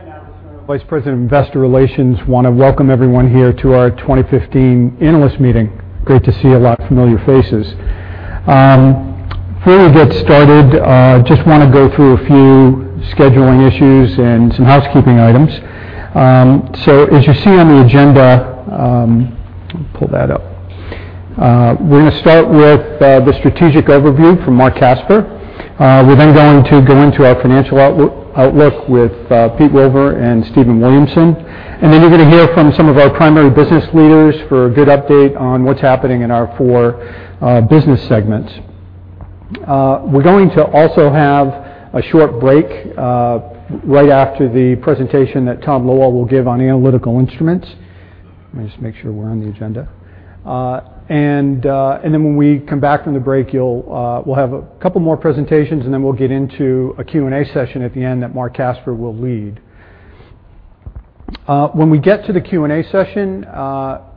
Good morning. I'm Ken Apicerno, Vice President of Investor Relations. Want to welcome everyone here to our 2015 Analyst Meeting. Great to see a lot of familiar faces. Before we get started, just want to go through a few scheduling issues and some housekeeping items. As you see on the agenda, let me pull that up. We're going to start with the strategic overview from Marc Casper. We're then going to go into our financial outlook with Peter Wilver and Stephen Williamson. Then you're going to hear from some of our primary business leaders for a good update on what's happening in our four business segments. We're going to also have a short break right after the presentation that Thomas Loewald will give on Analytical Instruments. Let me just make sure we're on the agenda. When we come back from the break, we'll have a couple more presentations. Then we'll get into a Q&A session at the end that Marc Casper will lead. When we get to the Q&A session,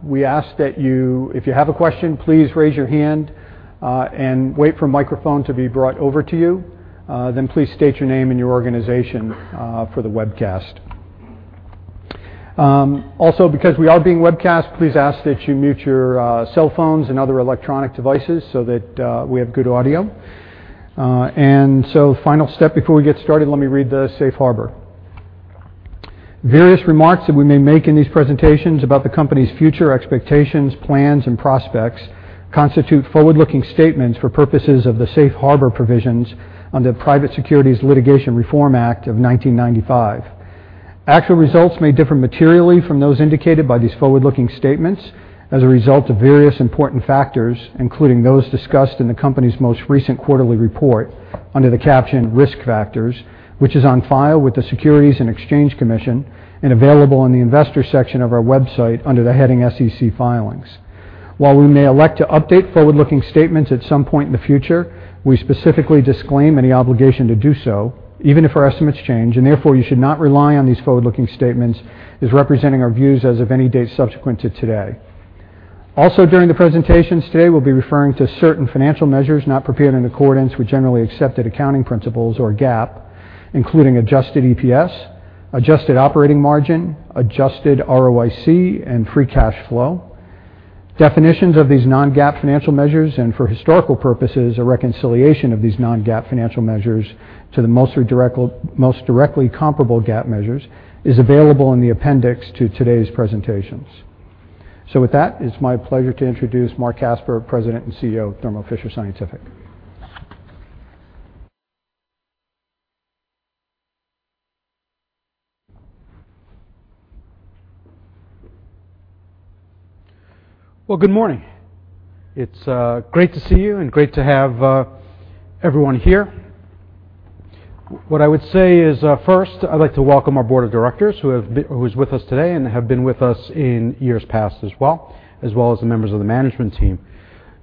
we ask that you, if you have a question, please raise your hand, and wait for a microphone to be brought over to you. Please state your name and your organization for the webcast. Because we are being webcast, please ask that you mute your cell phones and other electronic devices so that we have good audio. Final step before we get started, let me read the safe harbor. Various remarks that we may make in these presentations about the company's future expectations, plans and prospects constitute forward-looking statements for purposes of the safe harbor provisions under the Private Securities Litigation Reform Act of 1995. Actual results may differ materially from those indicated by these forward-looking statements as a result of various important factors, including those discussed in the company's most recent quarterly report under the caption Risk Factors, which is on file with the Securities and Exchange Commission and available on the investor section of our website under the heading SEC Filings. While we may elect to update forward-looking statements at some point in the future, we specifically disclaim any obligation to do so, even if our estimates change. Therefore you should not rely on these forward-looking statements as representing our views as of any date subsequent to today. During the presentations today, we'll be referring to certain financial measures not prepared in accordance with generally accepted accounting principles or GAAP, including adjusted EPS, adjusted operating margin, adjusted ROIC and free cash flow. Definitions of these non-GAAP financial measures and for historical purposes, a reconciliation of these non-GAAP financial measures to the most directly comparable GAAP measures, is available in the appendix to today's presentations. With that, it's my pleasure to introduce Marc Casper, President and CEO of Thermo Fisher Scientific. Well, good morning. It's great to see you and great to have everyone here. What I would say is first, I'd like to welcome our board of directors who is with us today and have been with us in years past as well, as well as the members of the management team.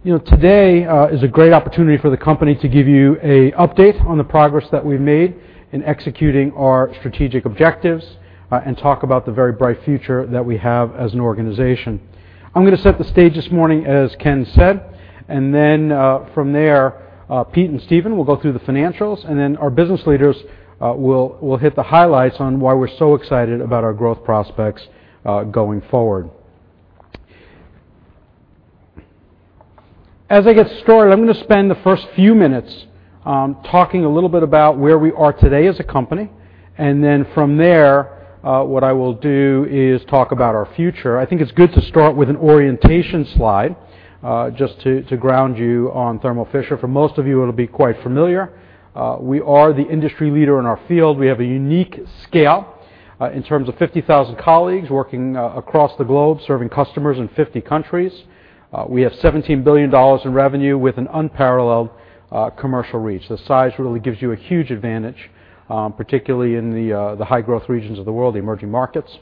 Today is a great opportunity for the company to give you an update on the progress that we've made in executing our strategic objectives and talk about the very bright future that we have as an organization. I'm going to set the stage this morning, as Ken said, and then from there, Pete and Stephen will go through the financials, and then our business leaders will hit the highlights on why we're so excited about our growth prospects going forward. As I get started, I'm going to spend the first few minutes talking a little bit about where we are today as a company, and then from there, what I will do is talk about our future. I think it's good to start with an orientation slide, just to ground you on Thermo Fisher. For most of you, it'll be quite familiar. We are the industry leader in our field. We have a unique scale in terms of 50,000 colleagues working across the globe, serving customers in 50 countries. We have $17 billion in revenue with an unparalleled commercial reach. The size really gives you a huge advantage, particularly in the high-growth regions of the world, the emerging markets.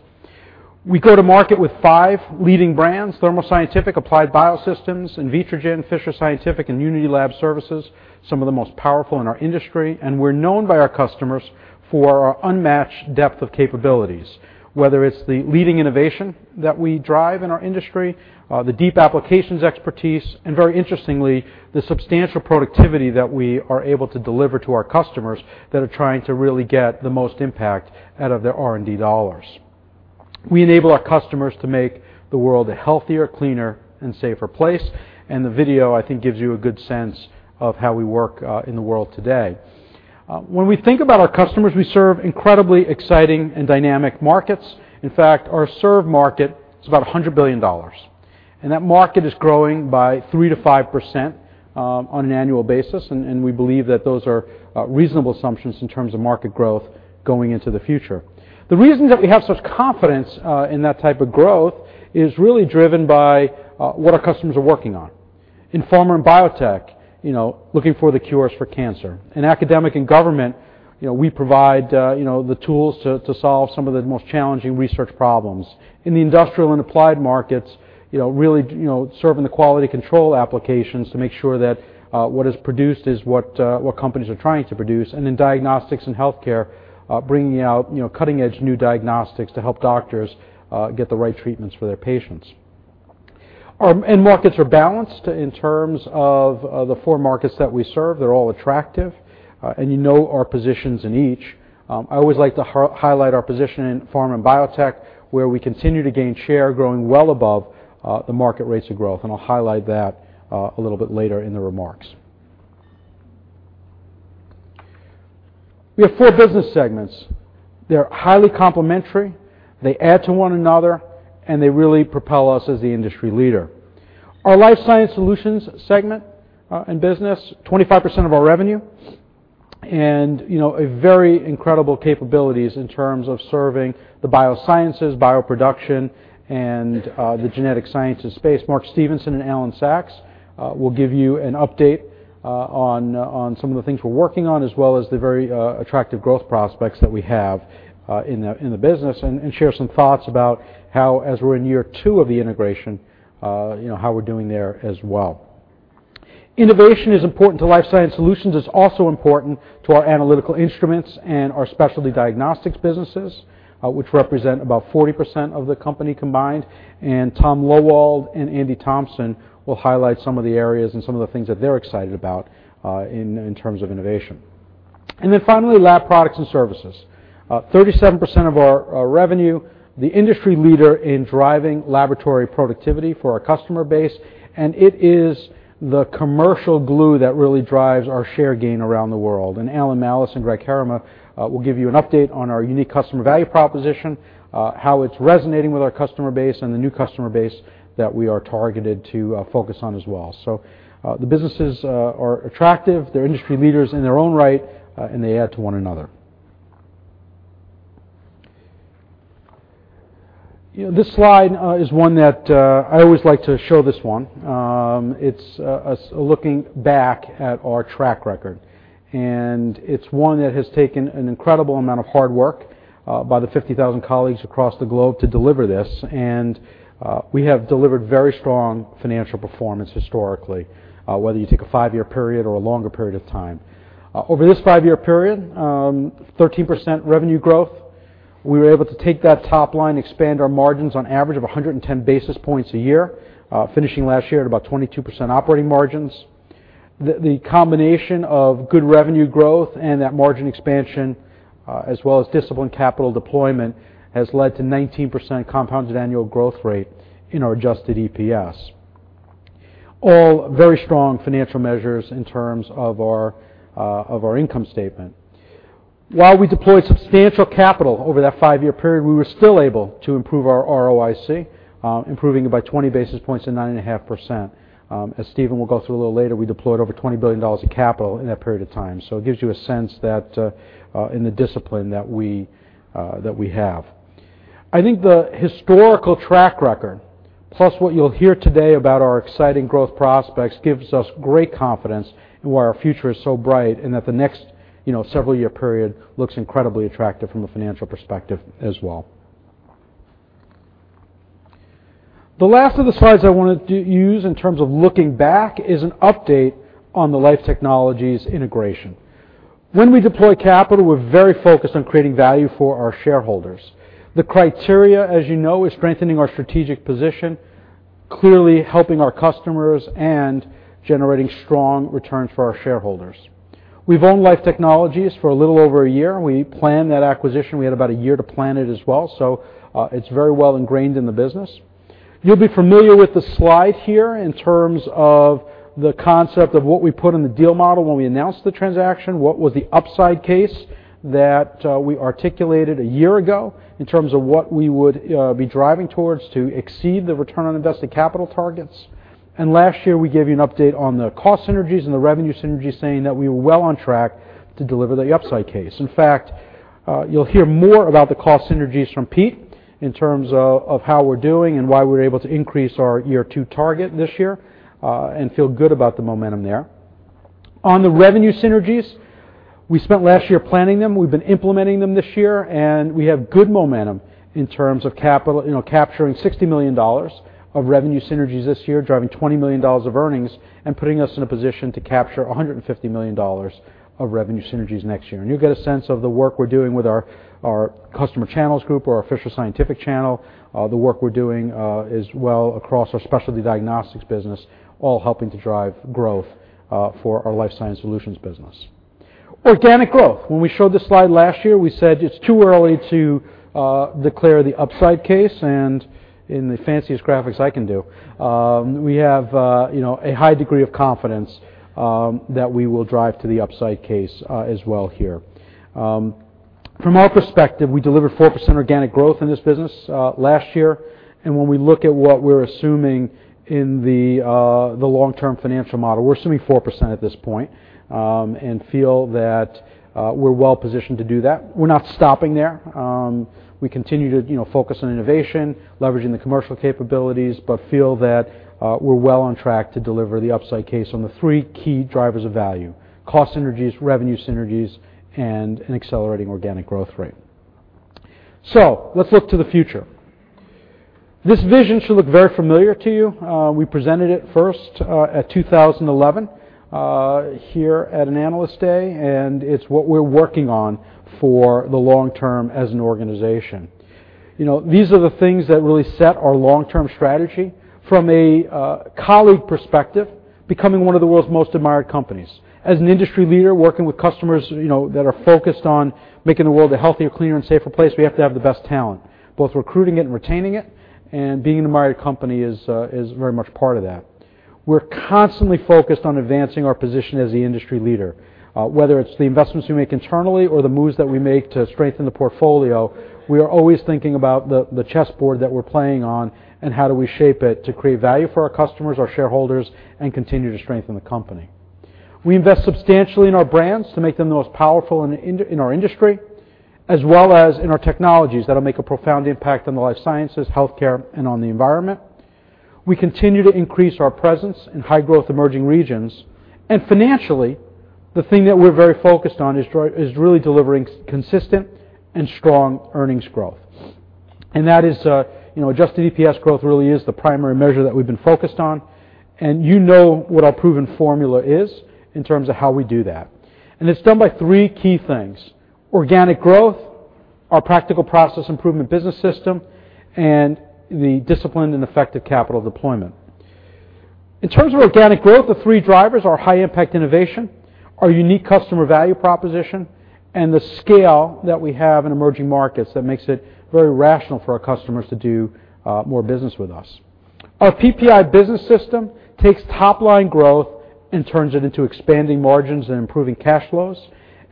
We go to market with five leading brands, Thermo Scientific, Applied Biosystems, Invitrogen, Fisher Scientific, and Unity Lab Services, some of the most powerful in our industry. We're known by our customers for our unmatched depth of capabilities, whether it's the leading innovation that we drive in our industry, the deep applications expertise, and very interestingly, the substantial productivity that we are able to deliver to our customers that are trying to really get the most impact out of their R&D dollars. We enable our customers to make the world a healthier, cleaner, and safer place. The video, I think, gives you a good sense of how we work in the world today. When we think about our customers, we serve incredibly exciting and dynamic markets. In fact, our served market is about $100 billion, and that market is growing by 3%-5% on an annual basis, and we believe that those are reasonable assumptions in terms of market growth going into the future. The reason that we have such confidence in that type of growth is really driven by what our customers are working on. In pharma and biotech, looking for the cures for cancer. In academic and government, we provide the tools to solve some of the most challenging research problems. In the industrial and applied markets, really serving the quality control applications to make sure that what is produced is what companies are trying to produce. In diagnostics and healthcare, bringing out cutting-edge new diagnostics to help doctors get the right treatments for their patients. Markets are balanced in terms of the four markets that we serve. They're all attractive, and you know our positions in each. I always like to highlight our position in pharma and biotech, where we continue to gain share, growing well above the market rates of growth. I will highlight that a little bit later in the remarks. We have four business segments. They are highly complementary. They add to one another, and they really propel us as the industry leader. Our Life Sciences Solutions segment and business, 25% of our revenue, and very incredible capabilities in terms of serving the biosciences, bioproduction, and the genetic sciences space. Mark Stevenson and Alan Sachs will give you an update on some of the things we are working on as well as the very attractive growth prospects that we have in the business and share some thoughts about how, as we are in year two of the integration, how we are doing there as well. Innovation is important to Life Sciences Solutions. It is also important to our Analytical Instruments and our Specialty Diagnostics businesses, which represent about 40% of the company combined. Tom Loewald and Andy Thomson will highlight some of the areas and some of the things that they are excited about in terms of innovation. Finally, Laboratory Products and Services. 37% of our revenue, the industry leader in driving laboratory productivity for our customer base, and it is the commercial glue that really drives our share gain around the world. Alan Malus and Greg Herrema will give you an update on our unique customer value proposition, how it is resonating with our customer base, and the new customer base that we are targeted to focus on as well. The businesses are attractive. They are industry leaders in their own right, and they add to one another. This slide is one that I always like to show this one. It is us looking back at our track record, and it is one that has taken an incredible amount of hard work by the 50,000 colleagues across the globe to deliver this. We have delivered very strong financial performance historically, whether you take a five-year period or a longer period of time. Over this five-year period, 13% revenue growth. We were able to take that top line, expand our margins on average of 110 basis points a year, finishing last year at about 22% operating margins. The combination of good revenue growth and that margin expansion, as well as disciplined capital deployment, has led to 19% compounded annual growth rate in our adjusted EPS. All very strong financial measures in terms of our income statement. While we deployed substantial capital over that five-year period, we were still able to improve our ROIC, improving it by 20 basis points to 9.5%. As Stephen will go through a little later, we deployed over $20 billion in capital in that period of time, so it gives you a sense that in the discipline that we have. I think the historical track record, plus what you will hear today about our exciting growth prospects, gives us great confidence in why our future is so bright and that the next several year period looks incredibly attractive from a financial perspective as well. The last of the slides I wanted to use in terms of looking back is an update on the Life Technologies integration. When we deploy capital, we are very focused on creating value for our shareholders. The criteria, as you know, is strengthening our strategic position, clearly helping our customers, and generating strong returns for our shareholders. We have owned Life Technologies for a little over a year. We planned that acquisition. We had about a year to plan it as well. It's very well ingrained in the business. You'll be familiar with the slide here in terms of the concept of what we put in the deal model when we announced the transaction, what was the upside case that we articulated a year ago in terms of what we would be driving towards to exceed the return on invested capital targets. Last year, we gave you an update on the cost synergies and the revenue synergies, saying that we were well on track to deliver the upside case. In fact, you'll hear more about the cost synergies from Pete in terms of how we're doing and why we're able to increase our year two target this year and feel good about the momentum there. On the revenue synergies, we spent last year planning them. We've been implementing them this year. We have good momentum in terms of capturing $60 million of revenue synergies this year, driving $20 million of earnings, and putting us in a position to capture $150 million of revenue synergies next year. You'll get a sense of the work we're doing with our Customer Channels Group, our Fisher Scientific channel. The work we're doing as well across our Specialty Diagnostics business, all helping to drive growth for our Life Sciences Solutions business. Organic growth. When we showed this slide last year, we said it's too early to declare the upside case. In the fanciest graphics I can do, we have a high degree of confidence that we will drive to the upside case as well here. From our perspective, we delivered 4% organic growth in this business last year. When we look at what we're assuming in the long-term financial model, we're assuming 4% at this point and feel that we're well positioned to do that. We're not stopping there. We continue to focus on innovation, leveraging the commercial capabilities, but feel that we're well on track to deliver the upside case on the three key drivers of value: cost synergies, revenue synergies, and an accelerating organic growth rate. Let's look to the future. This vision should look very familiar to you. We presented it first at 2011 here at an Analyst Day. It's what we're working on for the long term as an organization. These are the things that really set our long-term strategy from a colleague perspective, becoming one of the world's most admired companies. As an industry leader working with customers that are focused on making the world a healthier, cleaner, and safer place, we have to have the best talent, both recruiting it and retaining it. Being an admired company is very much part of that. We're constantly focused on advancing our position as the industry leader, whether it's the investments we make internally or the moves that we make to strengthen the portfolio, we are always thinking about the chessboard that we're playing on and how do we shape it to create value for our customers, our shareholders, and continue to strengthen the company. We invest substantially in our brands to make them the most powerful in our industry, as well as in our technologies that will make a profound impact on the life sciences, healthcare, and on the environment. We continue to increase our presence in high-growth emerging regions. Financially, the thing that we're very focused on is really delivering consistent and strong earnings growth. That is adjusted EPS growth really is the primary measure that we've been focused on, and you know what our proven formula is in terms of how we do that. It's done by three key things: organic growth, our Practical Process Improvement business system, and the disciplined and effective capital deployment. In terms of organic growth, the three drivers are high-impact innovation, our unique customer value proposition, and the scale that we have in emerging markets that makes it very rational for our customers to do more business with us. Our PPI business system takes top-line growth and turns it into expanding margins and improving cash flows,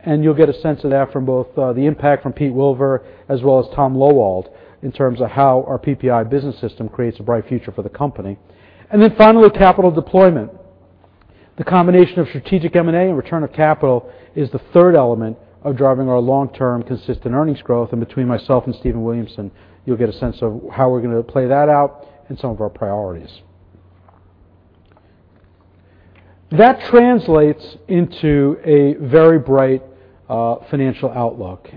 and you'll get a sense of that from both the impact from Pete Wilver as well as Tom Loewald in terms of how our PPI business system creates a bright future for the company. Finally, capital deployment. The combination of strategic M&A and return of capital is the third element of driving our long-term consistent earnings growth. Between myself and Stephen Williamson, you'll get a sense of how we're going to play that out and some of our priorities. That translates into a very bright financial outlook.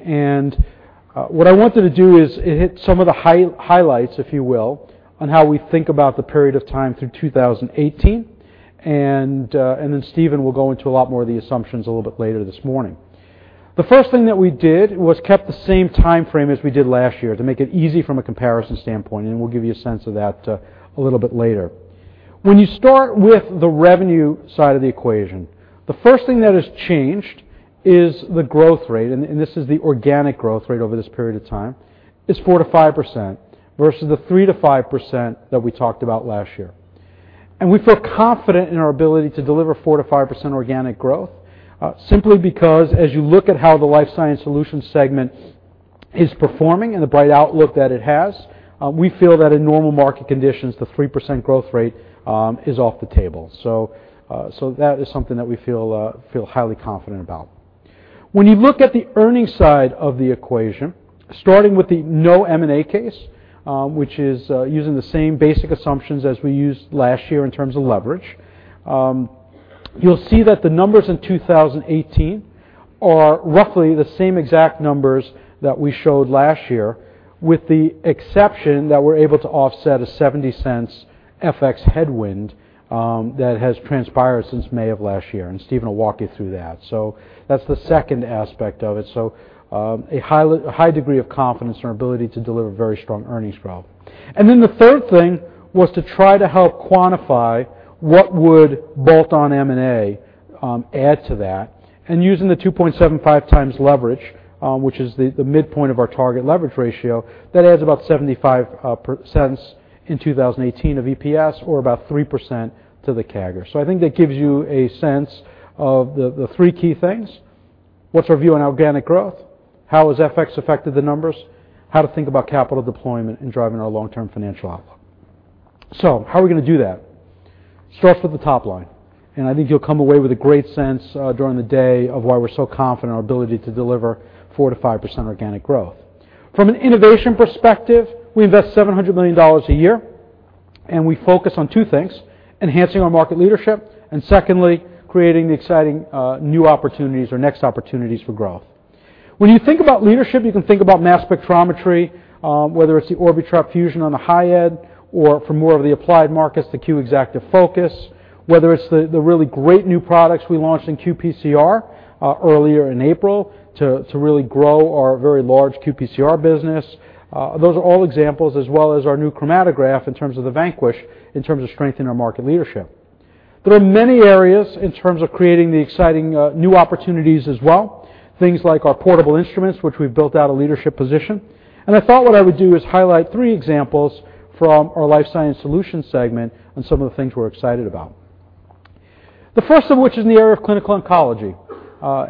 What I wanted to do is hit some of the highlights, if you will, on how we think about the period of time through 2018, then Stephen will go into a lot more of the assumptions a little bit later this morning. The first thing that we did was kept the same time frame as we did last year to make it easy from a comparison standpoint, and we'll give you a sense of that a little bit later. When you start with the revenue side of the equation, the first thing that has changed is the growth rate, this is the organic growth rate over this period of time, is 4%-5% versus the 3%-5% that we talked about last year. We feel confident in our ability to deliver 4%-5% organic growth, simply because as you look at how the Life Sciences Solutions segment is performing and the bright outlook that it has, we feel that in normal market conditions, the 3% growth rate is off the table. That is something that we feel highly confident about. When you look at the earnings side of the equation, starting with the no M&A case, which is using the same basic assumptions as we used last year in terms of leverage, you'll see that the numbers in 2018 are roughly the same exact numbers that we showed last year, with the exception that we're able to offset a $0.70 FX headwind that has transpired since May of last year, and Stephen will walk you through that. That's the second aspect of it. A high degree of confidence in our ability to deliver very strong earnings growth. The third thing was to try to help quantify what would bolt-on M&A add to that, and using the 2.75x leverage, which is the midpoint of our target leverage ratio, that adds about $0.75 in 2018 of EPS or about 3% to the CAGR. I think that gives you a sense of the three key things. What's our view on organic growth? How has FX affected the numbers? How to think about capital deployment in driving our long-term financial outlook. How are we going to do that? Start with the top line, and I think you'll come away with a great sense during the day of why we're so confident in our ability to deliver 4%-5% organic growth. From an innovation perspective, we invest $700 million a year, and we focus on two things: enhancing our market leadership, and secondly, creating the exciting new opportunities or next opportunities for growth. When you think about leadership, you can think about mass spectrometry, whether it's the Orbitrap Fusion on the high end or for more of the applied markets, the Q Exactive Focus, whether it's the really great new products we launched in qPCR earlier in April to really grow our very large qPCR business. Those are all examples, as well as our new chromatograph in terms of the Vanquish, in terms of strengthening our market leadership. There are many areas in terms of creating the exciting new opportunities as well, things like our portable instruments, which we've built out a leadership position. I thought what I would do is highlight three examples from our Life Sciences Solutions segment on some of the things we're excited about. The first of which is in the area of clinical oncology.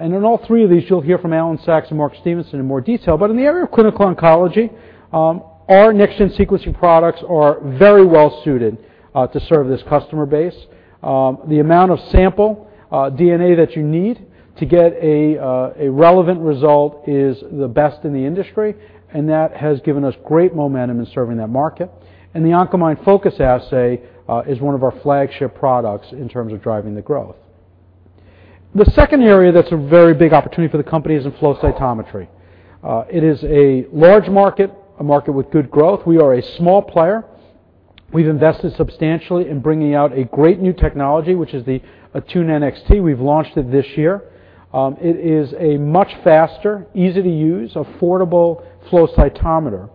In all three of these, you'll hear from Alan Sachs and Mark Stevenson in more detail. In the area of clinical oncology, our next-gen sequencing products are very well suited to serve this customer base. The amount of sample DNA that you need to get a relevant result is the best in the industry, and that has given us great momentum in serving that market. The Oncomine Focus Assay is one of our flagship products in terms of driving the growth. The second area that's a very big opportunity for the company is in flow cytometry. It is a large market, a market with good growth. We are a small player. We've invested substantially in bringing out a great new technology, which is the Attune NxT. We've launched it this year. It is a much faster, easy-to-use, affordable flow cytometer.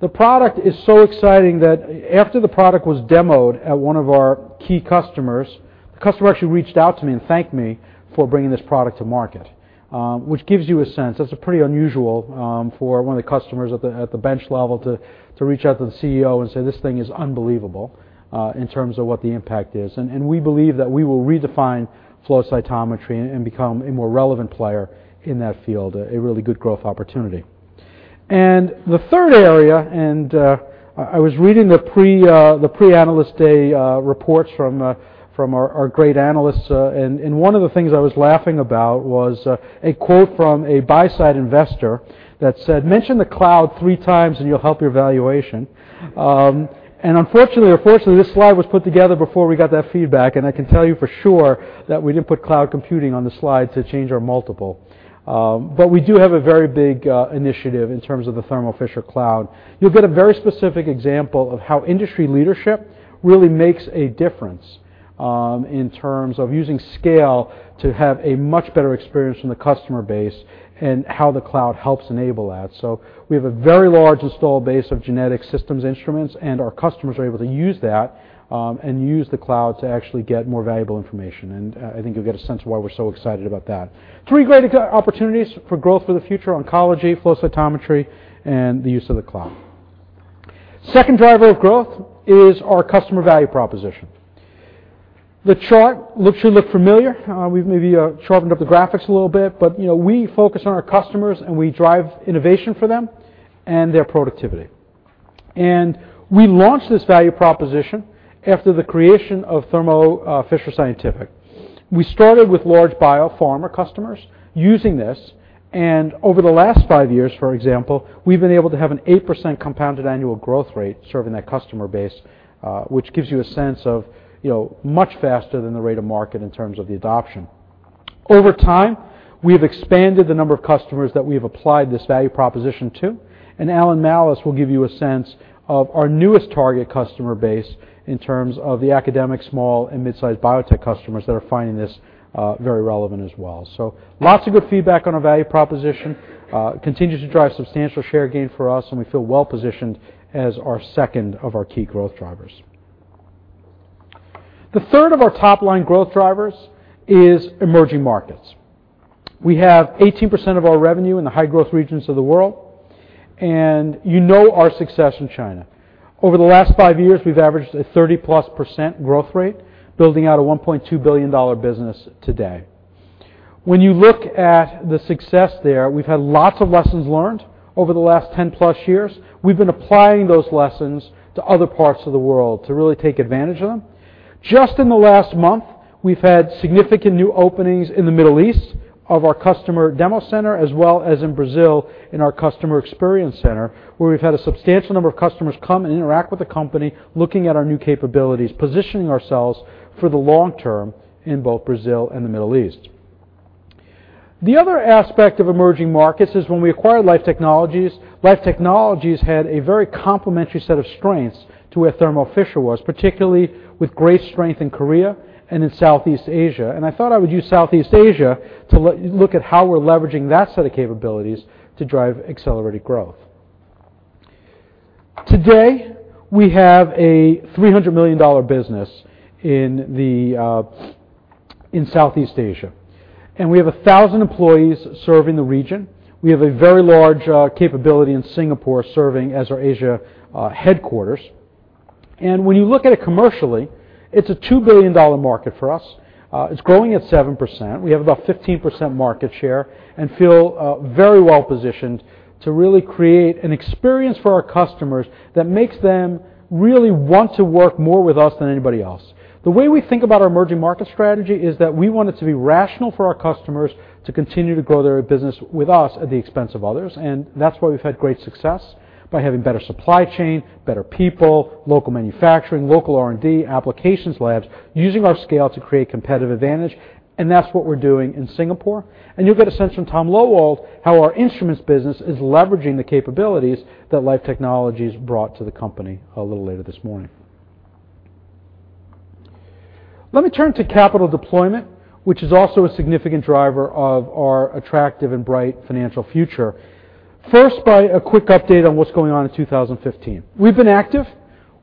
The product is so exciting that after the product was demoed at one of our key customers, the customer actually reached out to me and thanked me for bringing this product to market, which gives you a sense. That's pretty unusual for one of the customers at the bench level to reach out to the CEO and say, "This thing is unbelievable," in terms of what the impact is. We believe that we will redefine flow cytometry and become a more relevant player in that field, a really good growth opportunity. The third area, and I was reading the pre-analyst day reports from our great analysts, and one of the things I was laughing about was a quote from a buy-side investor that said, "Mention the cloud three times, and you'll help your valuation." Unfortunately or fortunately, this slide was put together before we got that feedback, and I can tell you for sure that we didn't put cloud computing on the slide to change our multiple. We do have a very big initiative in terms of the Thermo Fisher Cloud. You'll get a very specific example of how industry leadership really makes a difference in terms of using scale to have a much better experience from the customer base and how the cloud helps enable that. We have a very large installed base of genetic systems instruments, and our customers are able to use that and use the cloud to actually get more valuable information. I think you'll get a sense of why we're so excited about that. Three great opportunities for growth for the future, oncology, flow cytometry, and the use of the cloud. Second driver of growth is our customer value proposition. The chart should look familiar. We've maybe sharpened up the graphics a little bit, but we focus on our customers, and we drive innovation for them and their productivity. We launched this value proposition after the creation of Thermo Fisher Scientific. We started with large biopharma customers using this, and over the last five years, for example, we've been able to have an 8% compounded annual growth rate serving that customer base, which gives you a sense of much faster than the rate of market in terms of the adoption. Over time, we have expanded the number of customers that we have applied this value proposition to, and Alan Malus will give you a sense of our newest target customer base in terms of the academic, small, and mid-sized biotech customers that are finding this very relevant as well. Lots of good feedback on our value proposition. Continues to drive substantial share gain for us, and we feel well-positioned as our second of our key growth drivers. The third of our top-line growth drivers is emerging markets. We have 18% of our revenue in the high-growth regions of the world, and you know our success in China. Over the last five years, we've averaged a 30-plus percent growth rate, building out a $1.2 billion business today. You look at the success there, we've had lots of lessons learned over the last 10-plus years. We've been applying those lessons to other parts of the world to really take advantage of them. Just in the last month, we've had significant new openings in the Middle East of our customer demo center, as well as in Brazil in our customer experience center, where we've had a substantial number of customers come and interact with the company, looking at our new capabilities, positioning ourselves for the long term in both Brazil and the Middle East. The other aspect of emerging markets is when we acquired Life Technologies, Life Technologies had a very complementary set of strengths to where Thermo Fisher was, particularly with great strength in Korea and in Southeast Asia. I thought I would use Southeast Asia to look at how we're leveraging that set of capabilities to drive accelerated growth. Today, we have a $300 million business in Southeast Asia, and we have 1,000 employees serving the region. We have a very large capability in Singapore serving as our Asia headquarters. When you look at it commercially, it's a $2 billion market for us. It's growing at 7%. We have about 15% market share and feel very well-positioned to really create an experience for our customers that makes them really want to work more with us than anybody else. The way we think about our emerging market strategy is that we want it to be rational for our customers to continue to grow their business with us at the expense of others. That's why we've had great success by having better supply chain, better people, local manufacturing, local R&D, applications labs, using our scale to create competitive advantage, and that's what we're doing in Singapore. You'll get a sense from Tom Loewald how our instruments business is leveraging the capabilities that Life Technologies brought to the company a little later this morning. Let me turn to capital deployment, which is also a significant driver of our attractive and bright financial future. First, by a quick update on what's going on in 2015. We've been active.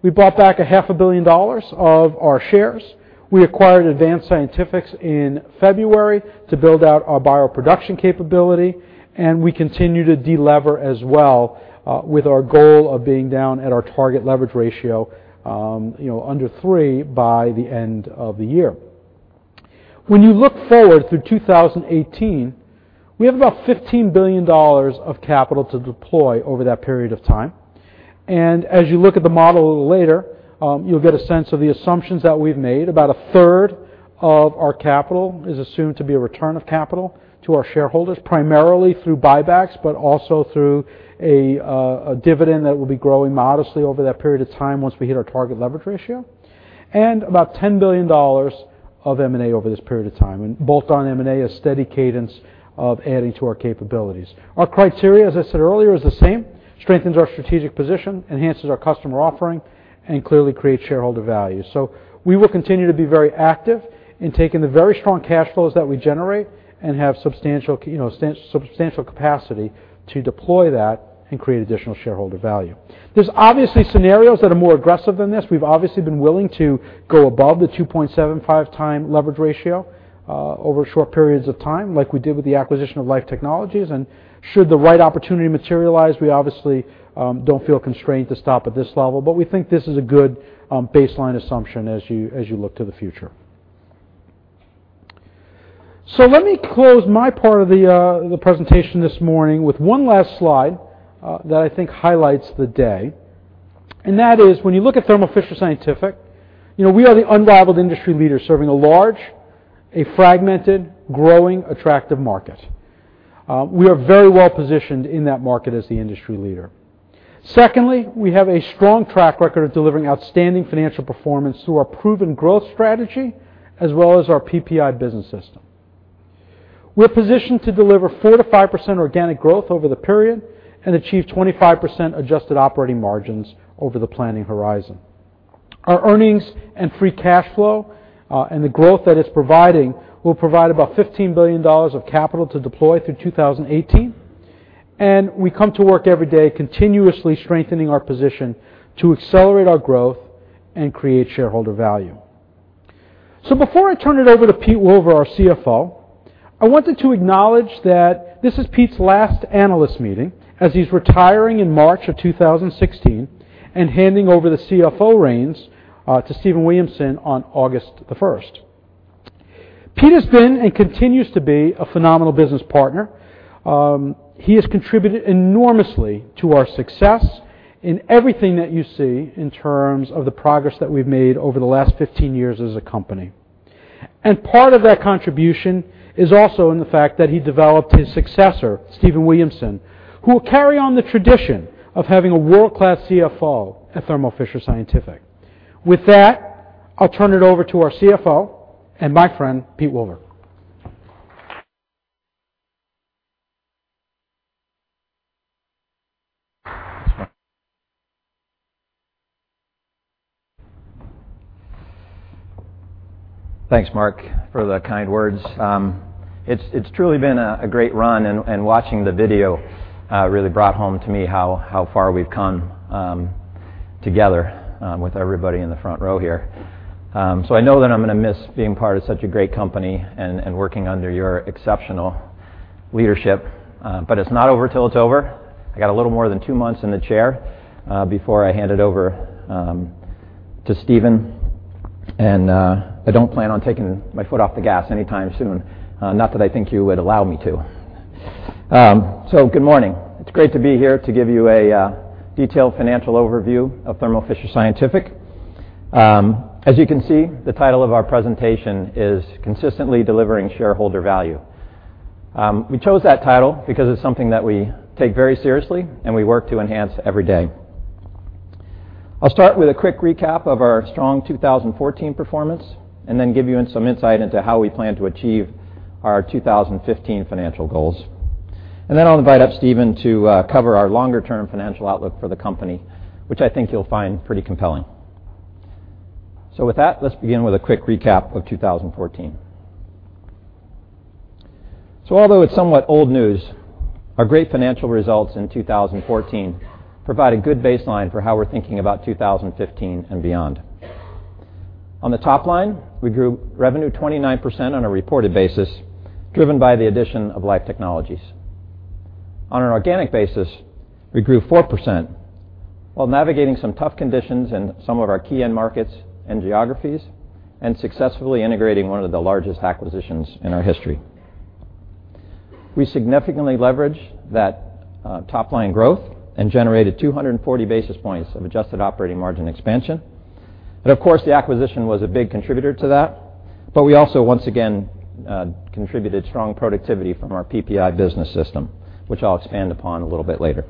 We bought back a half a billion dollars of our shares. We acquired Advanced Scientifics in February to build out our bioproduction capability, and we continue to delever as well with our goal of being down at our target leverage ratio, under three by the end of the year. When you look forward through 2018, we have about $15 billion of capital to deploy over that period of time. As you look at the model a little later, you'll get a sense of the assumptions that we've made. About a third of our capital is assumed to be a return of capital to our shareholders, primarily through buybacks, but also through a dividend that will be growing modestly over that period of time once we hit our target leverage ratio. About $10 billion of M&A over this period of time, and bolt-on M&A, a steady cadence of adding to our capabilities. Our criteria, as I said earlier, is the same, strengthens our strategic position, enhances our customer offering, clearly creates shareholder value. We will continue to be very active in taking the very strong cash flows that we generate and have substantial capacity to deploy that and create additional shareholder value. There's obviously scenarios that are more aggressive than this. We've obviously been willing to go above the 2.75 times leverage ratio over short periods of time, like we did with the acquisition of Life Technologies, should the right opportunity materialize, we obviously don't feel constrained to stop at this level. We think this is a good baseline assumption as you look to the future. Let me close my part of the presentation this morning with one last slide that I think highlights the day. That is when you look at Thermo Fisher Scientific, we are the unrivaled industry leader serving a large, a fragmented, growing, attractive market. We are very well-positioned in that market as the industry leader. Secondly, we have a strong track record of delivering outstanding financial performance through our proven growth strategy as well as our PPI business system. We're positioned to deliver 4%-5% organic growth over the period and achieve 25% adjusted operating margins over the planning horizon. Our earnings and free cash flow, and the growth that it's providing, will provide about $15 billion of capital to deploy through 2018. We come to work every day continuously strengthening our position to accelerate our growth and create shareholder value. Before I turn it over to Pete Wilver, our CFO, I wanted to acknowledge that this is Pete Wilver's last analyst meeting, as he's retiring in March of 2016 and handing over the CFO reins to Stephen Williamson on August the 1st. Pete Wilver has been, and continues to be, a phenomenal business partner. He has contributed enormously to our success in everything that you see in terms of the progress that we've made over the last 15 years as a company. Part of that contribution is also in the fact that he developed his successor, Stephen Williamson, who will carry on the tradition of having a world-class CFO at Thermo Fisher Scientific. With that, I'll turn it over to our CFO, and my friend, Pete Wilver. Thanks, Marc, for the kind words. It's truly been a great run, and watching the video really brought home to me how far we've come together with everybody in the front row here. I know that I'm going to miss being part of such a great company and working under your exceptional leadership. It's not over till it's over. I got a little more than two months in the chair before I hand it over to Stephen, and I don't plan on taking my foot off the gas anytime soon. Not that I think you would allow me to. Good morning. It's great to be here to give you a detailed financial overview of Thermo Fisher Scientific. As you can see, the title of our presentation is Consistently Delivering Shareholder Value. We chose that title because it's something that we take very seriously, and we work to enhance every day. I'll start with a quick recap of our strong 2014 performance and then give you some insight into how we plan to achieve our 2015 financial goals. Then I'll invite up Stephen to cover our longer-term financial outlook for the company, which I think you'll find pretty compelling. With that, let's begin with a quick recap of 2014. Although it's somewhat old news, our great financial results in 2014 provide a good baseline for how we're thinking about 2015 and beyond. On the top line, we grew revenue 29% on a reported basis, driven by the addition of Life Technologies. On an organic basis, we grew 4%, while navigating some tough conditions in some of our key end markets and geographies and successfully integrating one of the largest acquisitions in our history. We significantly leveraged that top-line growth and generated 240 basis points of adjusted operating margin expansion. Of course, the acquisition was a big contributor to that. We also once again contributed strong productivity from our PPI business system, which I'll expand upon a little bit later.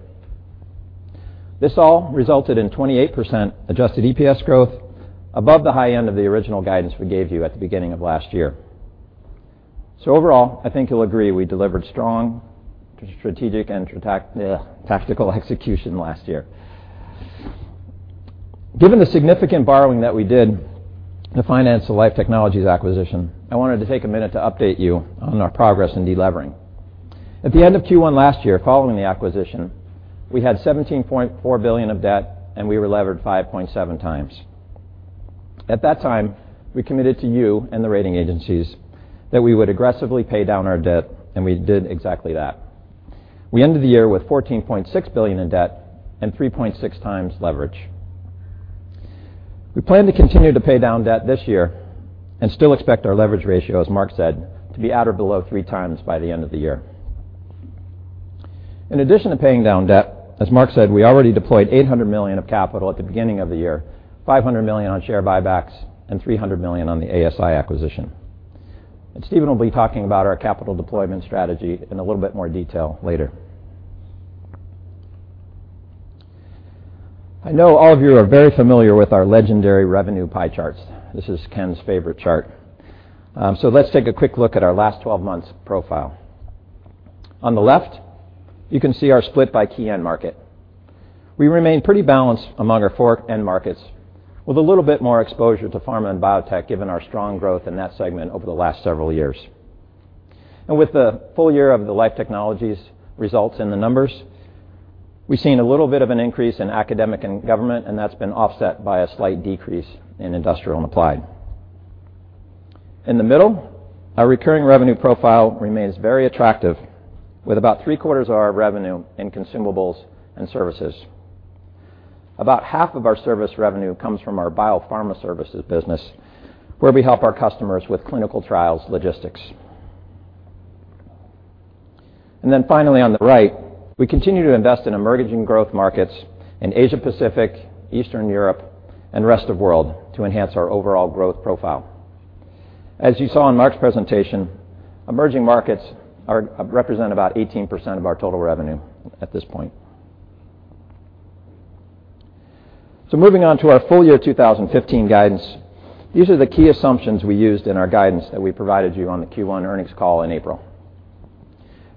This all resulted in 28% adjusted EPS growth above the high end of the original guidance we gave you at the beginning of last year. Overall, I think you'll agree we delivered strong strategic and tactical execution last year. Given the significant borrowing that we did to finance the Life Technologies acquisition, I wanted to take a minute to update you on our progress in delevering. At the end of Q1 last year, following the acquisition, we had $17.4 billion of debt, and we were levered 5.7 times. At that time, we committed to you and the rating agencies that we would aggressively pay down our debt, and we did exactly that. We ended the year with $14.6 billion in debt and 3.6 times leverage. We plan to continue to pay down debt this year and still expect our leverage ratio, as Mark said, to be at or below three times by the end of the year. In addition to paying down debt, as Mark said, we already deployed $800 million of capital at the beginning of the year, $500 million on share buybacks, and $300 million on the ASI acquisition. Stephen will be talking about our capital deployment strategy in a little bit more detail later. I know all of you are very familiar with our legendary revenue pie charts. This is Ken's favorite chart. Let's take a quick look at our last 12 months profile. On the left, you can see our split by key end market. We remain pretty balanced among our four end markets with a little bit more exposure to pharma and biotech, given our strong growth in that segment over the last several years. With the full year of the Life Technologies results in the numbers, we've seen a little bit of an increase in academic and government, and that's been offset by a slight decrease in industrial and applied. In the middle, our recurring revenue profile remains very attractive with about three-quarters of our revenue in consumables and services. About half of our service revenue comes from our biopharma services business, where we help our customers with clinical trials logistics. Finally, on the right, we continue to invest in emerging growth markets in Asia Pacific, Eastern Europe, and rest of world to enhance our overall growth profile. As you saw in Mark's presentation, emerging markets represent about 18% of our total revenue at this point. Moving on to our full year 2015 guidance, these are the key assumptions we used in our guidance that we provided you on the Q1 earnings call in April.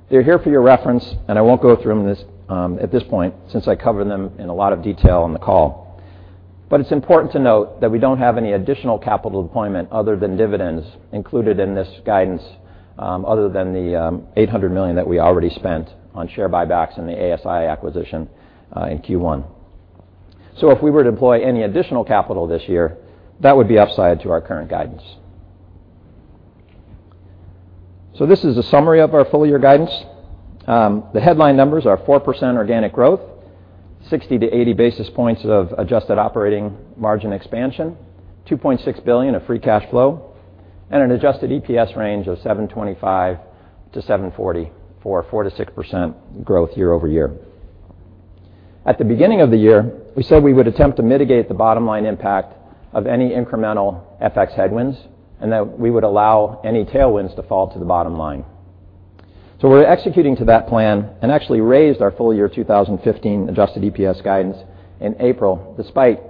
They're here for your reference, and I won't go through them at this point since I covered them in a lot of detail on the call. It's important to note that we don't have any additional capital deployment other than dividends included in this guidance other than the $800 million that we already spent on share buybacks and the ASI acquisition in Q1. If we were to deploy any additional capital this year, that would be upside to our current guidance. This is a summary of our full-year guidance. The headline numbers are 4% organic growth, 60 to 80 basis points of adjusted operating margin expansion, $2.6 billion of free cash flow, and an adjusted EPS range of $7.25 to $7.40 for 4%-6% growth year-over-year. At the beginning of the year, we said we would attempt to mitigate the bottom-line impact of any incremental FX headwinds and that we would allow any tailwinds to fall to the bottom line. We're executing to that plan and actually raised our full year 2015 adjusted EPS guidance in April, despite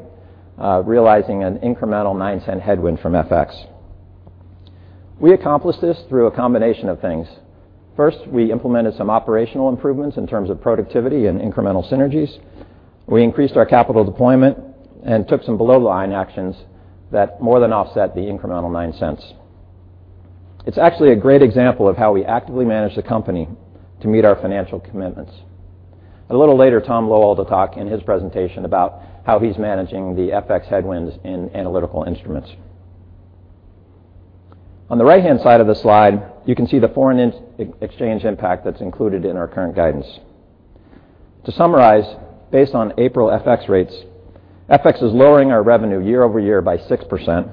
realizing an incremental $0.09 headwind from FX. We accomplished this through a combination of things. First, we implemented some operational improvements in terms of productivity and incremental synergies. We increased our capital deployment and took some below-line actions that more than offset the incremental $0.09. It's actually a great example of how we actively manage the company to meet our financial commitments. A little later, Tom Loewald will talk in his presentation about how he's managing the FX headwinds in Analytical Instruments. On the right-hand side of the slide, you can see the foreign exchange impact that's included in our current guidance. To summarize, based on April FX rates, FX is lowering our revenue year-over-year by 6%,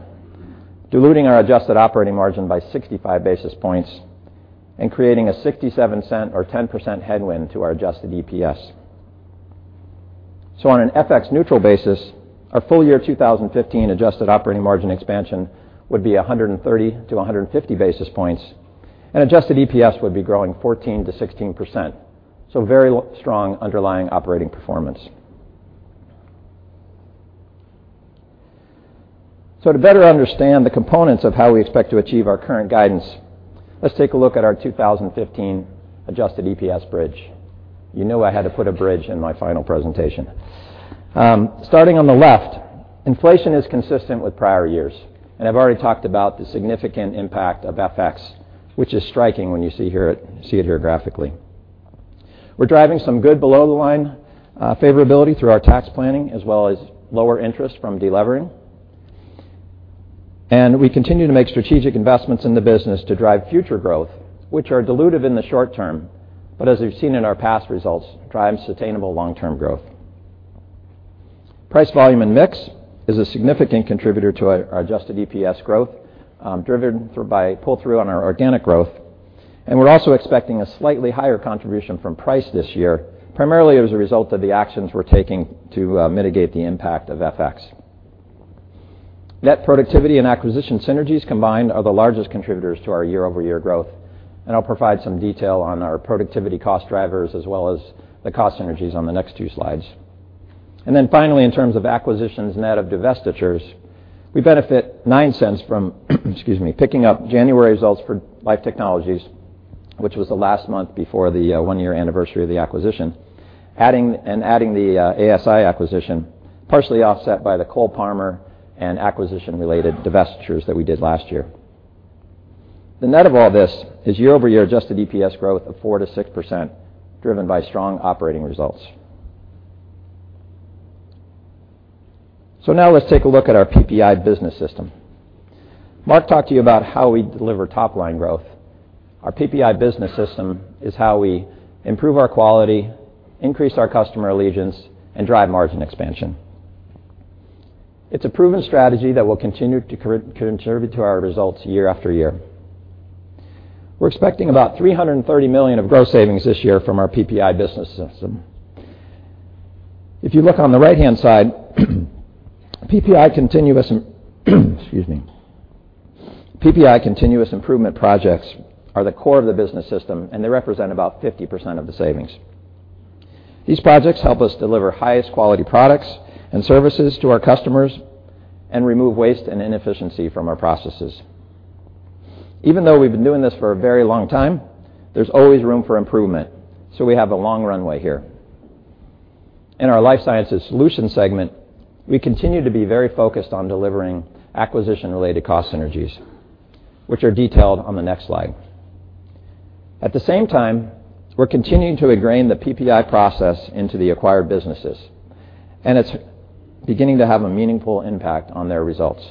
diluting our adjusted operating margin by 65 basis points and creating a $0.67 or 10% headwind to our adjusted EPS. On an FX neutral basis, our full year 2015 adjusted operating margin expansion would be 130 to 150 basis points, and adjusted EPS would be growing 14%-16%. Very strong underlying operating performance. To better understand the components of how we expect to achieve our current guidance, let's take a look at our 2015 adjusted EPS bridge. You know I had to put a bridge in my final presentation. Starting on the left, inflation is consistent with prior years, and I've already talked about the significant impact of FX, which is striking when you see it here graphically. We're driving some good below-the-line favorability through our tax planning as well as lower interest from delevering. We continue to make strategic investments in the business to drive future growth, which are dilutive in the short term, but as we've seen in our past results, drive sustainable long-term growth. Price volume and mix is a significant contributor to our adjusted EPS growth, driven by pull-through on our organic growth. We're also expecting a slightly higher contribution from price this year, primarily as a result of the actions we're taking to mitigate the impact of FX. Net productivity and acquisition synergies combined are the largest contributors to our year-over-year growth, and I'll provide some detail on our productivity cost drivers as well as the cost synergies on the next two slides. Finally, in terms of acquisitions net of divestitures, we benefit $0.09 from picking up January results for Life Technologies, which was the last month before the one-year anniversary of the acquisition, and adding the ASI acquisition, partially offset by the Cole-Parmer and acquisition-related divestitures that we did last year. The net of all this is year-over-year adjusted EPS growth of 4%-6%, driven by strong operating results. Now let's take a look at our PPI business system. Marc talked to you about how we deliver top-line growth. Our PPI business system is how we improve our quality, increase our customer allegiance, and drive margin expansion. It's a proven strategy that will continue to contribute to our results year after year. We're expecting about $330 million of gross savings this year from our PPI business system. If you look on the right-hand side, PPI continuous improvement projects are the core of the business system, and they represent about 50% of the savings. These projects help us deliver highest quality products and services to our customers and remove waste and inefficiency from our processes. Even though we've been doing this for a very long time, there's always room for improvement, so we have a long runway here. In our Life Sciences Solutions segment, we continue to be very focused on delivering acquisition-related cost synergies, which are detailed on the next slide. At the same time, we're continuing to ingrain the PPI process into the acquired businesses, and it's beginning to have a meaningful impact on their results.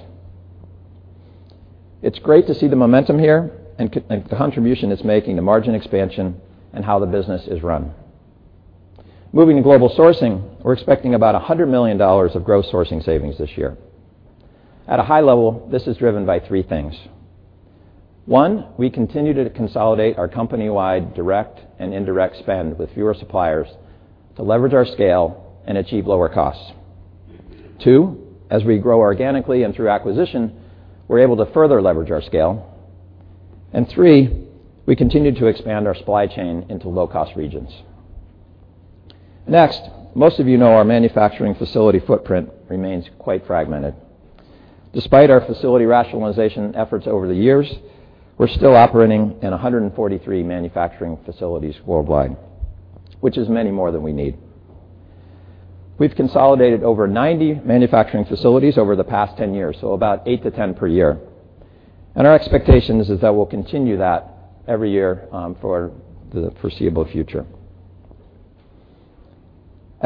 It's great to see the momentum here and the contribution it's making to margin expansion and how the business is run. Global sourcing, we're expecting about $100 million of gross sourcing savings this year. At a high level, this is driven by three things. We continue to consolidate our company-wide direct and indirect spend with fewer suppliers to leverage our scale and achieve lower costs. As we grow organically and through acquisition, we're able to further leverage our scale. We continue to expand our supply chain into low-cost regions. Next, most of you know our manufacturing facility footprint remains quite fragmented. Despite our facility rationalization efforts over the years, we're still operating in 143 manufacturing facilities worldwide, which is many more than we need. We've consolidated over 90 manufacturing facilities over the past 10 years, so about 8-10 per year. Our expectation is that we'll continue that every year for the foreseeable future.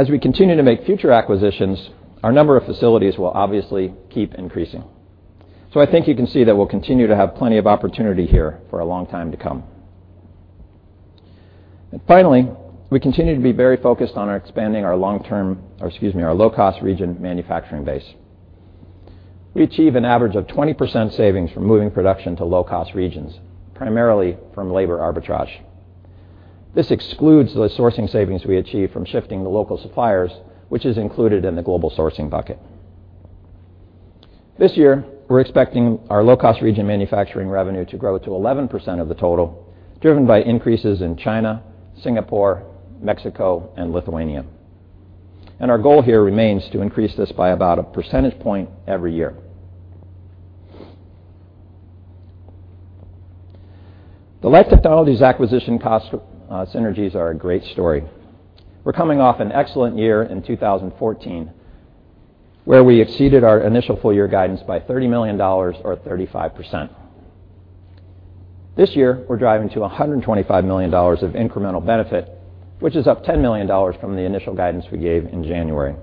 We continue to make future acquisitions, our number of facilities will obviously keep increasing. I think you can see that we'll continue to have plenty of opportunity here for a long time to come. Finally, we continue to be very focused on expanding our low-cost region manufacturing base. We achieve an average of 20% savings from moving production to low-cost regions, primarily from labor arbitrage. This excludes the sourcing savings we achieve from shifting to local suppliers, which is included in the global sourcing bucket. This year, we're expecting our low-cost region manufacturing revenue to grow to 11% of the total, driven by increases in China, Singapore, Mexico, and Lithuania. Our goal here remains to increase this by about a percentage point every year. The Life Technologies acquisition cost synergies are a great story. We're coming off an excellent year in 2014, where we exceeded our initial full-year guidance by $30 million or 35%. This year, we're driving to $125 million of incremental benefit, which is up $10 million from the initial guidance we gave in January,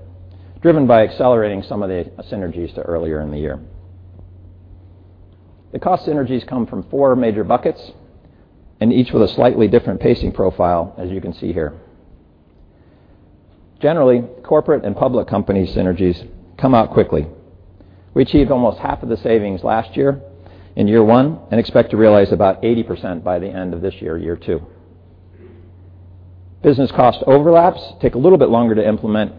driven by accelerating some of the synergies to earlier in the year. The cost synergies come from four major buckets, each with a slightly different pacing profile, as you can see here. Generally, corporate and public company synergies come out quickly. We achieved almost half of the savings last year in year one and expect to realize about 80% by the end of this year two. Business cost overlaps take a little bit longer to implement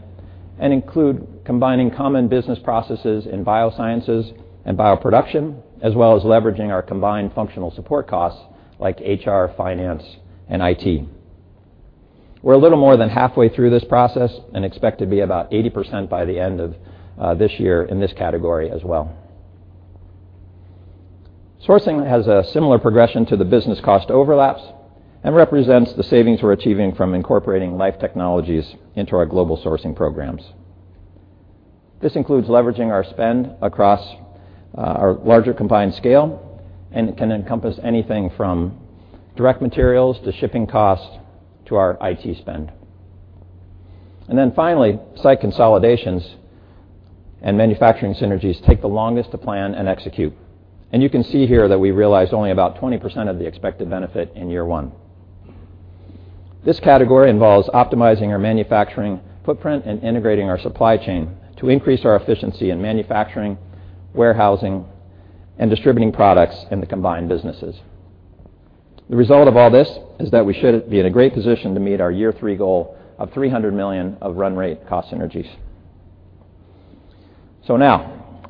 and include combining common business processes in biosciences and bioproduction, as well as leveraging our combined functional support costs like HR, finance, and IT. We're a little more than halfway through this process and expect to be about 80% by the end of this year in this category as well. Sourcing has a similar progression to the business cost overlaps and represents the savings we're achieving from incorporating Life Technologies into our global sourcing programs. This includes leveraging our spend across our larger combined scale, it can encompass anything from direct materials to shipping costs to our IT spend. Finally, site consolidations and manufacturing synergies take the longest to plan and execute. You can see here that we realized only about 20% of the expected benefit in year one. This category involves optimizing our manufacturing footprint and integrating our supply chain to increase our efficiency in manufacturing, warehousing, and distributing products in the combined businesses. The result of all this is that we should be in a great position to meet our year three goal of $300 million of run rate cost synergies.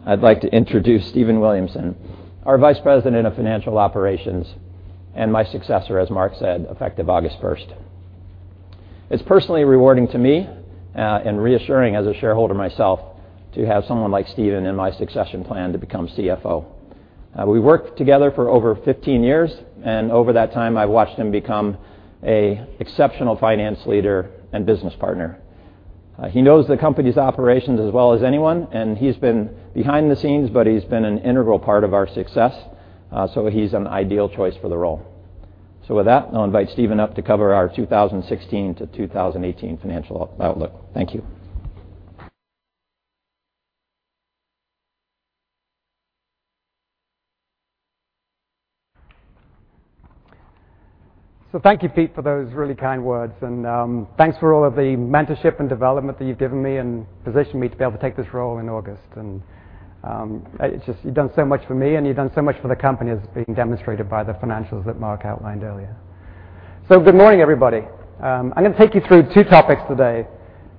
I'd like to introduce Stephen Williamson, our vice president of financial operations and my successor, as Marc said, effective August 1st. It's personally rewarding to me and reassuring as a shareholder myself to have someone like Stephen in my succession plan to become CFO. We worked together for over 15 years, and over that time, I've watched him become an exceptional finance leader and business partner. He knows the company's operations as well as anyone, and he's been behind the scenes, but he's been an integral part of our success, he's an ideal choice for the role. With that, I'll invite Stephen up to cover our 2016 to 2018 financial outlook. Thank you. Thank you, Pete, for those really kind words, and thanks for all of the mentorship and development that you've given me and positioned me to be able to take this role in August. You've done so much for me, and you've done so much for the company as being demonstrated by the financials that Marc outlined earlier. Good morning, everybody. I'm going to take you through two topics today.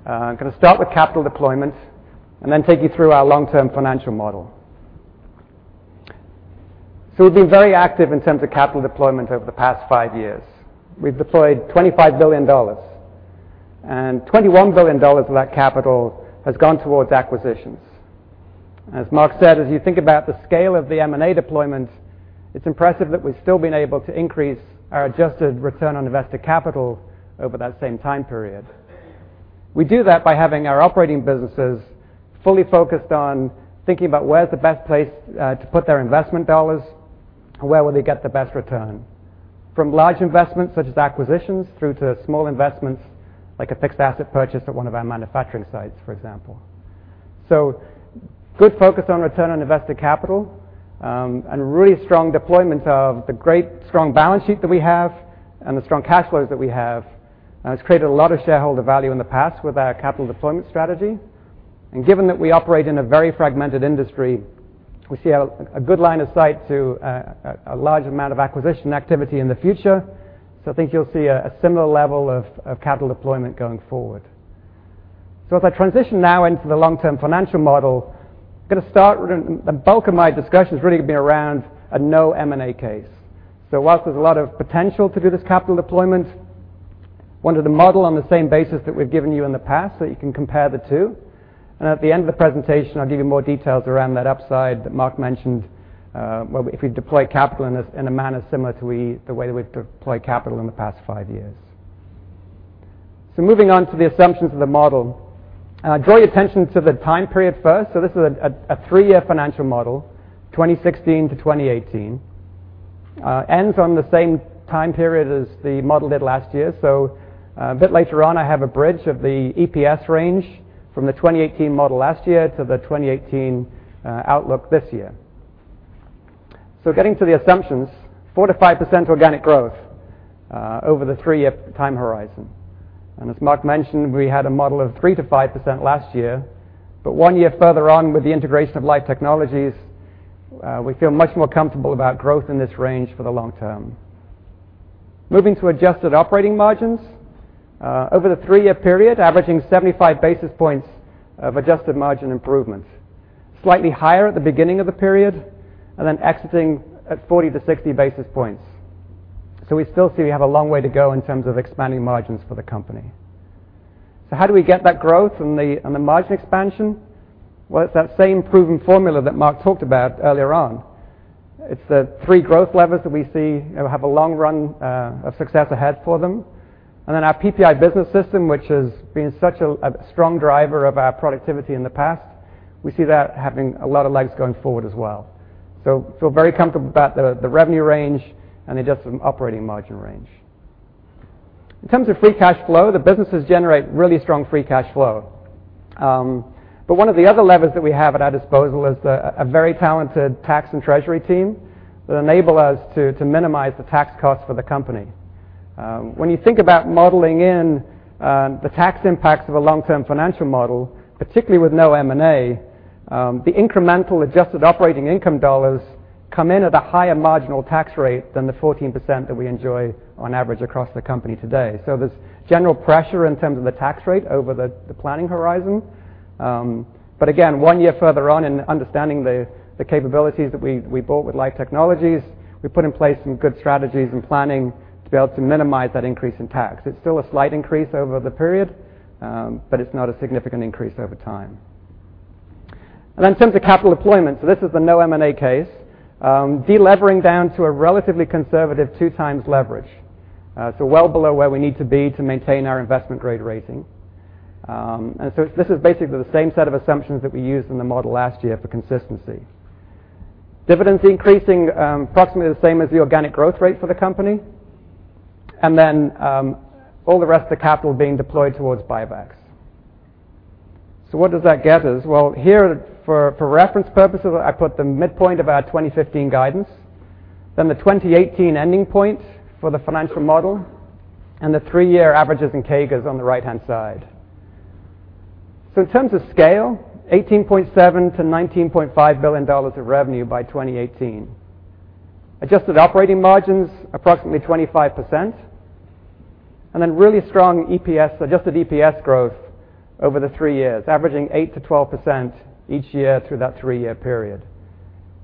I'm going to start with capital deployment and then take you through our long-term financial model. We've been very active in terms of capital deployment over the past five years. We've deployed $25 billion, and $21 billion of that capital has gone towards acquisitions. As Marc said, as you think about the scale of the M&A deployment, it's impressive that we've still been able to increase our adjusted return on invested capital over that same time period. We do that by having our operating businesses fully focused on thinking about where's the best place to put their investment dollars, where will they get the best return, from large investments such as acquisitions, through to small investments like a fixed asset purchase at one of our manufacturing sites, for example. Good focus on return on invested capital, and really strong deployment of the great strong balance sheet that we have and the strong cash flows that we have has created a lot of shareholder value in the past with our capital deployment strategy. Given that we operate in a very fragmented industry, we see a good line of sight to a large amount of acquisition activity in the future. I think you'll see a similar level of capital deployment going forward. As I transition now into the long-term financial model, the bulk of my discussion is really going to be around a no M&A case. Whilst there's a lot of potential to do this capital deployment, wanted to model on the same basis that we've given you in the past so that you can compare the two. At the end of the presentation, I'll give you more details around that upside that Marc mentioned, where if we deploy capital in a manner similar to the way that we've deployed capital in the past five years. Moving on to the assumptions of the model. Draw your attention to the time period first. This is a three-year financial model, 2016-2018. Ends on the same time period as the model did last year. A bit later on, I have a bridge of the EPS range from the 2018 model last year to the 2018 outlook this year. Getting to the assumptions, 4%-5% organic growth, over the three-year time horizon. As Marc mentioned, we had a model of 3%-5% last year. One year further on with the integration of Life Technologies, we feel much more comfortable about growth in this range for the long term. Moving to adjusted operating margins. Over the three-year period, averaging 75 basis points of adjusted margin improvements. Slightly higher at the beginning of the period, and then exiting at 40-60 basis points. We still see we have a long way to go in terms of expanding margins for the company. How do we get that growth and the margin expansion? Well, it's that same proven formula that Marc talked about earlier on. It's the three growth levers that we see have a long run of success ahead for them. Our PPI business system, which has been such a strong driver of our productivity in the past, we see that having a lot of legs going forward as well. Feel very comfortable about the revenue range and the adjusted operating margin range. In terms of free cash flow, the businesses generate really strong free cash flow. One of the other levers that we have at our disposal is a very talented tax and treasury team that enable us to minimize the tax cost for the company. When you think about modeling in the tax impacts of a long-term financial model, particularly with no M&A, the incremental adjusted operating income dollars come in at a higher marginal tax rate than the 14% that we enjoy on average across the company today. There's general pressure in terms of the tax rate over the planning horizon. Again, one year further on in understanding the capabilities that we bought with Life Technologies, we put in place some good strategies and planning to be able to minimize that increase in tax. It's still a slight increase over the period, but it's not a significant increase over time. In terms of capital deployment, this is the no M&A case, de-levering down to a relatively conservative 2 times leverage. Well below where we need to be to maintain our investment grade rating. This is basically the same set of assumptions that we used in the model last year for consistency. Dividends increasing, approximately the same as the organic growth rate for the company. All the rest of the capital being deployed towards buybacks. What does that get us? Here for reference purposes, I put the midpoint of our 2015 guidance, then the 2018 ending point for the financial model, and the 3-year averages and CAGRs on the right-hand side. In terms of scale, $18.7 billion-$19.5 billion of revenue by 2018. Adjusted operating margins, approximately 25%, then really strong EPS, adjusted EPS growth over the 3 years, averaging 8%-12% each year through that 3-year period,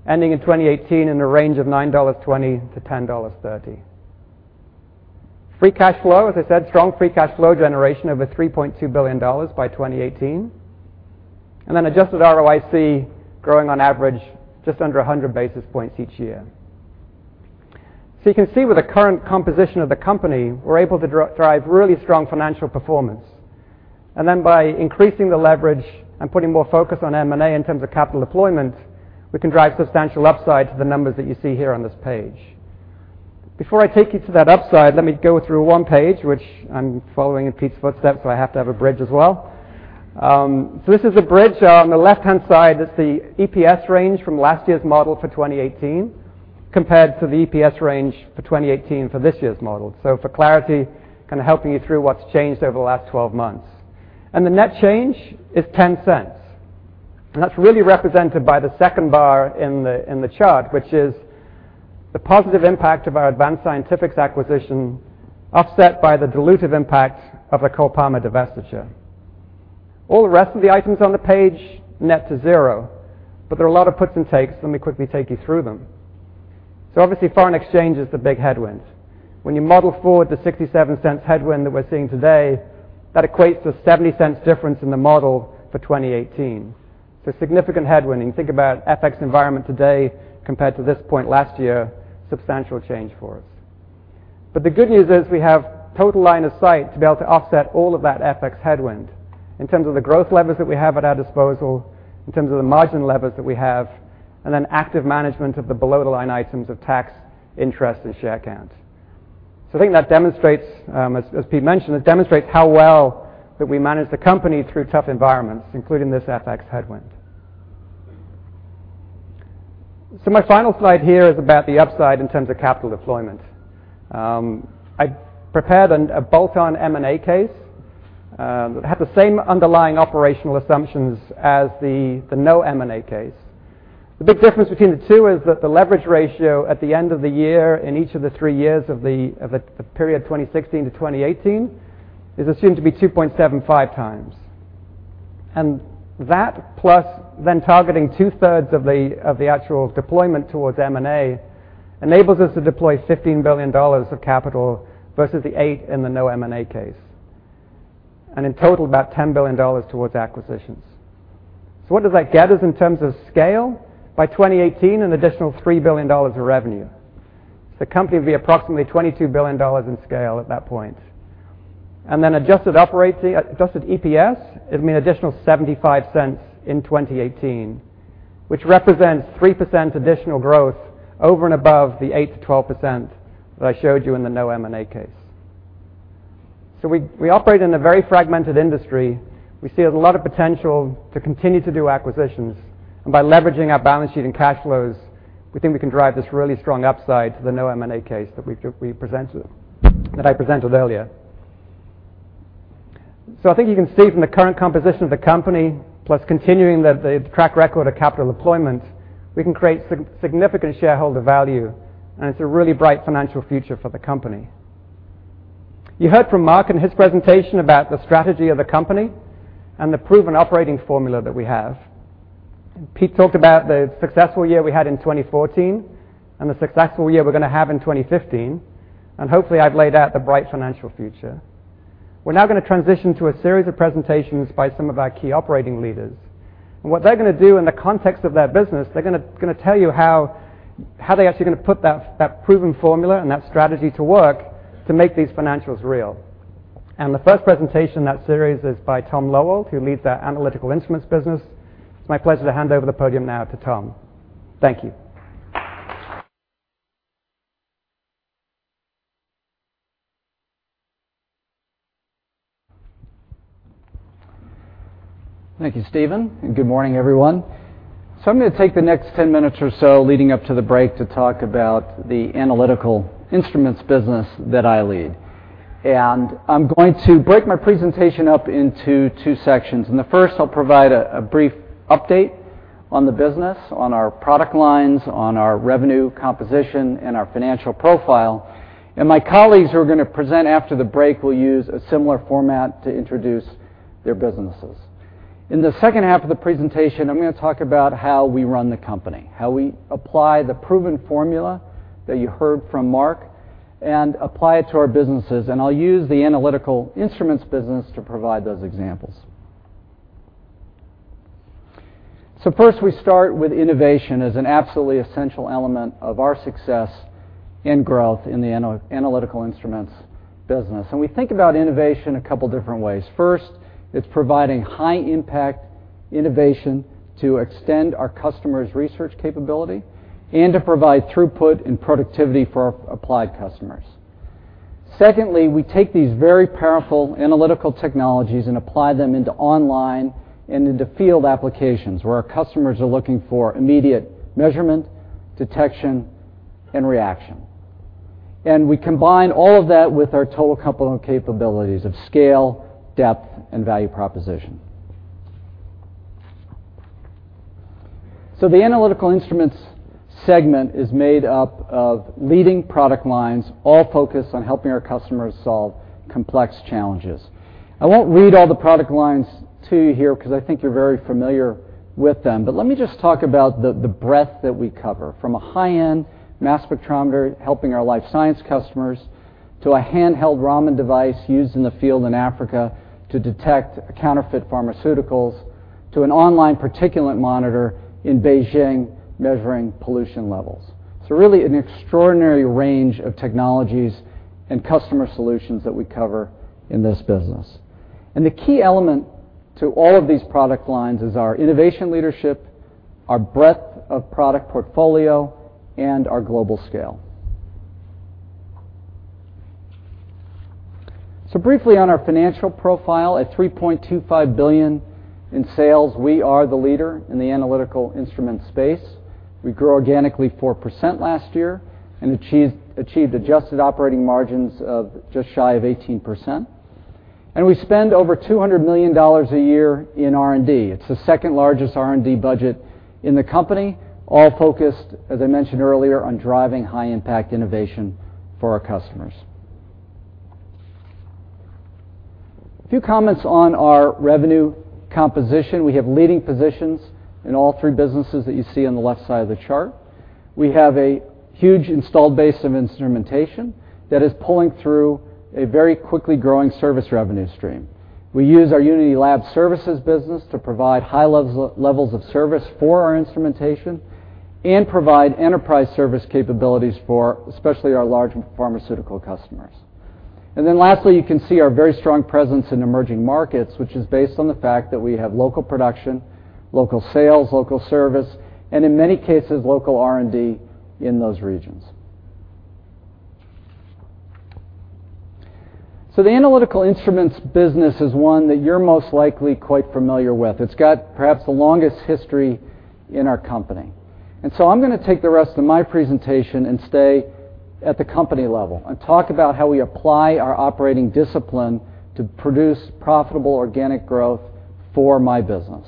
ending in 2018 in a range of $9.20-$10.30. Free cash flow, as I said, strong free cash flow generation over $3.2 billion by 2018. Adjusted ROIC growing on average just under 100 basis points each year. You can see with the current composition of the company, we're able to drive really strong financial performance. By increasing the leverage and putting more focus on M&A in terms of capital deployment, we can drive substantial upside to the numbers that you see here on this page. Before I take you to that upside, let me go through 1 page, which I'm following in Pete's footsteps, I have to have a bridge as well. This is a bridge. On the left-hand side is the EPS range from last year's model for 2018 compared to the EPS range for 2018 for this year's model. For clarity, kind of helping you through what's changed over the last 12 months. The net change is $0.10. That's really represented by the 2nd bar in the chart, which is the positive impact of our Advanced Scientifics acquisition, offset by the dilutive impact of the Cole-Parmer divestiture. All the rest of the items on the page net to zero, there are a lot of puts and takes. Let me quickly take you through them. Obviously, foreign exchange is the big headwind. When you model forward the $0.67 headwind that we're seeing today, that equates to a $0.70 difference in the model for 2018. A significant headwind. When you think about FX environment today compared to this point last year, substantial change for us. The good news is we have total line of sight to be able to offset all of that FX headwind in terms of the growth levers that we have at our disposal, in terms of the margin levers that we have, and then active management of the below-the-line items of tax, interest, and share count. I think that demonstrates, as Pete mentioned, it demonstrates how well that we manage the company through tough environments, including this FX headwind. My final slide here is about the upside in terms of capital deployment. I prepared a bolt-on M&A case that had the same underlying operational assumptions as the no M&A case. The big difference between the two is that the leverage ratio at the end of the year in each of the three years of the period 2016 to 2018 is assumed to be 2.75 times. That plus then targeting two-thirds of the actual deployment towards M&A enables us to deploy $15 billion of capital versus the $8 billion in the no M&A case, and in total about $10 billion towards acquisitions. What does that get us in terms of scale? By 2018, an additional $3 billion of revenue. The company will be approximately $22 billion in scale at that point. Adjusted EPS, it would mean an additional $0.75 in 2018, which represents 3% additional growth over and above the 8%-12% that I showed you in the no M&A case. We operate in a very fragmented industry. We see a lot of potential to continue to do acquisitions, and by leveraging our balance sheet and cash flows, we think we can drive this really strong upside to the no M&A case that I presented earlier. I think you can see from the current composition of the company, plus continuing the track record of capital deployment, we can create significant shareholder value, and it's a really bright financial future for the company. You heard from Mark in his presentation about the strategy of the company and the proven operating formula that we have. Pete talked about the successful year we had in 2014 and the successful year we're going to have in 2015, and hopefully I've laid out the bright financial future. We're now going to transition to a series of presentations by some of our key operating leaders. What they're going to do in the context of their business, they're going to tell you how they're actually going to put that proven formula and that strategy to work to make these financials real. The first presentation in that series is by Tom Loewald, who leads our Analytical Instruments business. It's my pleasure to hand over the podium now to Tom. Thank you. Thank you, Stephen, and good morning, everyone. I'm going to take the next 10 minutes or so leading up to the break to talk about the Analytical Instruments business that I lead. I'm going to break my presentation up into two sections. In the first, I'll provide a brief update on the business, on our product lines, on our revenue composition, and our financial profile. My colleagues who are going to present after the break will use a similar format to introduce their businesses. In the second half of the presentation, I'm going to talk about how we run the company, how we apply the proven formula that you heard from Mark and apply it to our businesses. I'll use the Analytical Instruments business to provide those examples. First, we start with innovation as an absolutely essential element of our success and growth in the Analytical Instruments business. We think about innovation a couple different ways. First, it's providing high impact innovation to extend our customers' research capability and to provide throughput and productivity for our applied customers. Secondly, we take these very powerful analytical technologies and apply them into online and into field applications where our customers are looking for immediate measurement, detection, and reaction. We combine all of that with our total coupled capabilities of scale, depth, and value proposition. The Analytical Instruments segment is made up of leading product lines, all focused on helping our customers solve complex challenges. I won't read all the product lines to you here because I think you're very familiar with them, but let me just talk about the breadth that we cover. From a high-end mass spectrometer helping our life science customers, to a handheld Raman device used in the field in Africa to detect counterfeit pharmaceuticals, to an online particulate monitor in Beijing measuring pollution levels. Really an extraordinary range of technologies and customer solutions that we cover in this business. The key element to all of these product lines is our innovation leadership, our breadth of product portfolio, and our global scale. Briefly on our financial profile, at $3.25 billion in sales, we are the leader in the Analytical Instruments space. We grew organically 4% last year and achieved adjusted operating margins of just shy of 18%. We spend over $200 million a year in R&D. It's the second-largest R&D budget in the company, all focused, as I mentioned earlier, on driving high-impact innovation for our customers. A few comments on our revenue composition. We have leading positions in all three businesses that you see on the left side of the chart. We have a huge installed base of instrumentation that is pulling through a very quickly growing service revenue stream. We use our Unity Lab Services business to provide high levels of service for our instrumentation and provide enterprise service capabilities for especially our large pharmaceutical customers. Lastly, you can see our very strong presence in emerging markets, which is based on the fact that we have local production, local sales, local service, and in many cases, local R&D in those regions. The Analytical Instruments business is one that you're most likely quite familiar with. It's got perhaps the longest history in our company. I'm going to take the rest of my presentation and stay at the company level and talk about how we apply our operating discipline to produce profitable organic growth for my business.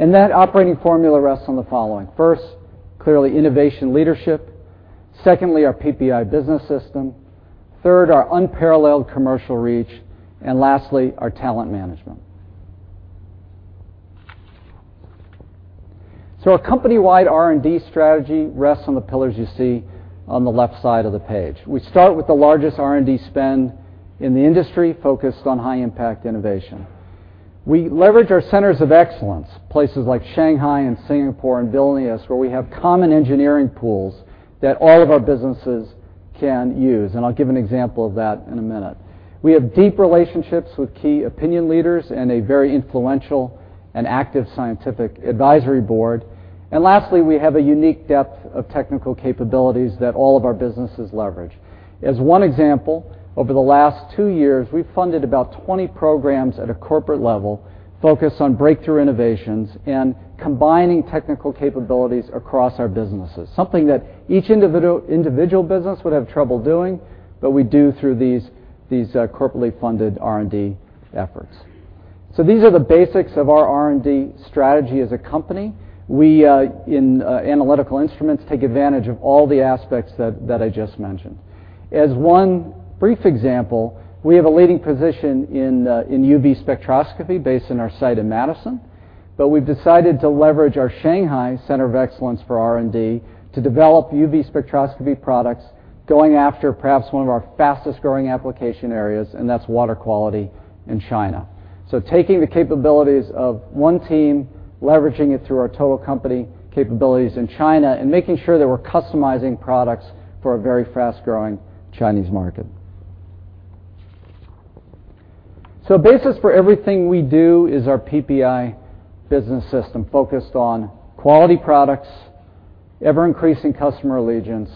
That operating formula rests on the following. First, clearly, innovation leadership. Secondly, our PPI business system. Third, our unparalleled commercial reach, and lastly, our talent management. Our company-wide R&D strategy rests on the pillars you see on the left side of the page. We start with the largest R&D spend in the industry, focused on high-impact innovation. We leverage our centers of excellence, places like Shanghai and Singapore and Vilnius, where we have common engineering pools that all of our businesses can use, and I'll give an example of that in a minute. We have deep relationships with key opinion leaders and a very influential and active scientific advisory board. Lastly, we have a unique depth of technical capabilities that all of our businesses leverage. As one example, over the last two years, we've funded about 20 programs at a corporate level focused on breakthrough innovations and combining technical capabilities across our businesses, something that each individual business would have trouble doing, but we do through these corporately funded R&D efforts. These are the basics of our R&D strategy as a company. We, in Analytical Instruments, take advantage of all the aspects that I just mentioned. As one brief example, we have a leading position in UV spectroscopy based in our site in Madison. We've decided to leverage our Shanghai center of excellence for R&D to develop UV spectroscopy products, going after perhaps one of our fastest-growing application areas, and that's water quality in China. Taking the capabilities of one team, leveraging it through our total company capabilities in China, and making sure that we're customizing products for a very fast-growing Chinese market. Basis for everything we do is our PPI business system focused on quality products, ever-increasing customer allegiance,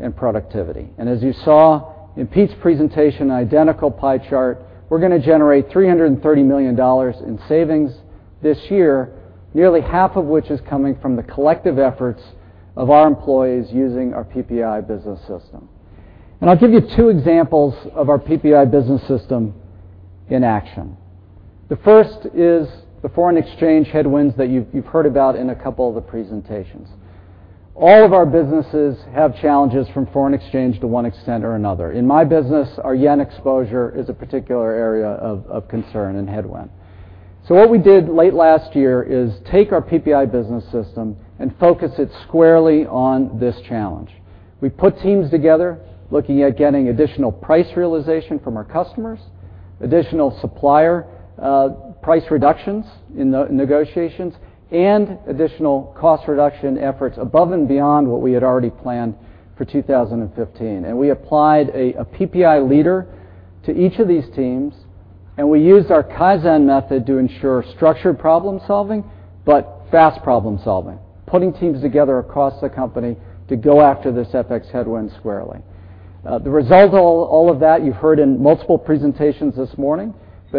and productivity. As you saw in Pete's presentation, identical pie chart, we're going to generate $330 million in savings this year, nearly half of which is coming from the collective efforts of our employees using our PPI business system. I'll give you two examples of our PPI business system in action. The first is the foreign exchange headwinds that you've heard about in a couple of the presentations. All of our businesses have challenges from foreign exchange to one extent or another. In my business, our yen exposure is a particular area of concern and headwind. What we did late last year is take our PPI business system and focus it squarely on this challenge. We put teams together looking at getting additional price realization from our customers, additional supplier price reductions in negotiations, and additional cost reduction efforts above and beyond what we had already planned for 2015. We applied a PPI leader to each of these teams, and we used our Kaizen method to ensure structured problem-solving, but fast problem-solving, putting teams together across the company to go after this FX headwind squarely. The result all of that, you've heard in multiple presentations this morning,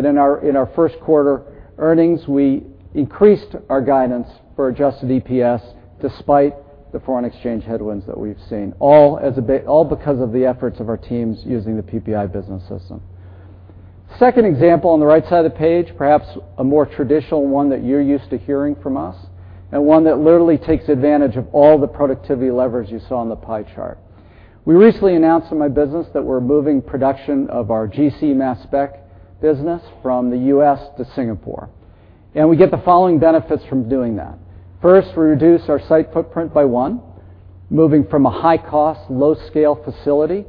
in our first quarter earnings, we increased our guidance for adjusted EPS despite the foreign exchange headwinds that we've seen, all because of the efforts of our teams using the PPI business system. Second example on the right side of the page, perhaps a more traditional one that you're used to hearing from us, and one that literally takes advantage of all the productivity leverage you saw on the pie chart. We recently announced in my business that we're moving production of our GC mass spec business from the U.S. to Singapore. We get the following benefits from doing that. First, we reduce our site footprint by one, moving from a high-cost, low-scale facility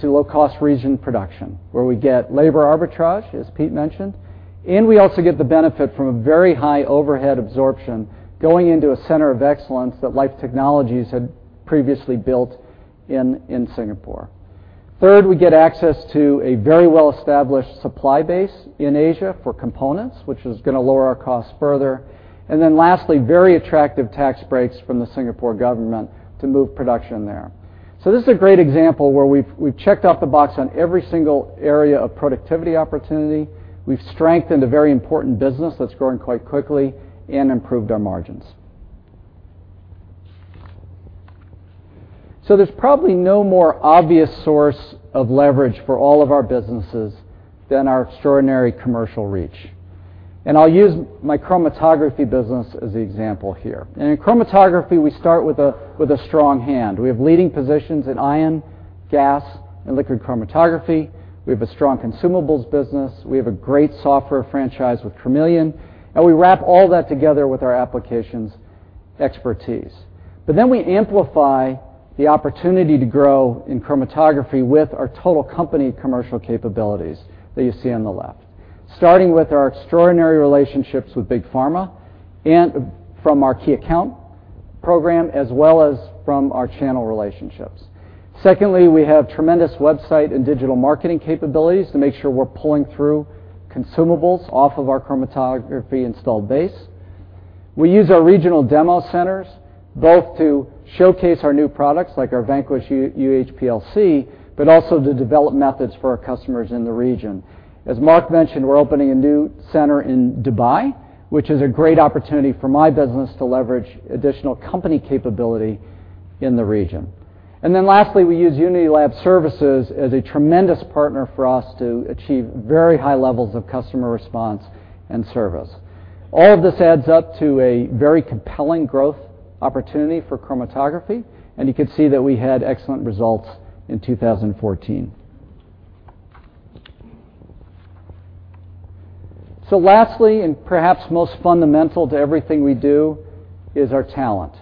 to low-cost region production, where we get labor arbitrage, as Pete mentioned, and we also get the benefit from a very high overhead absorption going into a center of excellence that Life Technologies had previously built in Singapore. Third, we get access to a very well-established supply base in Asia for components, which is going to lower our costs further. Lastly, very attractive tax breaks from the Singapore government to move production there. This is a great example where we've checked off the box on every single area of productivity opportunity, we've strengthened a very important business that's growing quite quickly, and improved our margins. There's probably no more obvious source of leverage for all of our businesses than our extraordinary commercial reach. I'll use my chromatography business as the example here. In chromatography, we start with a strong hand. We have leading positions in ion, gas, and liquid chromatography. We have a strong consumables business. We have a great software franchise with Chromeleon, and we wrap all that together with our applications expertise. We amplify the opportunity to grow in chromatography with our total company commercial capabilities that you see on the left, starting with our extraordinary relationships with big pharma and from our key account program, as well as from our channel relationships. Secondly, we have tremendous website and digital marketing capabilities to make sure we're pulling through consumables off of our chromatography installed base. We use our regional demo centers both to showcase our new products, like our Vanquish UHPLC, but also to develop methods for our customers in the region. As Mark mentioned, we're opening a new center in Dubai, which is a great opportunity for my business to leverage additional company capability in the region. Lastly, we use Unity Lab Services as a tremendous partner for us to achieve very high levels of customer response and service. All of this adds up to a very compelling growth opportunity for chromatography, and you can see that we had excellent results in 2014. Lastly, and perhaps most fundamental to everything we do, is our talent,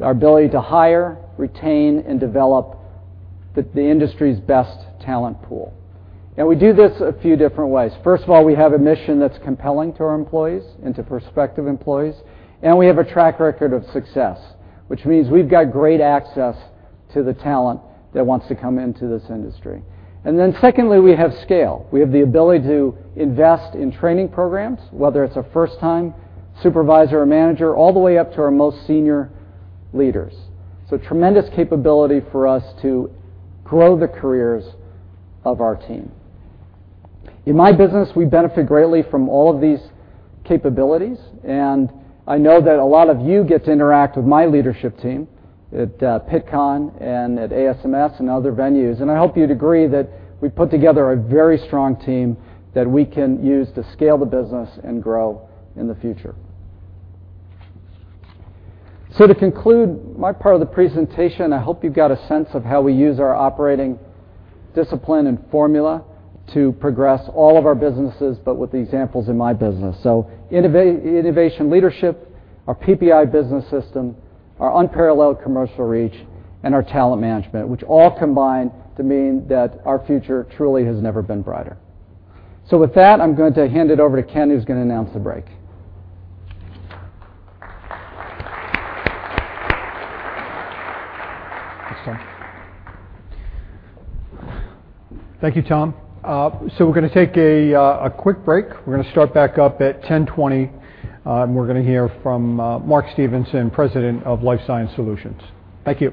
our ability to hire, retain, and develop the industry's best talent pool. We do this a few different ways. First of all, we have a mission that's compelling to our employees and to prospective employees, and we have a track record of success, which means we've got great access to the talent that wants to come into this industry. Secondly, we have scale. We have the ability to invest in training programs, whether it's a first-time supervisor or manager, all the way up to our most senior leaders. Tremendous capability for us to grow the careers of our team. In my business, we benefit greatly from all of these capabilities. I know that a lot of you get to interact with my leadership team at Pittcon and at ASMS and other venues. I hope you'd agree that we put together a very strong team that we can use to scale the business and grow in the future. To conclude my part of the presentation, I hope you've got a sense of how we use our operating discipline and formula to progress all of our businesses, but with the examples in my business. Innovation leadership, our PPI business system, our unparalleled commercial reach, and our talent management, which all combine to mean that our future truly has never been brighter. With that, I'm going to hand it over to Ken, who's going to announce the break. Thanks, Tom. Thank you, Tom. We're going to take a quick break. We're going to start back up at 10:20. We're going to hear from Mark Stevenson, President of Life Sciences Solutions. Thank you.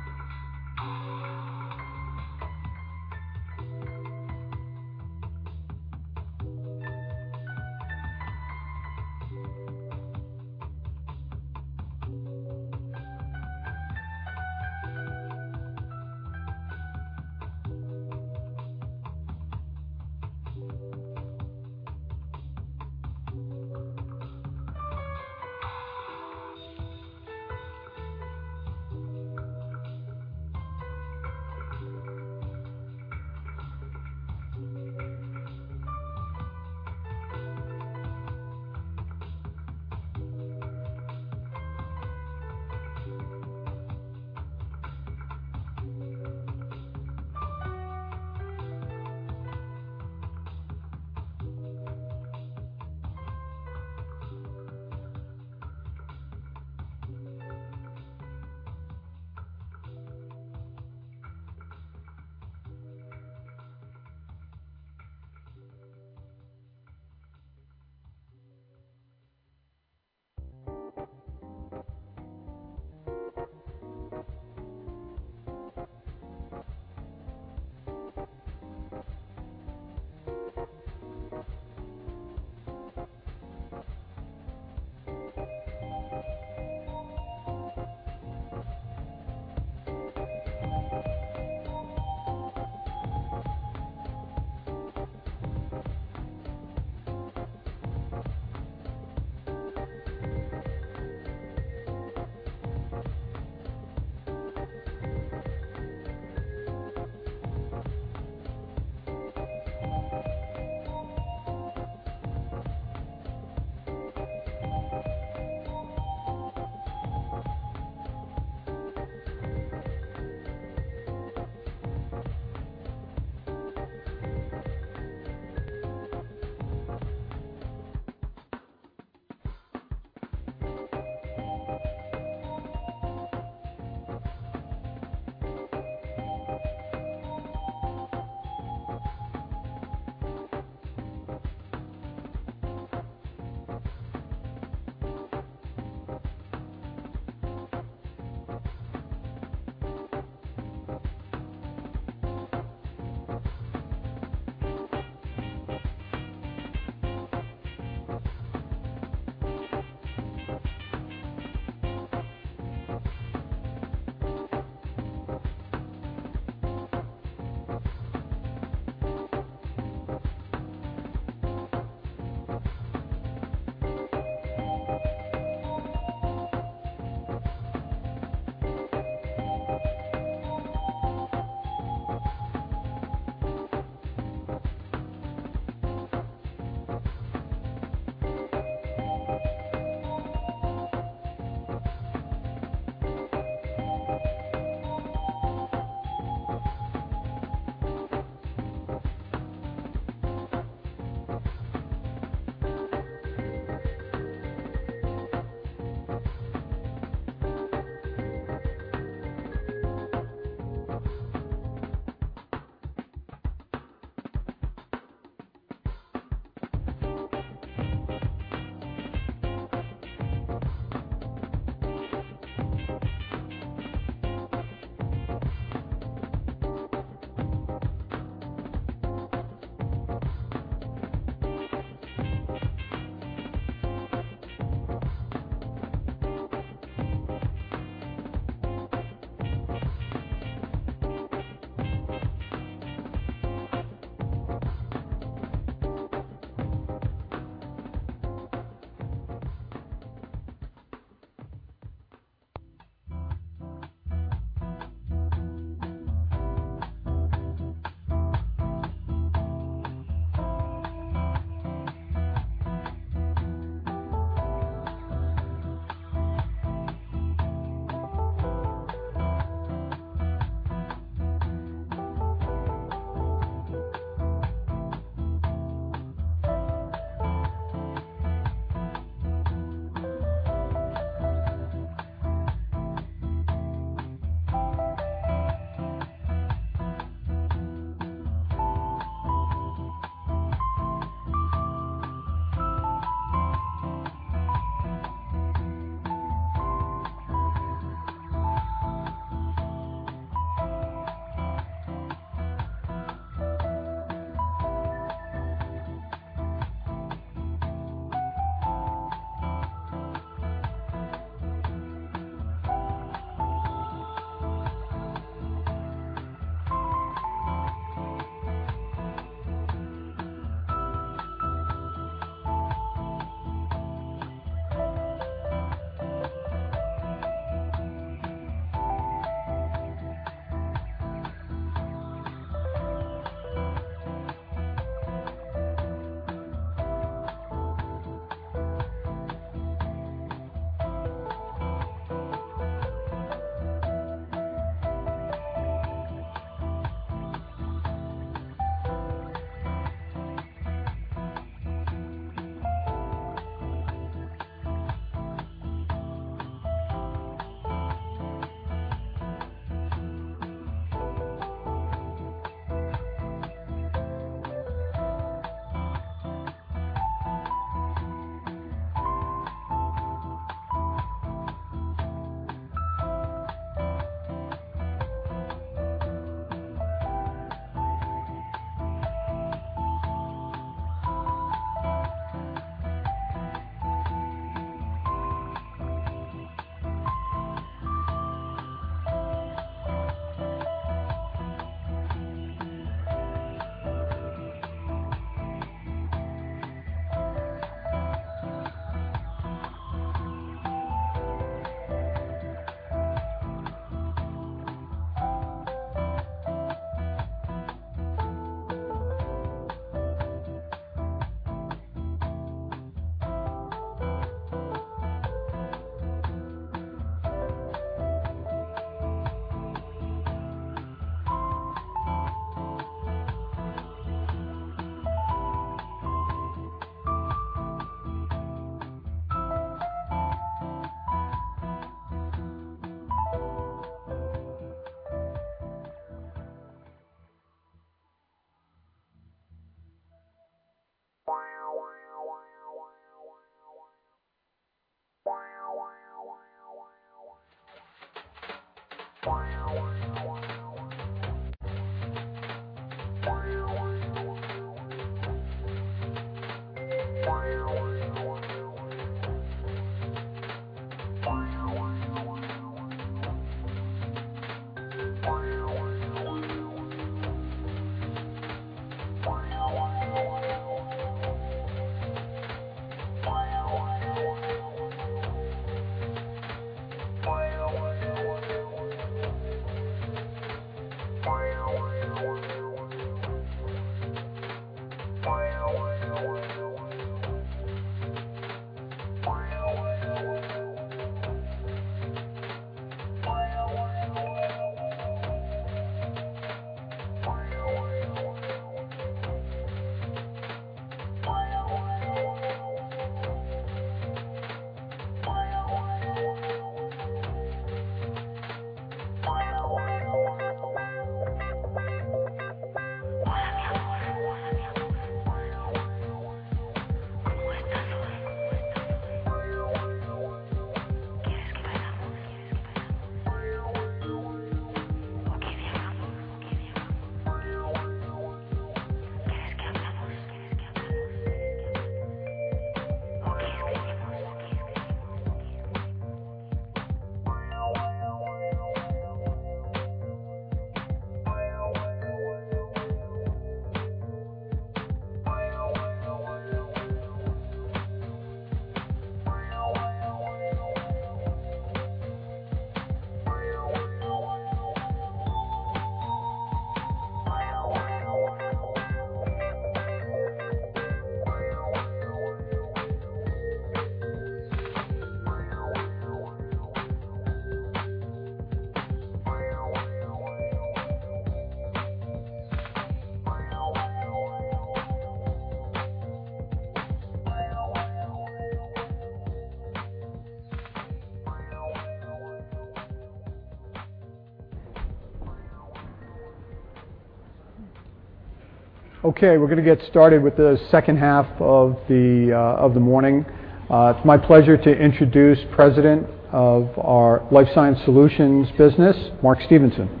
Hola, mi amor. ¿Cómo estás hoy? ¿Quieres que pasemos? ¿O que viajamos? ¿Quieres que hablamos? ¿O que escribimos? We're going to get started with the second half of the morning. It's my pleasure to introduce President of our Life Sciences Solutions business, Mark Stevenson.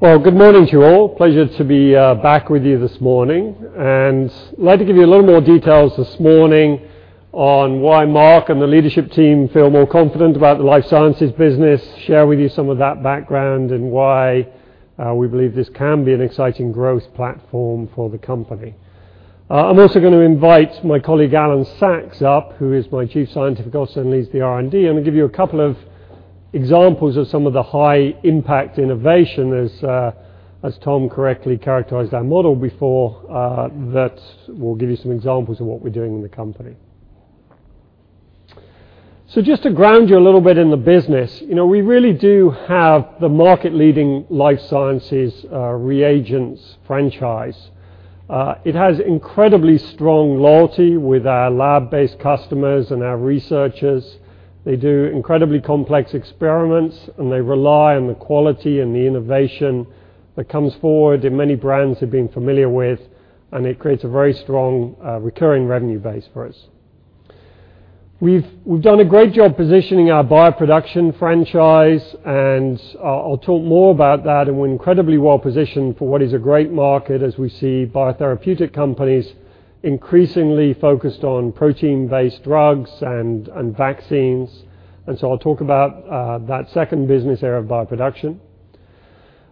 Well, good morning to you all. Pleasure to be back with you this morning. I would like to give you a little more details this morning on why Marc and the leadership team feel more confident about the Life Sciences Solutions business, share with you some of that background, and why we believe this can be an exciting growth platform for the company. I am also going to invite my colleague, Alan Sachs, up, who is my Chief Scientific Officer and leads the R&D, and he will give you a couple of examples of some of the high impact innovation, as Tom correctly characterized our model before, that will give you some examples of what we are doing in the company. Just to ground you a little bit in the business, we really do have the market leading Life Sciences Solutions reagents franchise. It has incredibly strong loyalty with our lab-based customers and our researchers. They do incredibly complex experiments. They rely on the quality and the innovation that comes forward that many brands have been familiar with, and it creates a very strong recurring revenue base for us. We have done a great job positioning our bioproduction franchise. I will talk more about that, and we are incredibly well positioned for what is a great market as we see biotherapeutic companies increasingly focused on protein-based drugs and vaccines. I will talk about that second business area of bioproduction.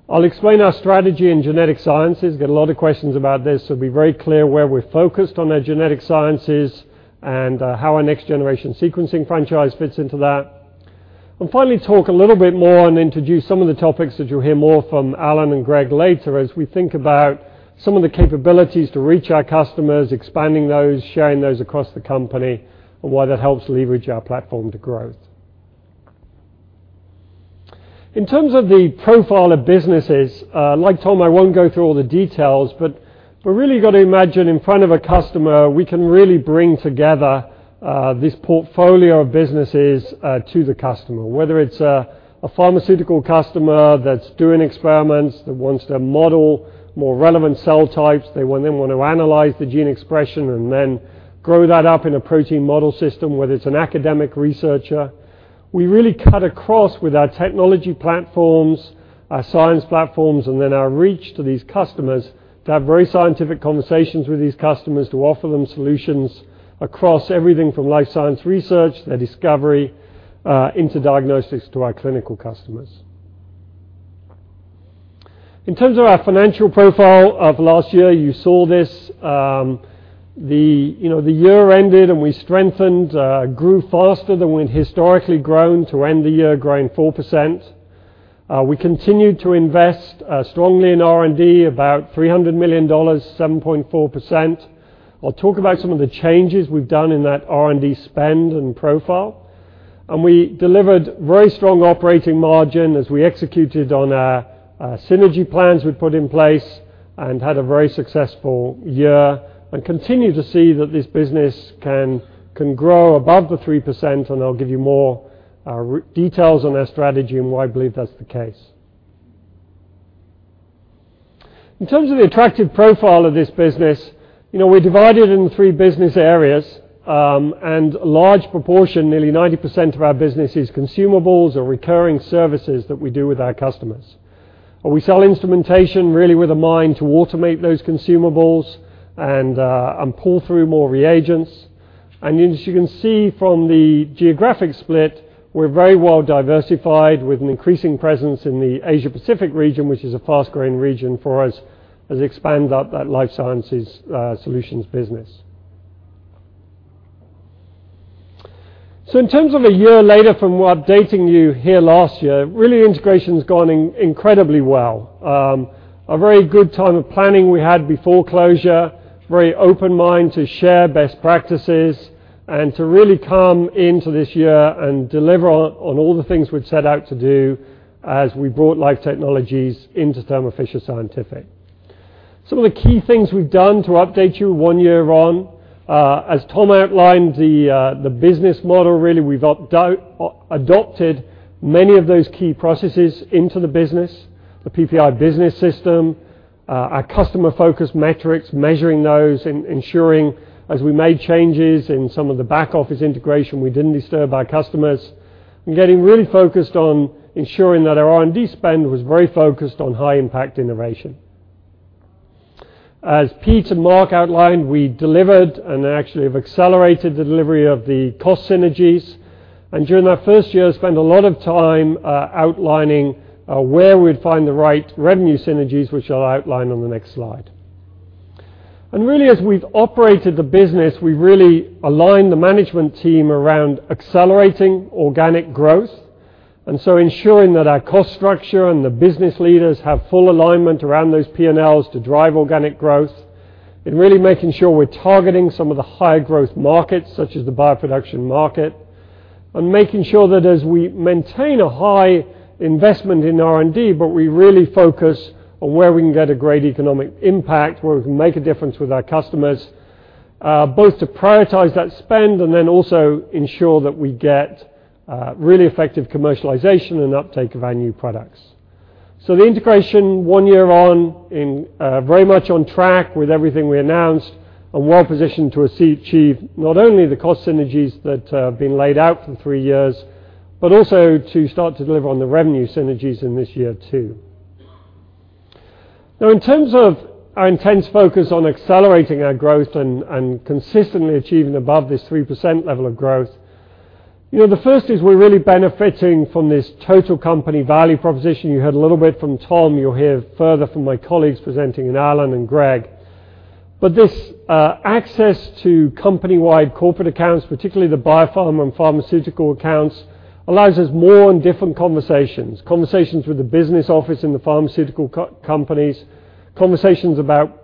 I will explain our strategy in genetic sciences. Get a lot of questions about this, so be very clear where we are focused on our genetic sciences and how our next-generation sequencing franchise fits into that. I will finally talk a little bit more and introduce some of the topics that you will hear more from Alan and Greg later as we think about some of the capabilities to reach our customers, expanding those, sharing those across the company, and why that helps leverage our platform to growth. In terms of the profile of businesses, like Tom, I will not go through all the details. We have really got to imagine in front of a customer, we can really bring together this portfolio of businesses to the customer. Whether it is a pharmaceutical customer that is doing experiments, that wants to model more relevant cell types, they then want to analyze the gene expression and then grow that up in a protein model system, whether it is an academic researcher. We really cut across with our technology platforms, our science platforms, and then our reach to these customers to have very scientific conversations with these customers to offer them solutions across everything from life sciences research, their discovery, into diagnostics to our clinical customers. In terms of our financial profile of last year, you saw this. The year ended. We strengthened, grew faster than we had historically grown to end the year, growing 4%. We continued to invest strongly in R&D, about $300 million, 7.4%. I will talk about some of the changes we have done in that R&D spend and profile. We delivered very strong operating margin as we executed on our synergy plans we'd put in place and had a very successful year and continue to see that this business can grow above the 3%. I'll give you more details on our strategy and why I believe that's the case. In terms of the attractive profile of this business, we're divided into three business areas, and a large proportion, nearly 90% of our business is consumables or recurring services that we do with our customers. We sell instrumentation really with a mind to automate those consumables and pull through more reagents. As you can see from the geographic split, we're very well diversified with an increasing presence in the Asia-Pacific region, which is a fast-growing region for us as we expand out that Life Sciences Solutions business. In terms of a year later from updating you here last year, really, integration's gone incredibly well. A very good time of planning we had before closure, very open mind to share best practices, and to really come into this year and deliver on all the things we'd set out to do as we brought Life Technologies into Thermo Fisher Scientific. Some of the key things we've done, to update you one year on, as Tom outlined, the business model, really, we've adopted many of those key processes into the business, the PPI business system, our customer focus metrics, measuring those, ensuring as we made changes in some of the back office integration, we didn't disturb our customers, and getting really focused on ensuring that our R&D spend was very focused on high impact innovation. As Pete and Mark outlined, we delivered and actually have accelerated the delivery of the cost synergies. During that first year, spent a lot of time outlining where we'd find the right revenue synergies, which I'll outline on the next slide. Really, as we've operated the business, we've really aligned the management team around accelerating organic growth, and so ensuring that our cost structure and the business leaders have full alignment around those P&Ls to drive organic growth. Really making sure we're targeting some of the higher growth markets, such as the bioproduction market. Making sure that as we maintain a high investment in R&D, but we really focus on where we can get a great economic impact, where we can make a difference with our customers, both to prioritize that spend and then also ensure that we get really effective commercialization and uptake of our new products. The integration, one year on, very much on track with everything we announced and well positioned to achieve not only the cost synergies that have been laid out for three years, but also to start to deliver on the revenue synergies in this year too. In terms of our intense focus on accelerating our growth and consistently achieving above this 3% level of growth, the first is we're really benefiting from this total company value proposition. You heard a little bit from Tom. You'll hear further from my colleagues presenting, Alan Malus and Greg Herrema. This access to company-wide corporate accounts, particularly the biopharma and pharmaceutical accounts, allows us more and different conversations. Conversations with the business office and the pharmaceutical companies, conversations about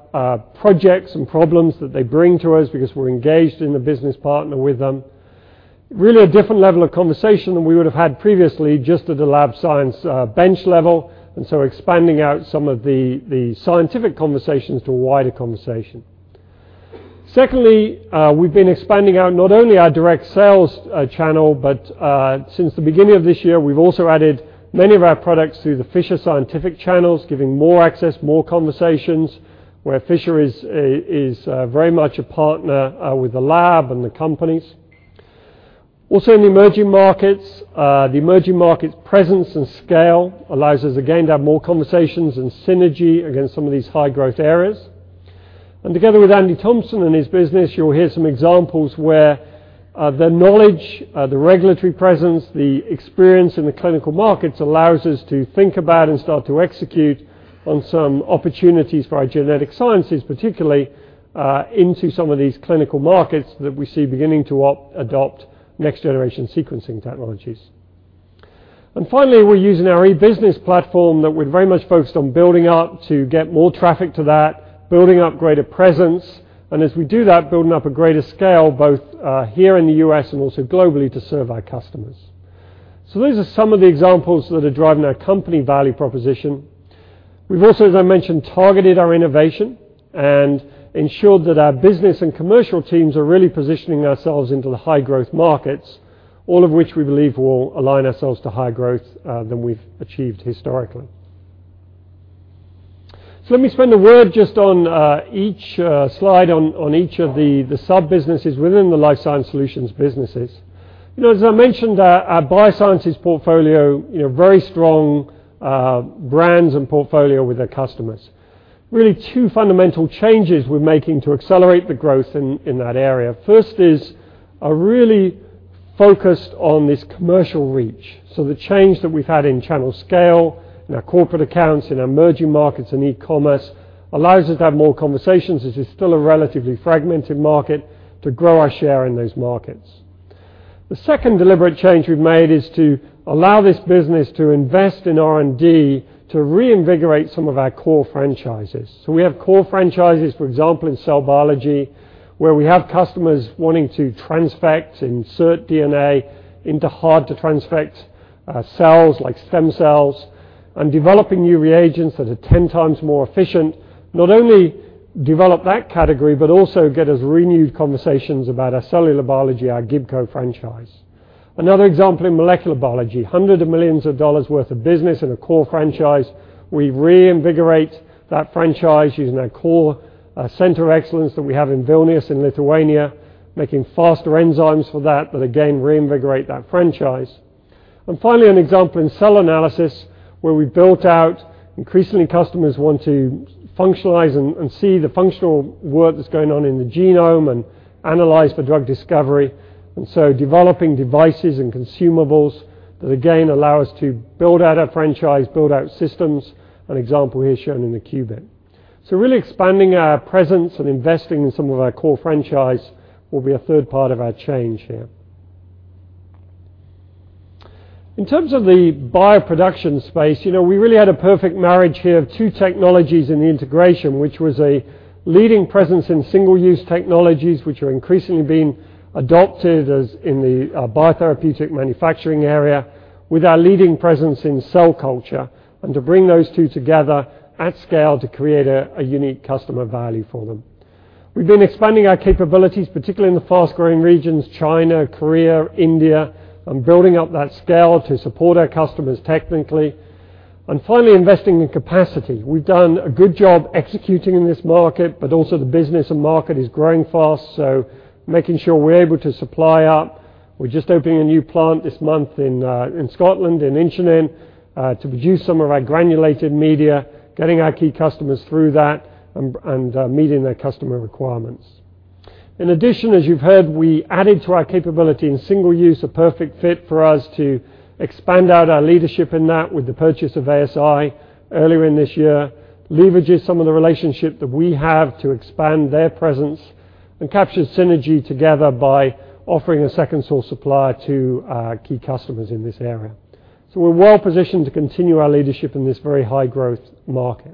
projects and problems that they bring to us because we're engaged in the business partner with them. Really a different level of conversation than we would have had previously just at the lab science bench level, expanding out some of the scientific conversations to a wider conversation. Secondly, we've been expanding out not only our direct sales channel, but since the beginning of this year, we've also added many of our products through the Fisher Scientific channels, giving more access, more conversations, where Fisher is very much a partner with the lab and the companies. Also in the emerging markets, the emerging markets presence and scale allows us again to have more conversations and synergy against some of these high growth areas. Together with Andy Thomson and his business, you'll hear some examples where the knowledge, the regulatory presence, the experience in the clinical markets allows us to think about and start to execute on some opportunities for our genetic sciences, particularly into some of these clinical markets that we see beginning to adopt next-generation sequencing technologies. Finally, we're using our e-business platform that we're very much focused on building up to get more traffic to that, building up greater presence, and as we do that, building up a greater scale, both here in the U.S. and also globally to serve our customers. Those are some of the examples that are driving our company value proposition. We've also, as I mentioned, targeted our innovation and ensured that our business and commercial teams are really positioning ourselves into the high growth markets, all of which we believe will align ourselves to higher growth than we've achieved historically. Let me spend a word just on each slide on each of the sub-businesses within the Life Sciences Solutions businesses. As I mentioned, our Biosciences portfolio, very strong brands and portfolio with their customers. Really two fundamental changes we're making to accelerate the growth in that area. First is really focused on this commercial reach. The change that we've had in channel scale, in our corporate accounts, in emerging markets and e-commerce allows us to have more conversations, as it's still a relatively fragmented market to grow our share in those markets. The second deliberate change we've made is to allow this business to invest in R&D to reinvigorate some of our core franchises. We have core franchises, for example, in cell biology, where we have customers wanting to transfect, insert DNA into hard-to-transfect cells like stem cells and developing new reagents that are 10 times more efficient, not only develop that category, but also get us renewed conversations about our cellular biology, our Gibco franchise. Another example in molecular biology, hundreds of millions of dollars worth of business and a core franchise. We reinvigorate that franchise using our core center of excellence that we have in Vilnius in Lithuania, making faster enzymes for that, again, reinvigorate that franchise. Finally, an example in cell analysis where we built out, increasingly, customers want to functionalize and see the functional work that's going on in the genome and analyze for drug discovery. Developing devices and consumables that again allow us to build out our franchise, build out systems, an example here shown in the Qubit. Really expanding our presence and investing in some of our core franchise will be a third part of our change here. In terms of the bioproduction space, we really had a perfect marriage here of two technologies in the integration, which was a leading presence in single-use technologies, which are increasingly being adopted as in the biotherapeutic manufacturing area, with our leading presence in cell culture, and to bring those two together at scale to create a unique customer value for them. We've been expanding our capabilities, particularly in the fast-growing regions, China, Korea, India, and building up that scale to support our customers technically. Finally, investing in capacity. We've done a good job executing in this market, but also the business and market is growing fast, so making sure we're able to supply up. We're just opening a new plant this month in Scotland, in Inchinnan, to produce some of our granulated media, getting our key customers through that, and meeting their customer requirements. In addition, as you've heard, we added to our capability in single use, a perfect fit for us to expand out our leadership in that with the purchase of ASI earlier in this year, leverages some of the relationship that we have to expand their presence, and capture synergy together by offering a second-source supplier to our key customers in this area. We're well positioned to continue our leadership in this very high-growth market.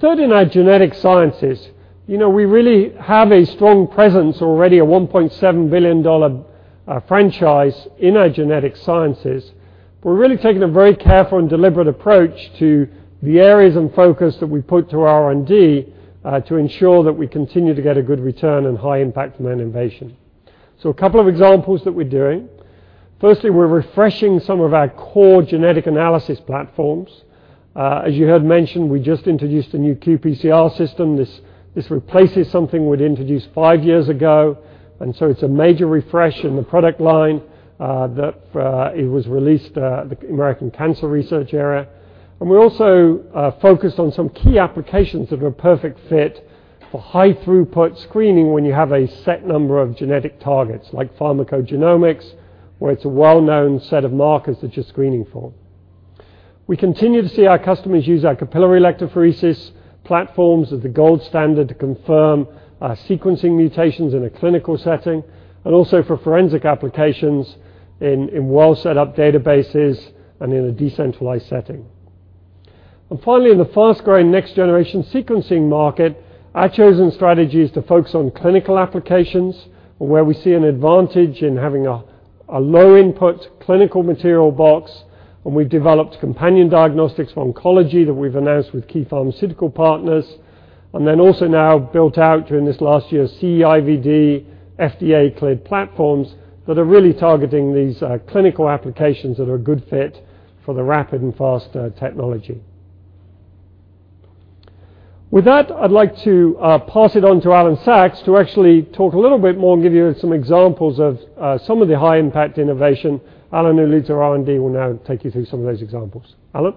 Third, in our genetic sciences, we really have a strong presence already, a $1.7 billion franchise in our genetic sciences. We're really taking a very careful and deliberate approach to the areas and focus that we put to our R&D to ensure that we continue to get a good return and high impact on innovation. A couple of examples that we're doing. Firstly, we're refreshing some of our core genetic analysis platforms. As you heard mentioned, we just introduced a new qPCR system. This replaces something we'd introduced five years ago, and it's a major refresh in the product line. It was released at the American Association for Cancer Research. We also focused on some key applications that are a perfect fit for high-throughput screening when you have a set number of genetic targets, like pharmacogenomics, where it's a well-known set of markers that you're screening for. We continue to see our customers use our capillary electrophoresis platforms as the gold standard to confirm sequencing mutations in a clinical setting, and also for forensic applications in well set-up databases and in a decentralized setting. Finally, in the fast-growing next-generation sequencing market, our chosen strategy is to focus on clinical applications where we see an advantage in having a low input clinical material box, and we've developed companion diagnostics for oncology that we've announced with key pharmaceutical partners. Also now built out during this last year CE IVD, FDA-cleared platforms that are really targeting these clinical applications that are a good fit for the rapid and fast technology. With that, I'd like to pass it on to Alan Sachs to actually talk a little bit more and give you some examples of some of the high-impact innovation. Alan, who leads our R&D, will now take you through some of those examples. Alan?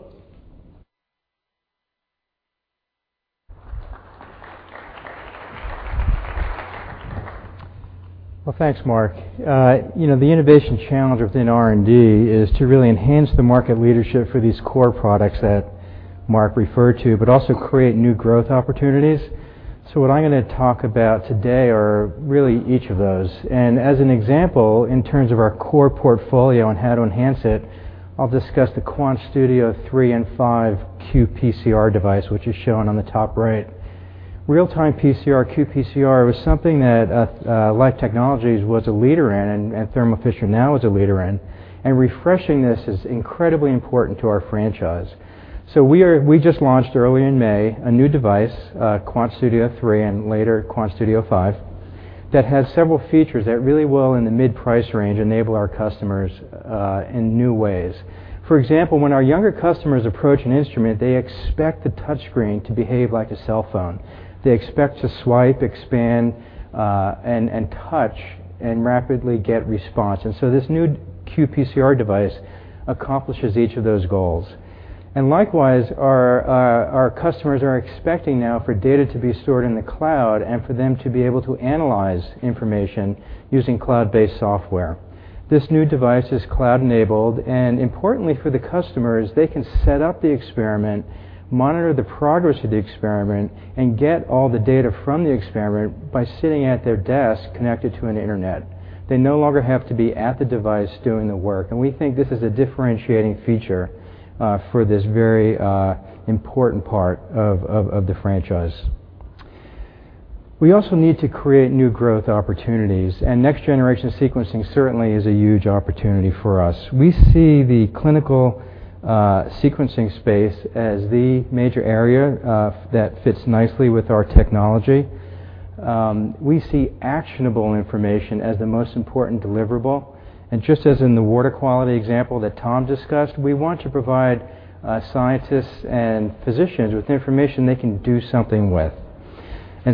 Well, thanks, Mark. The innovation challenge within R&D is to really enhance the market leadership for these core products that Mark referred to, but also create new growth opportunities. What I'm going to talk about today are really each of those. As an example, in terms of our core portfolio and how to enhance it, I'll discuss the QuantStudio 3 and 5 qPCR device, which is shown on the top right. Real-time PCR, qPCR, was something that Life Technologies was a leader in, and Thermo Fisher now is a leader in. Refreshing this is incredibly important to our franchise. We just launched early in May a new device, QuantStudio 3, and later QuantStudio 5, that has several features that really will, in the mid price range, enable our customers in new ways. For example, when our younger customers approach an instrument, they expect the touch screen to behave like a cell phone. They expect to swipe, expand, and touch, and rapidly get response. This new qPCR device accomplishes each of those goals. Likewise, our customers are expecting now for data to be stored in the cloud and for them to be able to analyze information using cloud-based software. This new device is cloud-enabled, and importantly for the customers, they can set up the experiment, monitor the progress of the experiment, and get all the data from the experiment by sitting at their desk connected to an internet. They no longer have to be at the device doing the work, and we think this is a differentiating feature for this very important part of the franchise. We also need to create new growth opportunities. Next-generation sequencing certainly is a huge opportunity for us. We see the clinical sequencing space as the major area that fits nicely with our technology. We see actionable information as the most important deliverable. Just as in the water quality example that Tom discussed, we want to provide scientists and physicians with information they can do something with.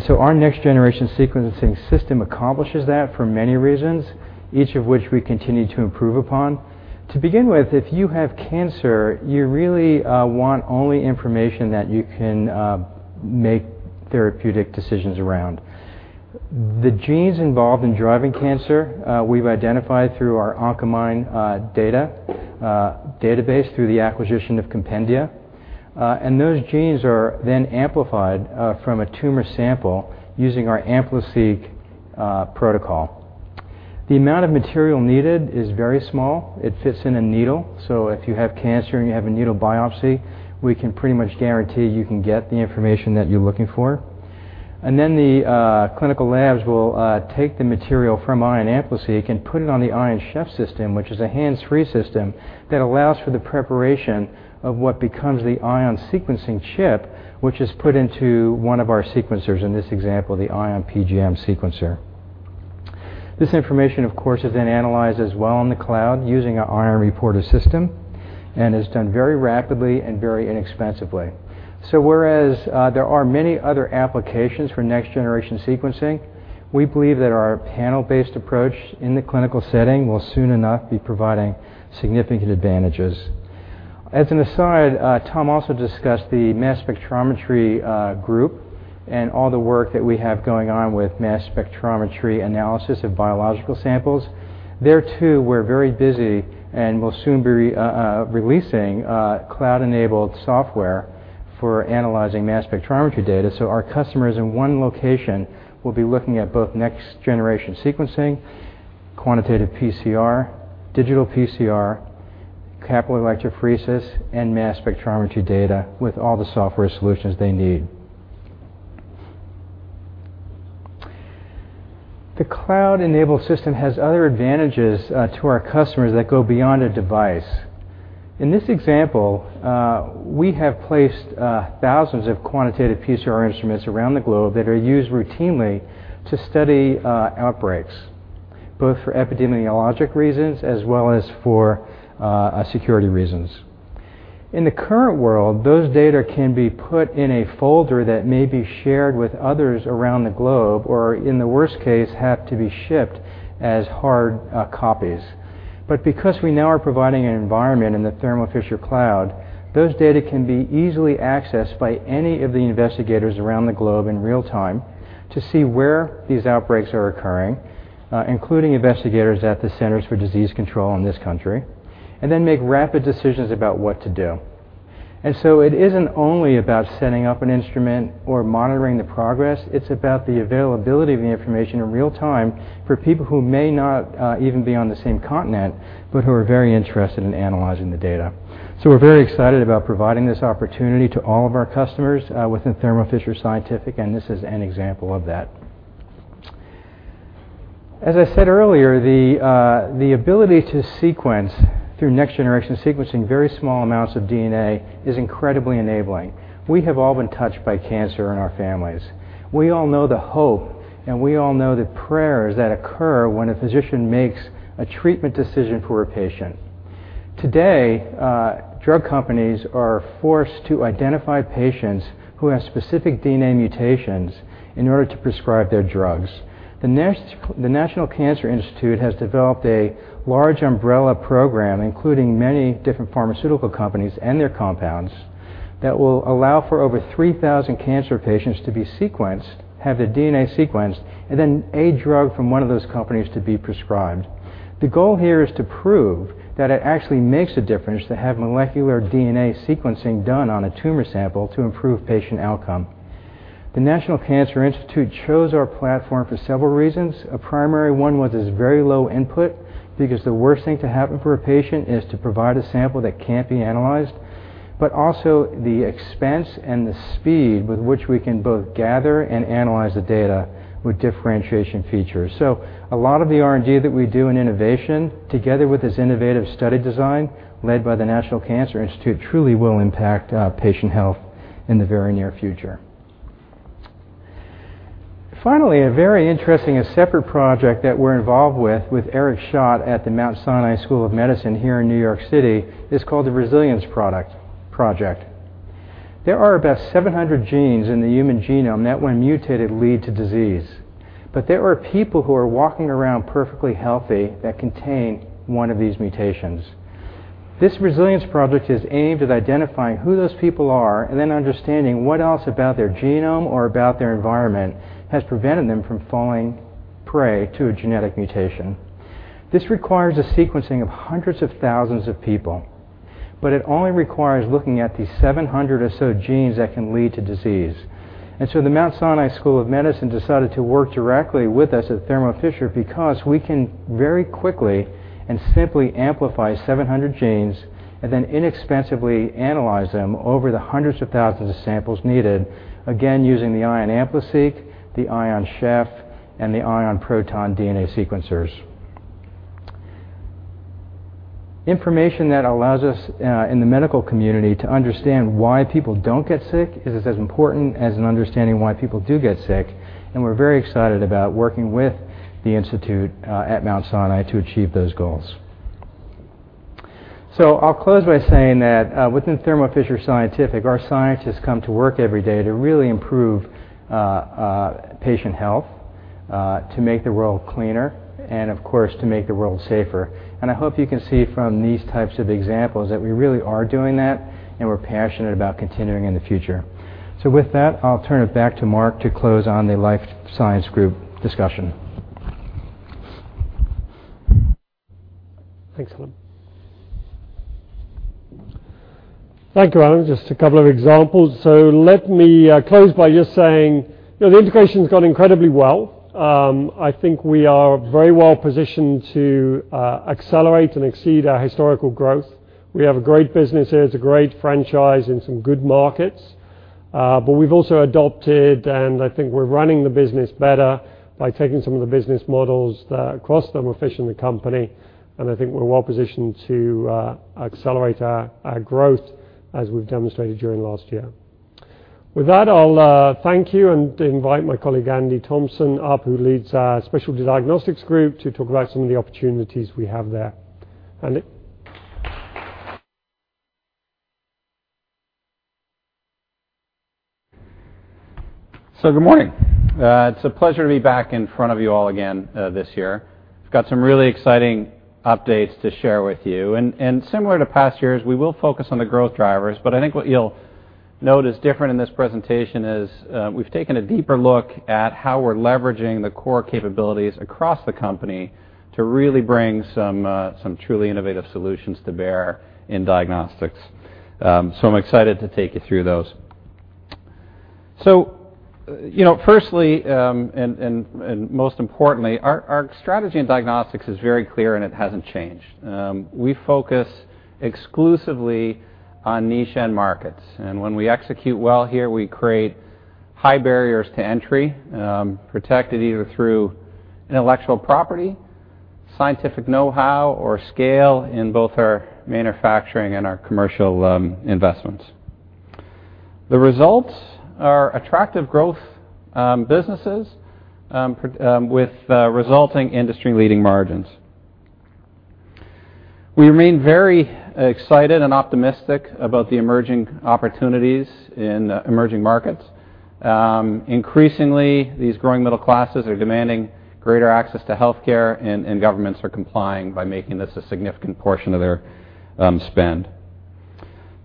Our next generation sequencing system accomplishes that for many reasons, each of which we continue to improve upon. To begin with, if you have cancer, you really want only information that you can make therapeutic decisions around. The genes involved in driving cancer, we've identified through our Oncomine data database through the acquisition of Compendia, and those genes are then amplified from a tumor sample using our AmpliSeq protocol. The amount of material needed is very small. It fits in a needle, if you have cancer and you have a needle biopsy, we can pretty much guarantee you can get the information that you're looking for. The clinical labs will take the material from Ion AmpliSeq and put it on the Ion Chef system, which is a hands-free system that allows for the preparation of what becomes the Ion sequencing chip, which is put into one of our sequencers, in this example, the Ion PGM Sequencer. This information, of course, is then analyzed as well in the cloud using our Ion Reporter system and is done very rapidly and very inexpensively. Whereas there are many other applications for next-generation sequencing, we believe that our panel-based approach in the clinical setting will soon enough be providing significant advantages. As an aside, Tom also discussed the mass spectrometry group and all the work that we have going on with mass spectrometry analysis of biological samples. There too, we're very busy and will soon be releasing cloud-enabled software for analyzing mass spectrometry data. Our customers in one location will be looking at both next-generation sequencing, quantitative PCR, digital PCR, capillary electrophoresis, and mass spectrometry data with all the software solutions they need. The cloud-enabled system has other advantages to our customers that go beyond a device. In this example, we have placed thousands of quantitative PCR instruments around the globe that are used routinely to study outbreaks, both for epidemiologic reasons as well as for security reasons. In the current world, those data can be put in a folder that may be shared with others around the globe, or in the worst case, have to be shipped as hard copies. Because we now are providing an environment in the Thermo Fisher Cloud, those data can be easily accessed by any of the investigators around the globe in real time to see where these outbreaks are occurring, including investigators at the Centers for Disease Control in the U.S., make rapid decisions about what to do. It isn't only about setting up an instrument or monitoring the progress, it's about the availability of the information in real time for people who may not even be on the same continent, but who are very interested in analyzing the data. We're very excited about providing this opportunity to all of our customers within Thermo Fisher Scientific, this is an example of that. As I said earlier, the ability to sequence through next-generation sequencing very small amounts of DNA is incredibly enabling. We have all been touched by cancer in our families. We all know the hope, and we all know the prayers that occur when a physician makes a treatment decision for a patient. Today, drug companies are forced to identify patients who have specific DNA mutations in order to prescribe their drugs. The National Cancer Institute has developed a large umbrella program, including many different pharmaceutical companies and their compounds, that will allow for over 3,000 cancer patients to be sequenced, have their DNA sequenced, a drug from one of those companies to be prescribed. The goal here is to prove that it actually makes a difference to have molecular DNA sequencing done on a tumor sample to improve patient outcome. The National Cancer Institute chose our platform for several reasons. A primary one was its very low input, because the worst thing to happen for a patient is to provide a sample that can't be analyzed, but also the expense and the speed with which we can both gather and analyze the data with differentiation features. A lot of the R&D that we do in innovation, together with this innovative study design led by the National Cancer Institute, truly will impact patient health in the very near future. Finally, a very interesting separate Project that we're involved with Eric Schadt at the Mount Sinai School of Medicine here in N.Y.C., is called the Resilience Project. There are about 700 genes in the human genome that, when mutated, lead to disease. There are people who are walking around perfectly healthy that contain one of these mutations. This Resilience Project is aimed at identifying who those people are and then understanding what else about their genome or about their environment has prevented them from falling prey to a genetic mutation. This requires a sequencing of hundreds of thousands of people, but it only requires looking at the 700 or so genes that can lead to disease. The Mount Sinai School of Medicine decided to work directly with us at Thermo Fisher because we can very quickly and simply amplify 700 genes and then inexpensively analyze them over the hundreds of thousands of samples needed, again, using the Ion AmpliSeq, the Ion Chef, and the Ion Proton DNA sequencers. Information that allows us in the medical community to understand why people don't get sick is as important as in understanding why people do get sick, and we're very excited about working with the institute at Mount Sinai to achieve those goals. I'll close by saying that within Thermo Fisher Scientific, our scientists come to work every day to really improve patient health, to make the world cleaner, and of course, to make the world safer. I hope you can see from these types of examples that we really are doing that, and we're passionate about continuing in the future. With that, I'll turn it back to Mark to close on the life science group discussion. Thanks, Alan. Thank you, Alan. Just a couple of examples. Let me close by just saying the integration's gone incredibly well. I think we are very well-positioned to accelerate and exceed our historical growth. We have a great business here. It's a great franchise in some good markets. We've also adopted, and I think we're running the business better by taking some of the business models that cross Thermo Fisher in the company, and I think we're well-positioned to accelerate our growth as we've demonstrated during last year. With that, I'll thank you and invite my colleague, Andy Thomson, up who leads our Specialty Diagnostics Group to talk about some of the opportunities we have there. Andy. Good morning. It's a pleasure to be back in front of you all again this year. We've got some really exciting updates to share with you. Similar to past years, we will focus on the growth drivers, but I think what you'll note is different in this presentation is we've taken a deeper look at how we're leveraging the core capabilities across the company to really bring some truly innovative solutions to bear in diagnostics. I'm excited to take you through those. Firstly, and most importantly, our strategy in diagnostics is very clear, and it hasn't changed. We focus exclusively on niche end markets. When we execute well here, we create high barriers to entry, protected either through intellectual property, scientific know-how, or scale in both our manufacturing and our commercial investments. The results are attractive growth businesses, with resulting industry-leading margins. We remain very excited and optimistic about the emerging opportunities in emerging markets. Increasingly, these growing middle classes are demanding greater access to healthcare, and governments are complying by making this a significant portion of their spend.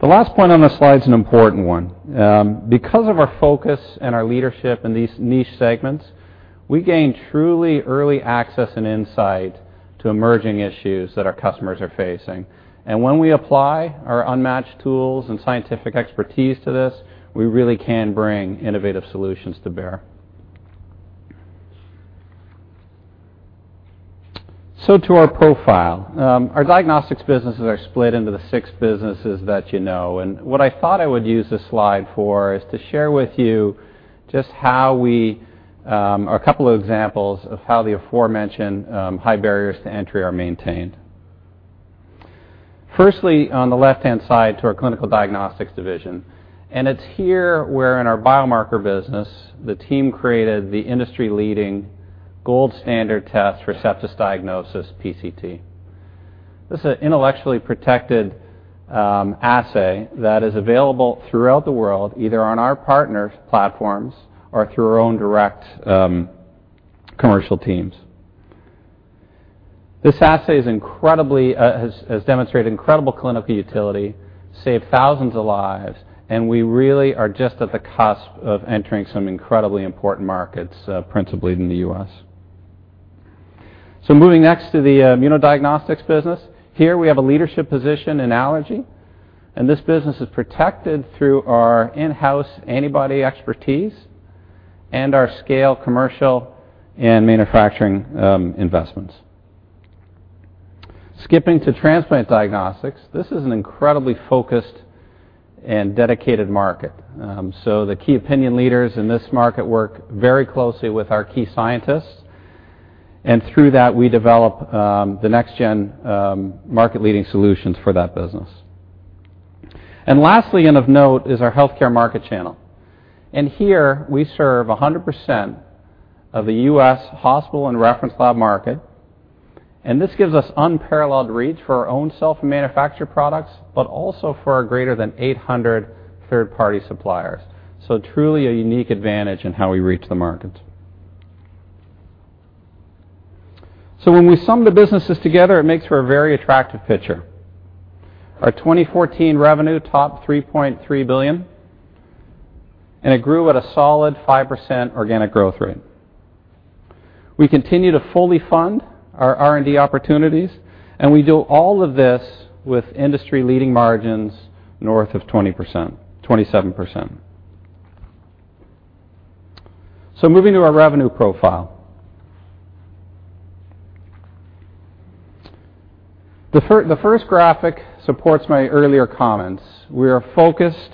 The last point on this slide is an important one. Because of our focus and our leadership in these niche segments, we gain truly early access and insight to emerging issues that our customers are facing. When we apply our unmatched tools and scientific expertise to this, we really can bring innovative solutions to bear. To our profile. Our diagnostics businesses are split into the six businesses that you know, and what I thought I would use this slide for is to share with you a couple of examples of how the aforementioned high barriers to entry are maintained. Firstly, on the left-hand side to our clinical diagnostics division, and it's here where in our biomarker business, the team created the industry-leading gold standard test for sepsis diagnosis, PCT. This is an intellectually protected assay that is available throughout the world, either on our partners' platforms or through our own direct commercial teams. This assay has demonstrated incredible clinical utility, saved thousands of lives, and we really are just at the cusp of entering some incredibly important markets, principally in the U.S. Moving next to the immunodiagnostics business. Here we have a leadership position in allergy, and this business is protected through our in-house antibody expertise and our scale, commercial, and manufacturing investments. Skipping to transplant diagnostics, this is an incredibly focused and dedicated market. The key opinion leaders in this market work very closely with our key scientists, and through that, we develop the next-gen market-leading solutions for that business. Lastly, and of note, is our healthcare market channel. Here we serve 100% of the U.S. hospital and reference lab market, and this gives us unparalleled reach for our own self-manufactured products, but also for our greater than 800 third-party suppliers. Truly a unique advantage in how we reach the market. When we sum the businesses together, it makes for a very attractive picture. Our 2014 revenue topped $3.3 billion, and it grew at a solid 5% organic growth rate. We continue to fully fund our R&D opportunities, and we do all of this with industry-leading margins north of 20%, 27%. Moving to our revenue profile. The first graphic supports my earlier comments. We are focused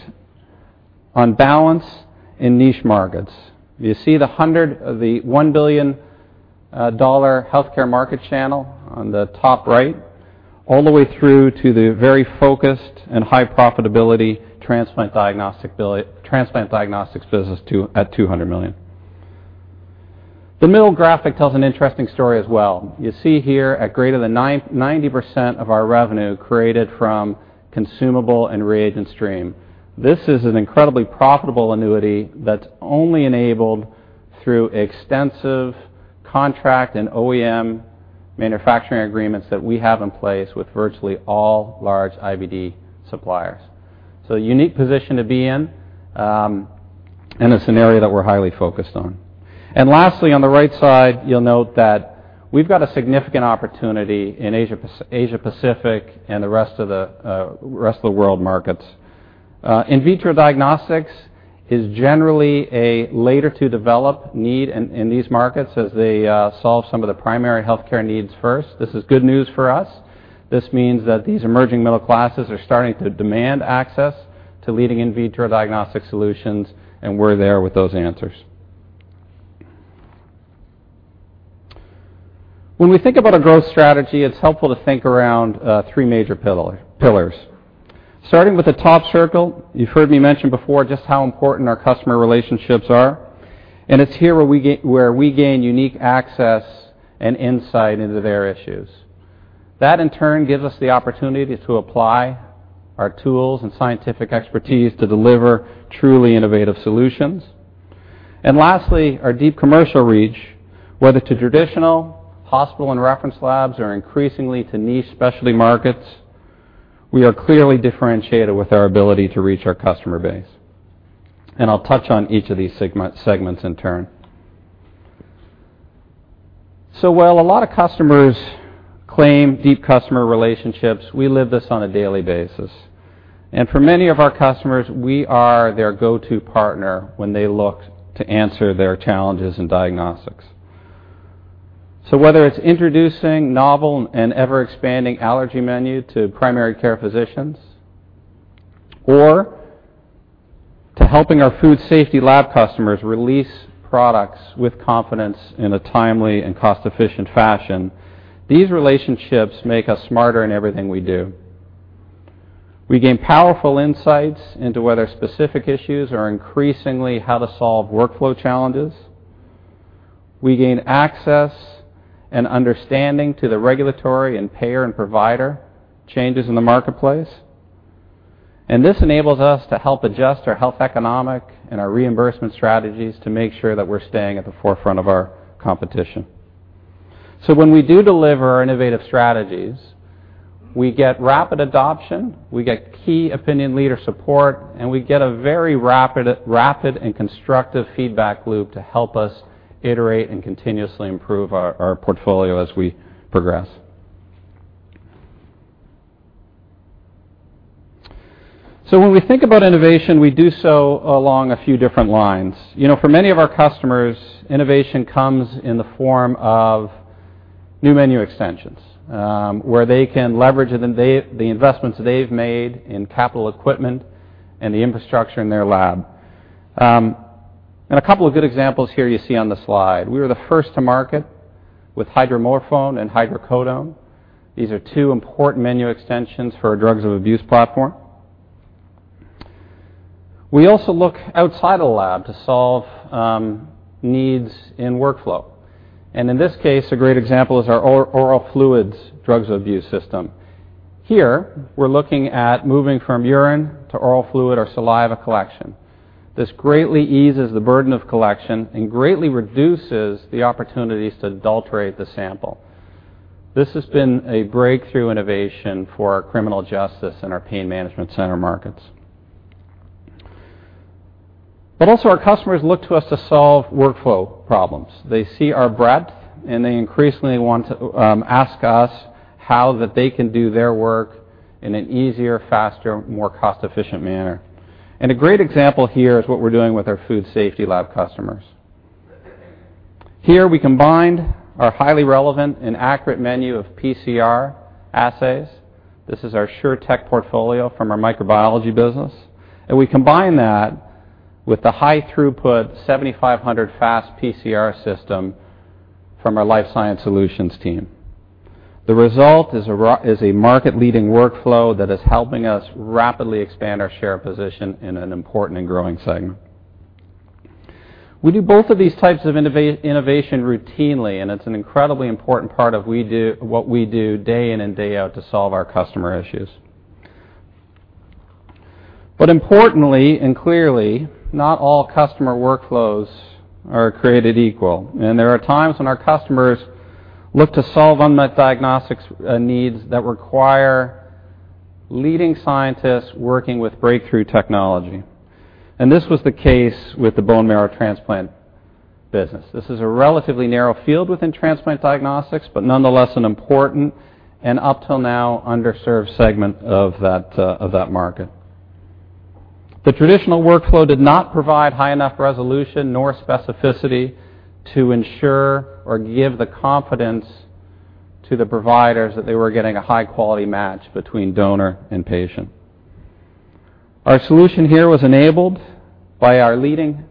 on balance in niche markets. You see the $1 billion healthcare market channel on the top right, all the way through to the very focused and high profitability transplant diagnostics business at $200 million. The middle graphic tells an interesting story as well. You see here a greater than 90% of our revenue created from consumable and reagent stream. This is an incredibly profitable annuity that's only enabled through extensive contract and OEM manufacturing agreements that we have in place with virtually all large IVD suppliers. A unique position to be in, and a scenario that we're highly focused on. Lastly, on the right side, you'll note that we've got a significant opportunity in Asia-Pacific and the rest of the world markets. In vitro diagnostics is generally a later to develop need in these markets as they solve some of the primary healthcare needs first. This is good news for us. This means that these emerging middle classes are starting to demand access to leading in vitro diagnostic solutions, and we're there with those answers. When we think about a growth strategy, it's helpful to think around three major pillars. Starting with the top circle, you've heard me mention before just how important our customer relationships are, and it's here where we gain unique access and insight into their issues. That, in turn, gives us the opportunity to apply our tools and scientific expertise to deliver truly innovative solutions. Lastly, our deep commercial reach, whether to traditional hospital and reference labs or increasingly to niche specialty markets, we are clearly differentiated with our ability to reach our customer base. I'll touch on each of these segments in turn. While a lot of customers claim deep customer relationships, we live this on a daily basis. For many of our customers, we are their go-to partner when they look to answer their challenges in diagnostics. Whether it's introducing novel and ever-expanding allergy menu to primary care physicians or to helping our food safety lab customers release products with confidence in a timely and cost-efficient fashion, these relationships make us smarter in everything we do. We gain powerful insights into whether specific issues are increasingly how to solve workflow challenges. We gain access and understanding to the regulatory and payer and provider changes in the marketplace. This enables us to help adjust our health economic and our reimbursement strategies to make sure that we're staying at the forefront of our competition. When we do deliver our innovative strategies, we get rapid adoption, we get key opinion leader support, and we get a very rapid and constructive feedback loop to help us iterate and continuously improve our portfolio as we progress. When we think about innovation, we do so along a few different lines. For many of our customers, innovation comes in the form of new menu extensions, where they can leverage the investments they've made in capital equipment and the infrastructure in their lab. A couple of good examples here you see on the slide. We were the first to market with hydromorphone and hydrocodone. These are two important menu extensions for our drugs of abuse platform. We also look outside a lab to solve needs in workflow. In this case, a great example is our oral fluids drugs abuse system. Here, we're looking at moving from urine to oral fluid or saliva collection. This greatly eases the burden of collection and greatly reduces the opportunities to adulterate the sample. This has been a breakthrough innovation for our criminal justice and our pain management center markets. Also our customers look to us to solve workflow problems. They see our breadth, and they increasingly want to ask us how that they can do their work in an easier, faster, more cost-efficient manner. A great example here is what we're doing with our food safety lab customers. Here, we combined our highly relevant and accurate menu of PCR assays. This is our SureTect portfolio from our microbiology business. We combine that with the high throughput 7,500 Fast PCR system from our Life Sciences Solutions team. The result is a market-leading workflow that is helping us rapidly expand our share position in an important and growing segment. We do both of these types of innovation routinely, and it's an incredibly important part of what we do day in and day out to solve our customer issues. Importantly and clearly, not all customer workflows are created equal, and there are times when our customers look to solve unmet diagnostics needs that require leading scientists working with breakthrough technology. This was the case with the bone marrow transplant business. This is a relatively narrow field within transplant diagnostics, but nonetheless an important and up till now underserved segment of that market. The traditional workflow did not provide high enough resolution nor specificity to ensure or give the confidence to the providers that they were getting a high-quality match between donor and patient. Our solution here was enabled by our leading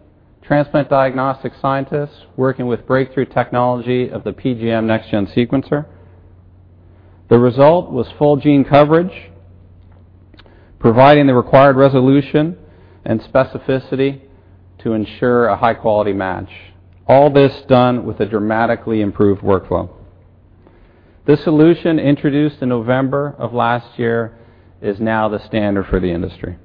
transplant diagnostic scientists working with breakthrough technology of the Ion PGM Sequencer. The result was full gene coverage, providing the required resolution and specificity to ensure a high-quality match. All this done with a dramatically improved workflow. This solution, introduced in November of last year, is now the standard for the industry.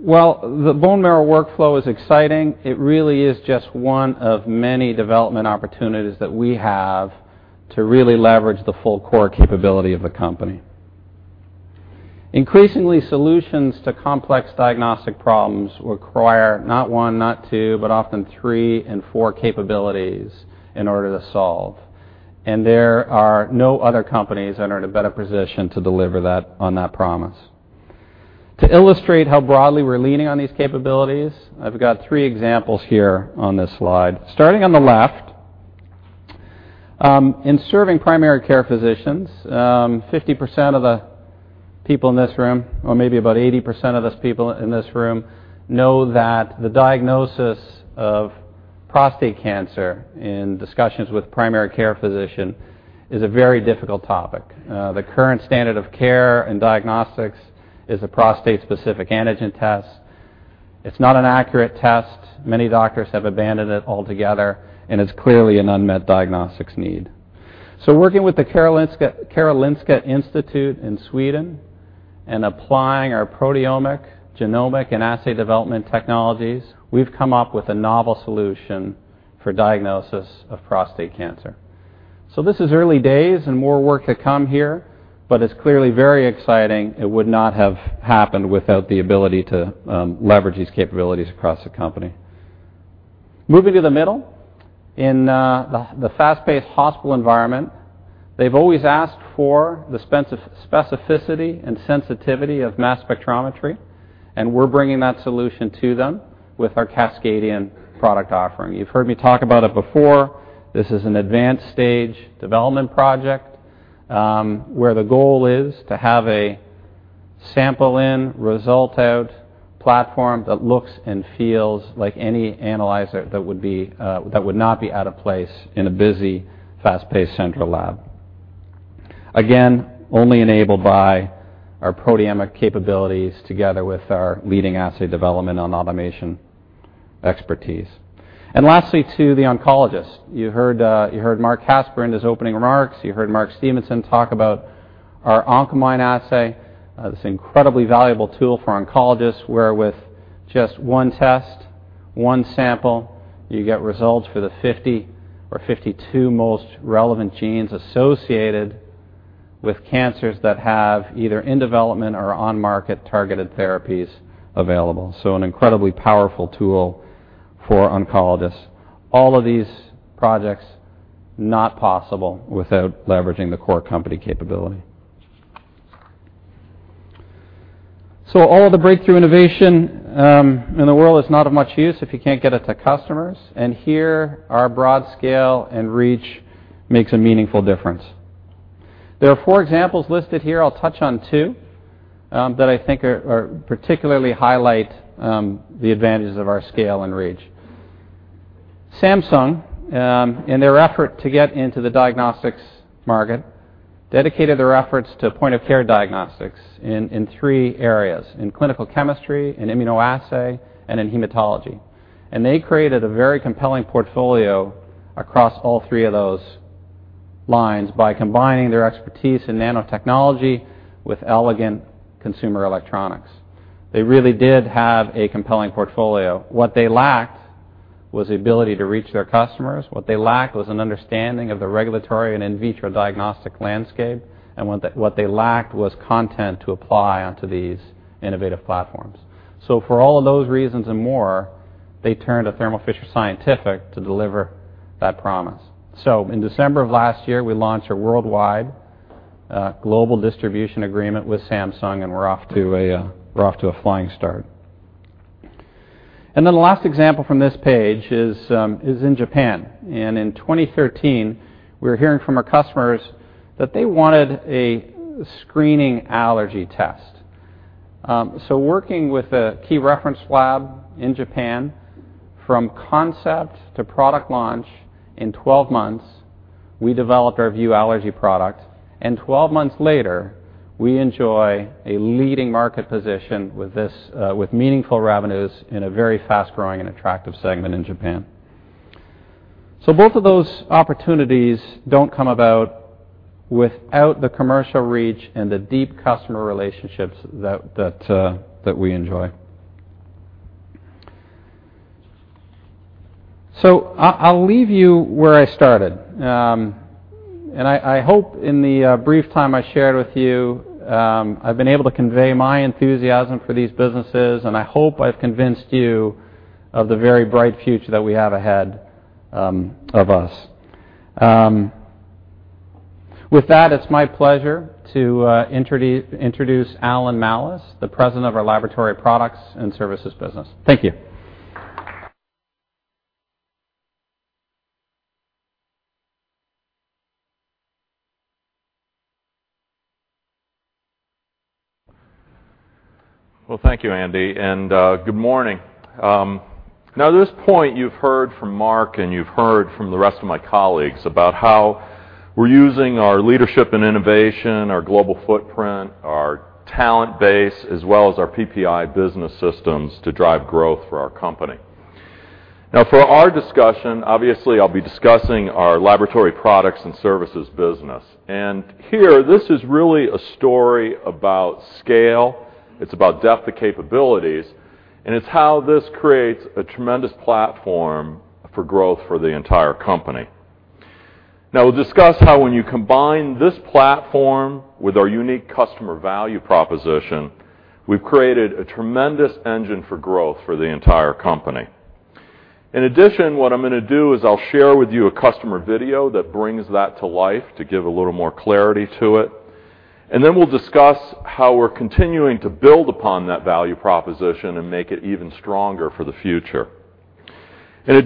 While the bone marrow workflow is exciting, it really is just one of many development opportunities that we have to really leverage the full core capability of the company. Increasingly, solutions to complex diagnostic problems require not one, not two, but often three and four capabilities in order to solve. There are no other companies that are in a better position to deliver on that promise. To illustrate how broadly we're leaning on these capabilities, I've got three examples here on this slide. Starting on the left, in serving primary care physicians, 50% of the people in this room, or maybe about 80% of the people in this room, know that the diagnosis of prostate cancer in discussions with primary care physician is a very difficult topic. The current standard of care in diagnostics is a prostate-specific antigen test. It's not an accurate test. Many doctors have abandoned it altogether, and it's clearly an unmet diagnostics need. Working with the Karolinska Institute in Sweden and applying our proteomic, genomic, and assay development technologies, we've come up with a novel solution for diagnosis of prostate cancer. This is early days, and more work to come here, but it's clearly very exciting. It would not have happened without the ability to leverage these capabilities across the company. Moving to the middle, in the fast-paced hospital environment, they've always asked for the specificity and sensitivity of mass spectrometry, and we're bringing that solution to them with our Cascadion product offering. You've heard me talk about it before. This is an advanced stage development project, where the goal is to have a sample in, result out platform that looks and feels like any analyzer that would not be out of place in a busy, fast-paced central lab. Again, only enabled by our proteomic capabilities together with our leading assay development and automation expertise. Lastly, to the oncologist. You heard Marc Casper in his opening remarks. You heard Mark Stevenson talk about our Oncomine assay, this incredibly valuable tool for oncologists, where with just one test, one sample, you get results for the 50 or 52 most relevant genes associated with cancers that have either in development or on-market targeted therapies available. An incredibly powerful tool for oncologists. All of these projects, not possible without leveraging the core company capability. All the breakthrough innovation in the world is not of much use if you can't get it to customers, and here our broad scale and reach makes a meaningful difference. There are four examples listed here. I'll touch on two that I think particularly highlight the advantages of our scale and reach. Samsung, in their effort to get into the diagnostics market, dedicated their efforts to point-of-care diagnostics in three areas: in clinical chemistry, in immunoassay, and in hematology. They created a very compelling portfolio across all three of those lines by combining their expertise in nanotechnology with elegant consumer electronics. They really did have a compelling portfolio. What they lacked was the ability to reach their customers. What they lacked was an understanding of the regulatory and in vitro diagnostic landscape, and what they lacked was content to apply onto these innovative platforms. For all of those reasons and more, they turned to Thermo Fisher Scientific to deliver that promise. In December of last year, we launched a worldwide global distribution agreement with Samsung, and we're off to a flying start. The last example from this page is in Japan. In 2013, we were hearing from our customers that they wanted a screening allergy test. Working with a key reference lab in Japan, from concept to product launch, in 12 months, we developed our View Allergy product, and 12 months later, we enjoy a leading market position with meaningful revenues in a very fast-growing and attractive segment in Japan. Both of those opportunities don't come about without the commercial reach and the deep customer relationships that we enjoy. I'll leave you where I started. I hope in the brief time I shared with you, I've been able to convey my enthusiasm for these businesses, and I hope I've convinced you of the very bright future that we have ahead of us. With that, it's my pleasure to introduce Alan Malus, the president of our Laboratory Products and Services business. Thank you. Well, thank you, Andy, and good morning. At this point, you've heard from Marc and you've heard from the rest of my colleagues about how we're using our leadership and innovation, our global footprint, our talent base, as well as our PPI business systems to drive growth for our company. For our discussion, obviously, I'll be discussing our Laboratory Products and Services business. Here, this is really a story about scale, it's about depth of capabilities, and it's how this creates a tremendous platform for growth for the entire company. We'll discuss how when you combine this platform with our unique customer value proposition, we've created a tremendous engine for growth for the entire company. What I'm going to do is I'll share with you a customer video that brings that to life to give a little more clarity to it, and then we'll discuss how we're continuing to build upon that value proposition and make it even stronger for the future. Greg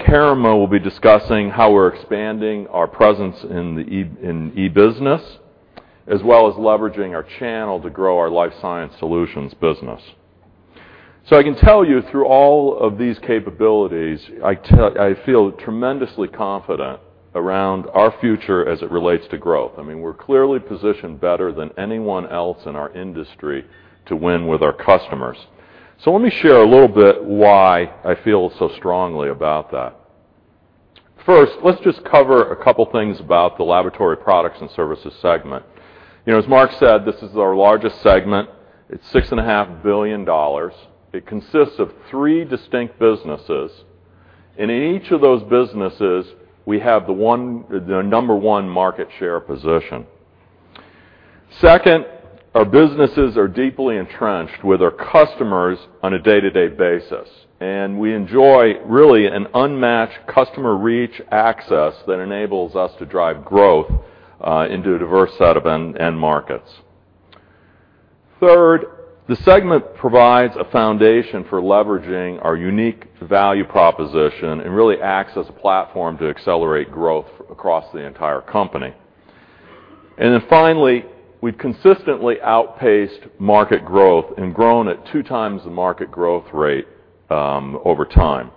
Herrema will be discussing how we're expanding our presence in e-business, as well as leveraging our channel to grow our Life Sciences Solutions business. I can tell you through all of these capabilities, I feel tremendously confident around our future as it relates to growth. We're clearly positioned better than anyone else in our industry to win with our customers. Let me share a little bit why I feel so strongly about that. First, let's just cover a couple things about the Laboratory Products and Services segment. As Marc said, this is our largest segment. It's $6.5 billion. It consists of three distinct businesses. In each of those businesses, we have the number one market share position. Second, our businesses are deeply entrenched with our customers on a day-to-day basis. We enjoy really an unmatched customer reach access that enables us to drive growth into a diverse set of end markets. Third, the segment provides a foundation for leveraging our unique value proposition and really acts as a platform to accelerate growth across the entire company. Finally, we've consistently outpaced market growth and grown at two times the market growth rate over time.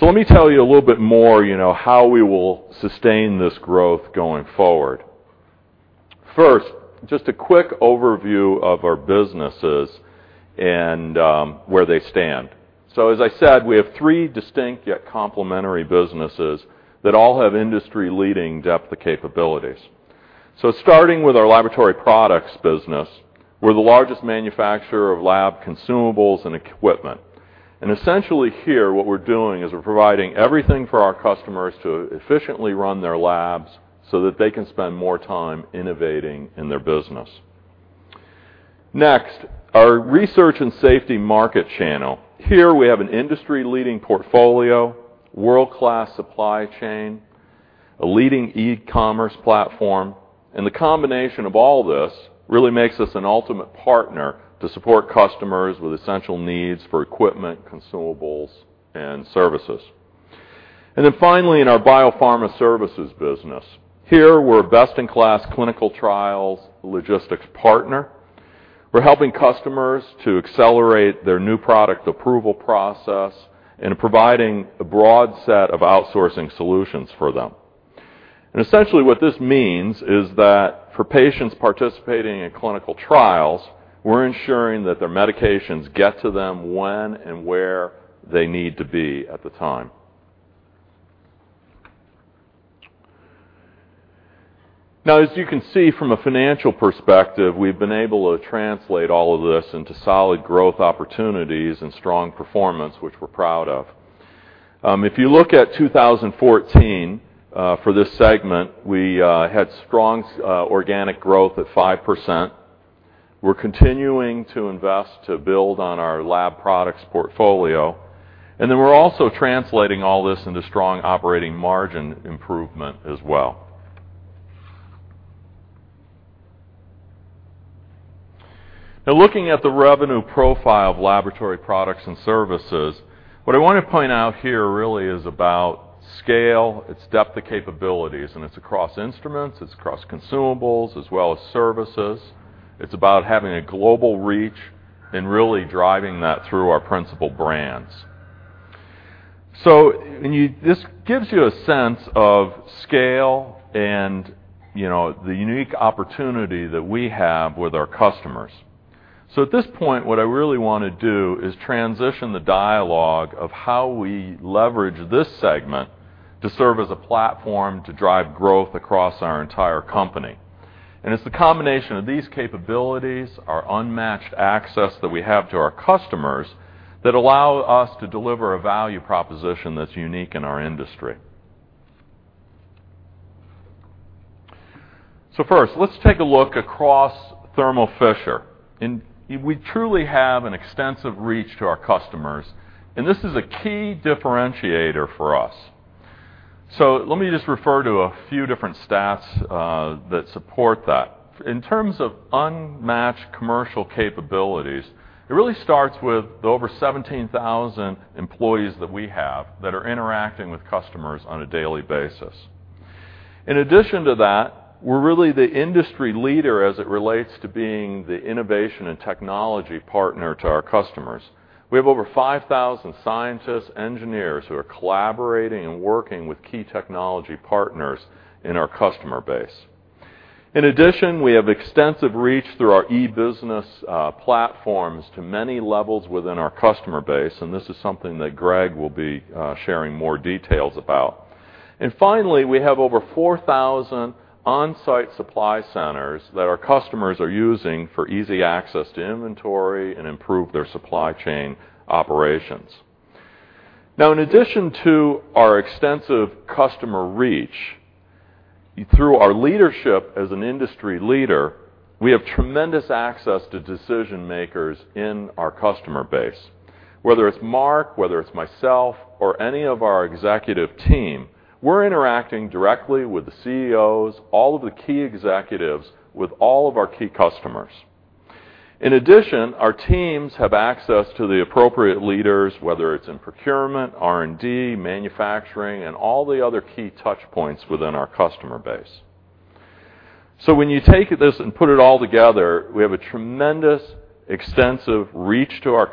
Let me tell you a little bit more, how we will sustain this growth going forward. First, just a quick overview of our businesses and where they stand. As I said, we have three distinct yet complementary businesses that all have industry-leading depth of capabilities. Starting with our Laboratory Products business, we're the largest manufacturer of lab consumables and equipment. Essentially here, what we're doing is we're providing everything for our customers to efficiently run their labs so that they can spend more time innovating in their business. Next, our research and safety market channel. Here, we have an industry-leading portfolio, world-class supply chain, a leading e-commerce platform. The combination of all this really makes us an ultimate partner to support customers with essential needs for equipment, consumables, and services. Finally, in our biopharma services business, here we're a best-in-class clinical trials logistics partner. We're helping customers to accelerate their new product approval process and providing a broad set of outsourcing solutions for them. Essentially what this means is that for patients participating in clinical trials, we're ensuring that their medications get to them when and where they need to be at the time. As you can see from a financial perspective, we've been able to translate all of this into solid growth opportunities and strong performance, which we're proud of. If you look at 2014, for this segment, we had strong organic growth at 5%. We're continuing to invest to build on our lab products portfolio. We're also translating all this into strong operating margin improvement as well. Looking at the revenue profile of Laboratory Products and Services, what I want to point out here really is about scale, its depth of capabilities, and it's across instruments, it's across consumables, as well as services. It's about having a global reach and really driving that through our principal brands. This gives you a sense of scale and the unique opportunity that we have with our customers. At this point, what I really want to do is transition the dialogue of how we leverage this segment to serve as a platform to drive growth across our entire company. It's the combination of these capabilities, our unmatched access that we have to our customers, that allow us to deliver a value proposition that's unique in our industry. First, let's take a look across Thermo Fisher. We truly have an extensive reach to our customers, and this is a key differentiator for us. Let me just refer to a few different stats that support that. In terms of unmatched commercial capabilities, it really starts with the over 17,000 employees that we have that are interacting with customers on a daily basis. In addition to that, we're really the industry leader as it relates to being the innovation and technology partner to our customers. We have over 5,000 scientists, engineers who are collaborating and working with key technology partners in our customer base. In addition, we have extensive reach through our e-business platforms to many levels within our customer base, and this is something that Greg will be sharing more details about. Finally, we have over 4,000 on-site supply centers that our customers are using for easy access to inventory and improve their supply chain operations. In addition to our extensive customer reach, through our leadership as an industry leader, we have tremendous access to decision-makers in our customer base. Whether it's Marc, whether it's myself, or any of our executive team, we're interacting directly with the CEOs, all of the key executives, with all of our key customers. In addition, our teams have access to the appropriate leaders, whether it's in procurement, R&D, manufacturing, and all the other key touch points within our customer base. When you take this and put it all together, we have a tremendous, extensive reach to our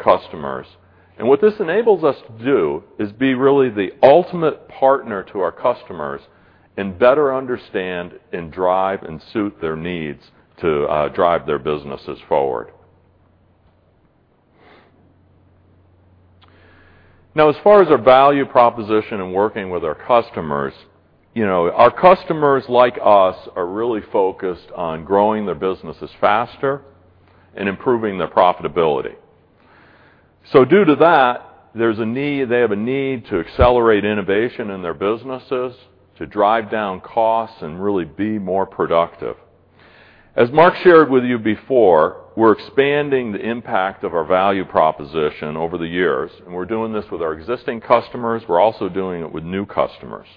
customers. What this enables us to do is be really the ultimate partner to our customers and better understand and drive and suit their needs to drive their businesses forward. As far as our value proposition in working with our customers, our customers, like us, are really focused on growing their businesses faster and improving their profitability. Due to that, they have a need to accelerate innovation in their businesses, to drive down costs, and really be more productive. As Mark shared with you before, we're expanding the impact of our value proposition over the years, and we're doing this with our existing customers. We're also doing it with new customers.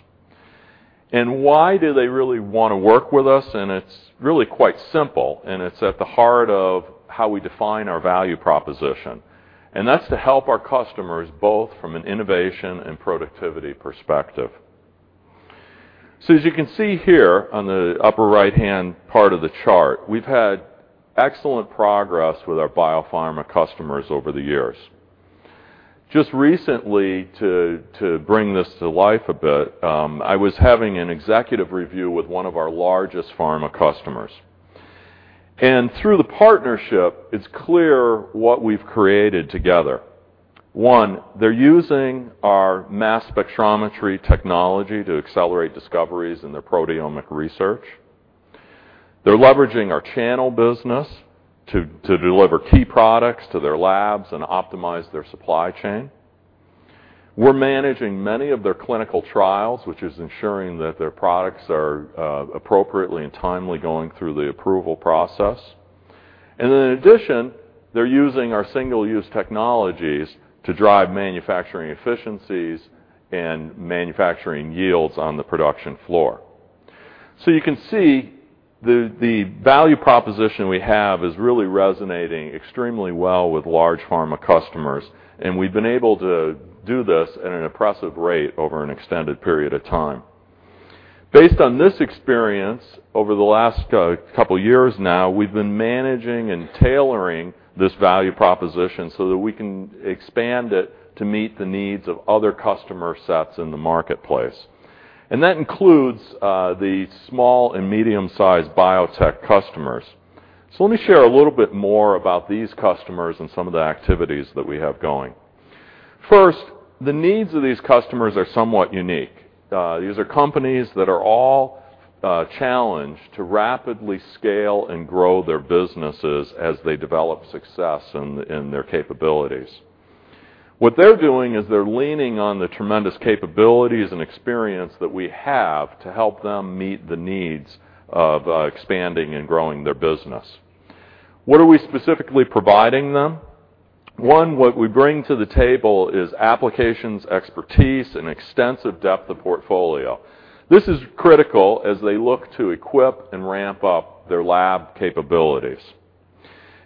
Why do they really want to work with us? It's really quite simple, and it's at the heart of how we define our value proposition, and that's to help our customers both from an innovation and productivity perspective. As you can see here on the upper right-hand part of the chart, we've had excellent progress with our biopharma customers over the years. Just recently, to bring this to life a bit, I was having an executive review with one of our largest pharma customers. Through the partnership, it's clear what we've created together. One, they're using our mass spectrometry technology to accelerate discoveries in their proteomics research. They're leveraging our channel business to deliver key products to their labs and optimize their supply chain. We're managing many of their clinical trials, which is ensuring that their products are appropriately and timely going through the approval process. In addition, they're using our single-use technologies to drive manufacturing efficiencies and manufacturing yields on the production floor. You can see the value proposition we have is really resonating extremely well with large pharma customers, and we've been able to do this at an impressive rate over an extended period of time. Based on this experience, over the last couple years now, we've been managing and tailoring this value proposition so that we can expand it to meet the needs of other customer sets in the marketplace. That includes the small and medium-sized biotech customers. Let me share a little bit more about these customers and some of the activities that we have going. First, the needs of these customers are somewhat unique. These are companies that are all challenged to rapidly scale and grow their businesses as they develop success in their capabilities. What they're doing is they're leaning on the tremendous capabilities and experience that we have to help them meet the needs of expanding and growing their business. What are we specifically providing them? One, what we bring to the table is applications expertise and extensive depth of portfolio. This is critical as they look to equip and ramp up their lab capabilities.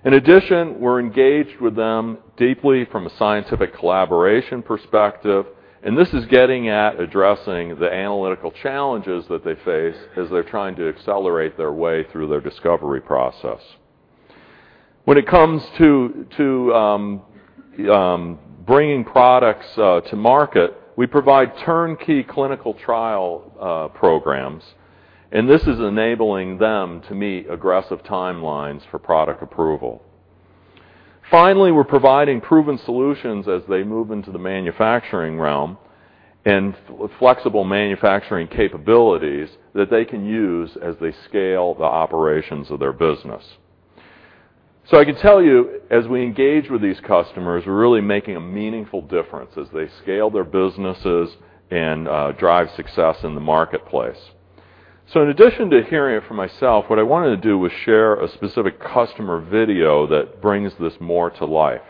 In addition, we're engaged with them deeply from a scientific collaboration perspective, and this is getting at addressing the analytical challenges that they face as they're trying to accelerate their way through their discovery process. When it comes to bringing products to market, we provide turnkey clinical trial programs, and this is enabling them to meet aggressive timelines for product approval. Finally, we're providing proven solutions as they move into the manufacturing realm and flexible manufacturing capabilities that they can use as they scale the operations of their business. I can tell you, as we engage with these customers, we're really making a meaningful difference as they scale their businesses and drive success in the marketplace. In addition to hearing it from myself, what I wanted to do was share a specific customer video that brings this more to life.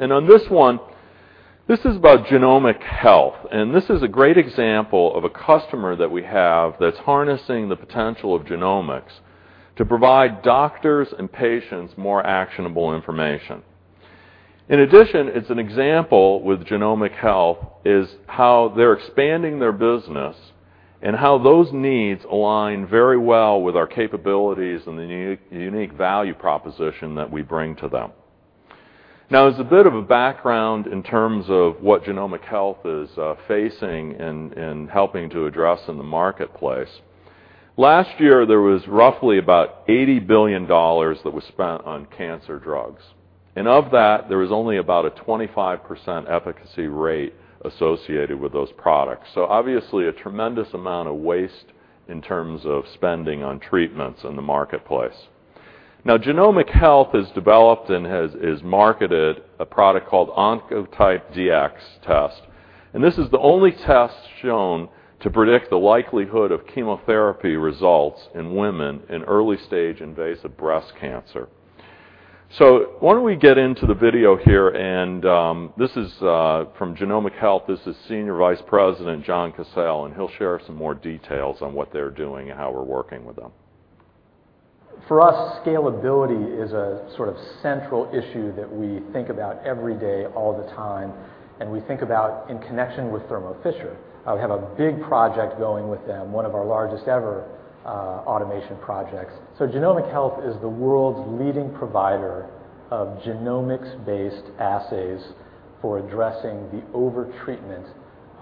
On this one, this is about Genomic Health, and this is a great example of a customer that we have that's harnessing the potential of genomics to provide doctors and patients more actionable information. It's an example with Genomic Health is how they're expanding their business and how those needs align very well with our capabilities and the unique value proposition that we bring to them. As a bit of a background in terms of what Genomic Health is facing and helping to address in the marketplace, last year, there was roughly about $80 billion that was spent on cancer drugs. Of that, there was only about a 25% efficacy rate associated with those products. Obviously, a tremendous amount of waste in terms of spending on treatments in the marketplace. Genomic Health has developed and has marketed a product called Oncotype DX test, and this is the only test shown to predict the likelihood of chemotherapy results in women in early-stage invasive breast cancer. Why don't we get into the video here, and this is from Genomic Health. This is Senior Vice President Jon Cassel, he'll share some more details on what they're doing and how we're working with them. For us, scalability is a sort of central issue that we think about every day, all the time, and we think about in connection with Thermo Fisher. We have a big project going with them, one of our largest ever automation projects. Genomic Health is the world's leading provider of genomics-based assays for addressing the over-treatment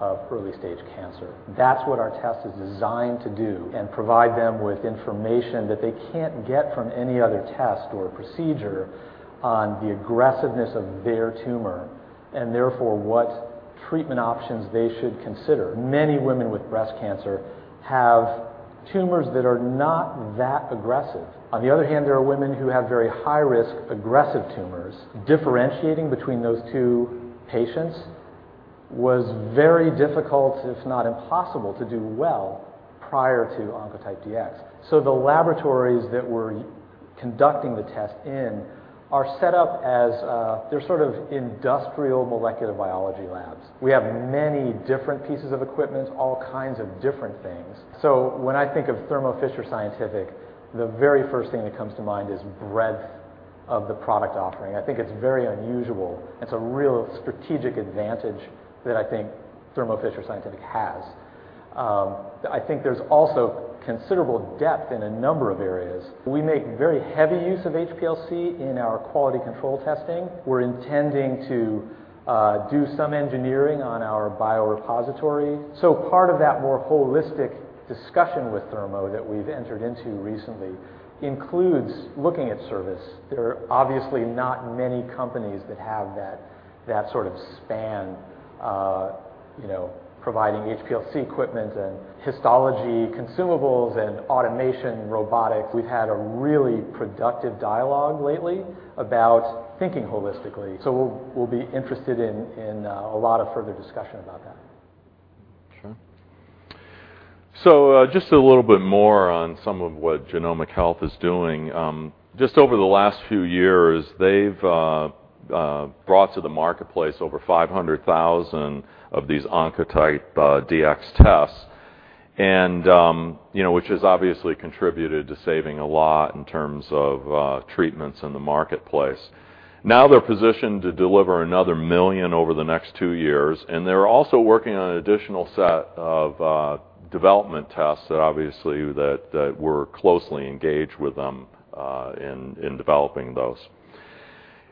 of early-stage cancer. That's what our test is designed to do and provide them with information that they can't get from any other test or procedure on the aggressiveness of their tumor and therefore, what treatment options they should consider. Many women with breast cancer have tumors that are not that aggressive. On the other hand, there are women who have very high-risk aggressive tumors. Differentiating between those two patients was very difficult, if not impossible, to do well prior to Oncotype DX. The laboratories that we're conducting the test in are set up as They're sort of industrial molecular biology labs. We have many different pieces of equipment, all kinds of different things. When I think of Thermo Fisher Scientific, the very first thing that comes to mind is breadth of the product offering. I think it's very unusual. It's a real strategic advantage that I think Thermo Fisher Scientific has. I think there's also considerable depth in a number of areas. We make very heavy use of HPLC in our quality control testing. We're intending to do some engineering on our biorepository. Part of that more holistic discussion with Thermo that we've entered into recently includes looking at service. There are obviously not many companies that have that sort of span, providing HPLC equipment and histology consumables and automation robotics. We've had a really productive dialogue lately about thinking holistically. We'll be interested in a lot of further discussion about that. Sure. Just a little bit more on some of what Genomic Health is doing. Just over the last few years, they've brought to the marketplace over 500,000 of these Oncotype DX tests, which has obviously contributed to saving a lot in terms of treatments in the marketplace. Now they're positioned to deliver another 1 million over the next two years, and they're also working on an additional set of development tests that obviously we're closely engaged with them in developing those.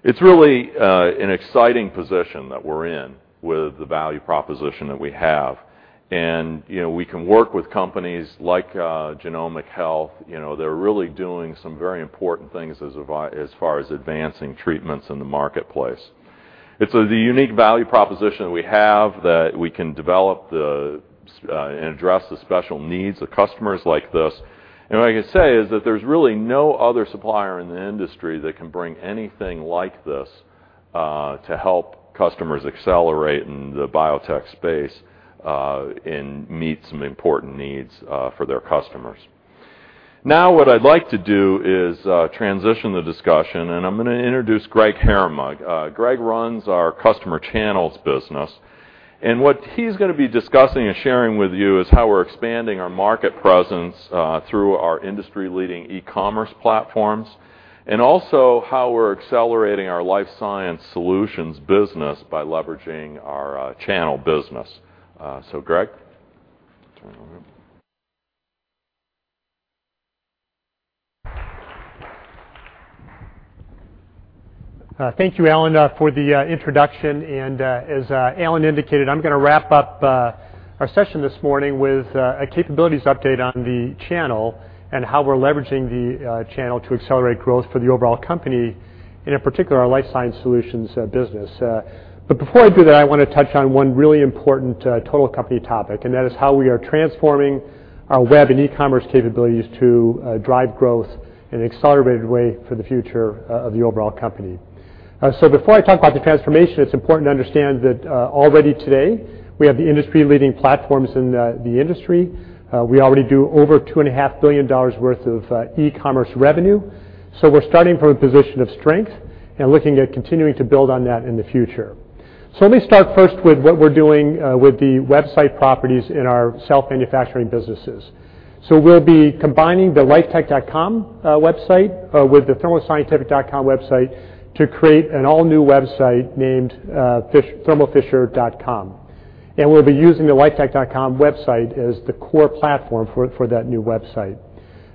It's really an exciting position that we're in with the value proposition that we have, and we can work with companies like Genomic Health. They're really doing some very important things as far as advancing treatments in the marketplace. It's the unique value proposition that we have that we can develop and address the special needs of customers like this. All I can say is that there's really no other supplier in the industry that can bring anything like this to help customers accelerate in the biotech space and meet some important needs for their customers. Now, what I'd like to do is transition the discussion, and I'm going to introduce Greg Herrema. Greg runs our Customer Channels business, and what he's going to be discussing and sharing with you is how we're expanding our market presence through our industry-leading e-commerce platforms and also how we're accelerating our Life Sciences Solutions business by leveraging our channel business. Greg, turn it over. Thank you, Alan, for the introduction. As Alan indicated, I'm going to wrap up our session this morning with a capabilities update on the channel and how we're leveraging the channel to accelerate growth for the overall company, and in particular, our Life Sciences Solutions business. Before I do that, I want to touch on one really important total company topic, and that is how we are transforming our web and e-commerce capabilities to drive growth in an accelerated way for the future of the overall company. Before I talk about the transformation, it's important to understand that already today, we have the industry-leading platforms in the industry. We already do over $2.5 billion worth of e-commerce revenue. We're starting from a position of strength and looking at continuing to build on that in the future. Let me start first with what we're doing with the website properties in our self-manufacturing businesses. We'll be combining the lifetech.com website with the thermoscientific.com website to create an all-new website named thermofisher.com, and we'll be using the lifetech.com website as the core platform for that new website.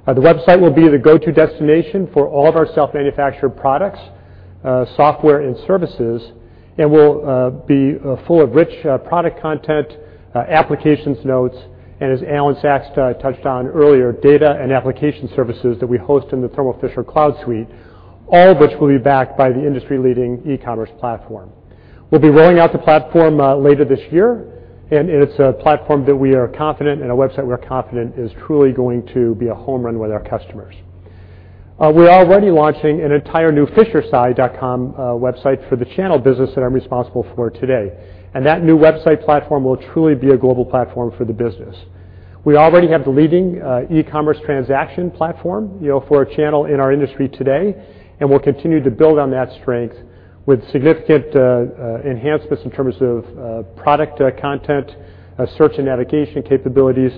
The website will be the go-to destination for all of our self-manufactured products, software, and services, and will be full of rich product content, applications notes, and as Alan Sachs touched on earlier, data and application services that we host in the Thermo Fisher Cloud suite, all of which will be backed by the industry-leading e-commerce platform. We'll be rolling out the platform later this year, and it's a platform that we are confident and a website we're confident is truly going to be a home run with our customers. We're already launching an entire new fishersci.com website for the channel business that I'm responsible for today, That new website platform will truly be a global platform for the business. We already have the leading e-commerce transaction platform for a channel in our industry today, We'll continue to build on that strength with significant enhancements in terms of product content, search and navigation capabilities.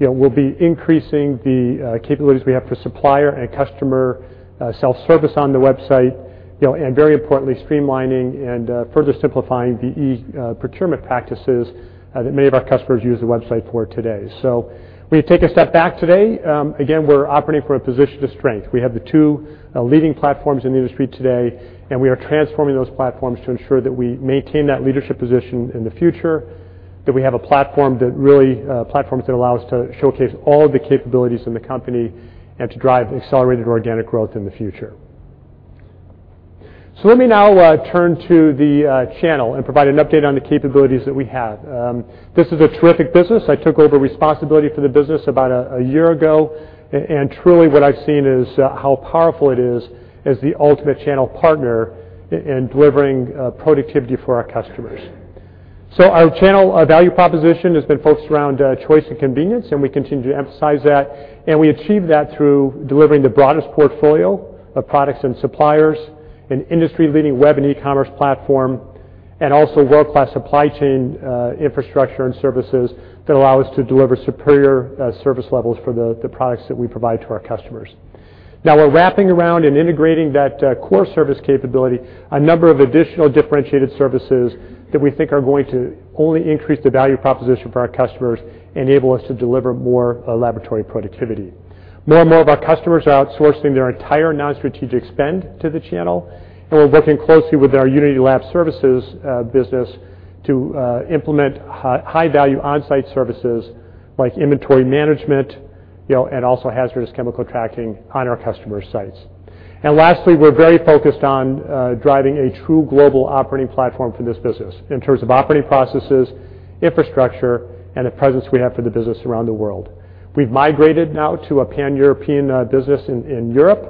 We'll be increasing the capabilities we have for supplier and customer self-service on the website, Very importantly, streamlining and further simplifying the e-procurement practices that many of our customers use the website for today. We take a step back today. Again, we're operating from a position of strength. We have the two leading platforms in the industry today, We are transforming those platforms to ensure that we maintain that leadership position in the future, that we have platforms that allow us to showcase all of the capabilities in the company and to drive accelerated organic growth in the future. Let me now turn to the channel and provide an update on the capabilities that we have. This is a terrific business. I took over responsibility for the business about a year ago, and truly what I've seen is how powerful it is as the ultimate channel partner in delivering productivity for our customers. Our channel value proposition has been focused around choice and convenience, We continue to emphasize that, We achieve that through delivering the broadest portfolio of products and suppliers, an industry-leading web and e-commerce platform, Also world-class supply chain infrastructure and services that allow us to deliver superior service levels for the products that we provide to our customers. We're wrapping around and integrating that core service capability, a number of additional differentiated services that we think are going to only increase the value proposition for our customers, enable us to deliver more laboratory productivity. More and more of our customers are outsourcing their entire non-strategic spend to the channel, We're working closely with our Unity Lab Services business to implement high-value on-site services like inventory management and also hazardous chemical tracking on our customers' sites. Lastly, we're very focused on driving a true global operating platform for this business in terms of operating processes, infrastructure, and the presence we have for the business around the world. We've migrated now to a pan-European business in Europe.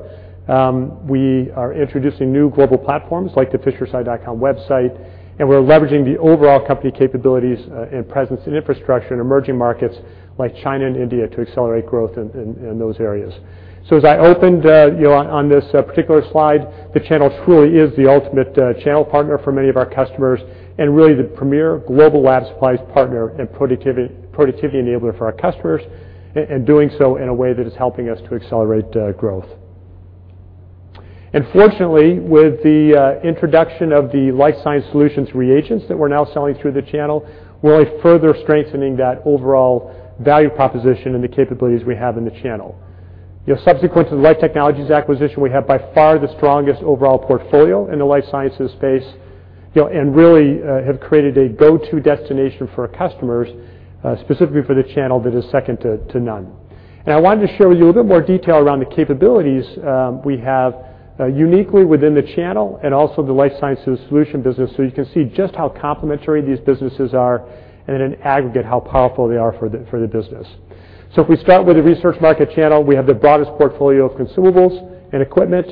We are introducing new global platforms like the fishersci.com website, and we're leveraging the overall company capabilities and presence and infrastructure in emerging markets like China and India to accelerate growth in those areas. As I opened on this particular slide, the channel truly is the ultimate channel partner for many of our customers and really the premier global lab supplies partner and productivity enabler for our customers, and doing so in a way that is helping us to accelerate growth. Fortunately, with the introduction of the Life Sciences Solutions reagents that we're now selling through the channel, we're further strengthening that overall value proposition and the capabilities we have in the channel. Subsequent to the Life Technologies acquisition, we have by far the strongest overall portfolio in the life sciences space, and really have created a go-to destination for our customers, specifically for the channel that is second to none. I wanted to share with you a little bit more detail around the capabilities we have uniquely within the channel and also the Life Sciences Solutions business, so you can see just how complementary these businesses are and in aggregate, how powerful they are for the business. If we start with the research market channel, we have the broadest portfolio of consumables and equipment,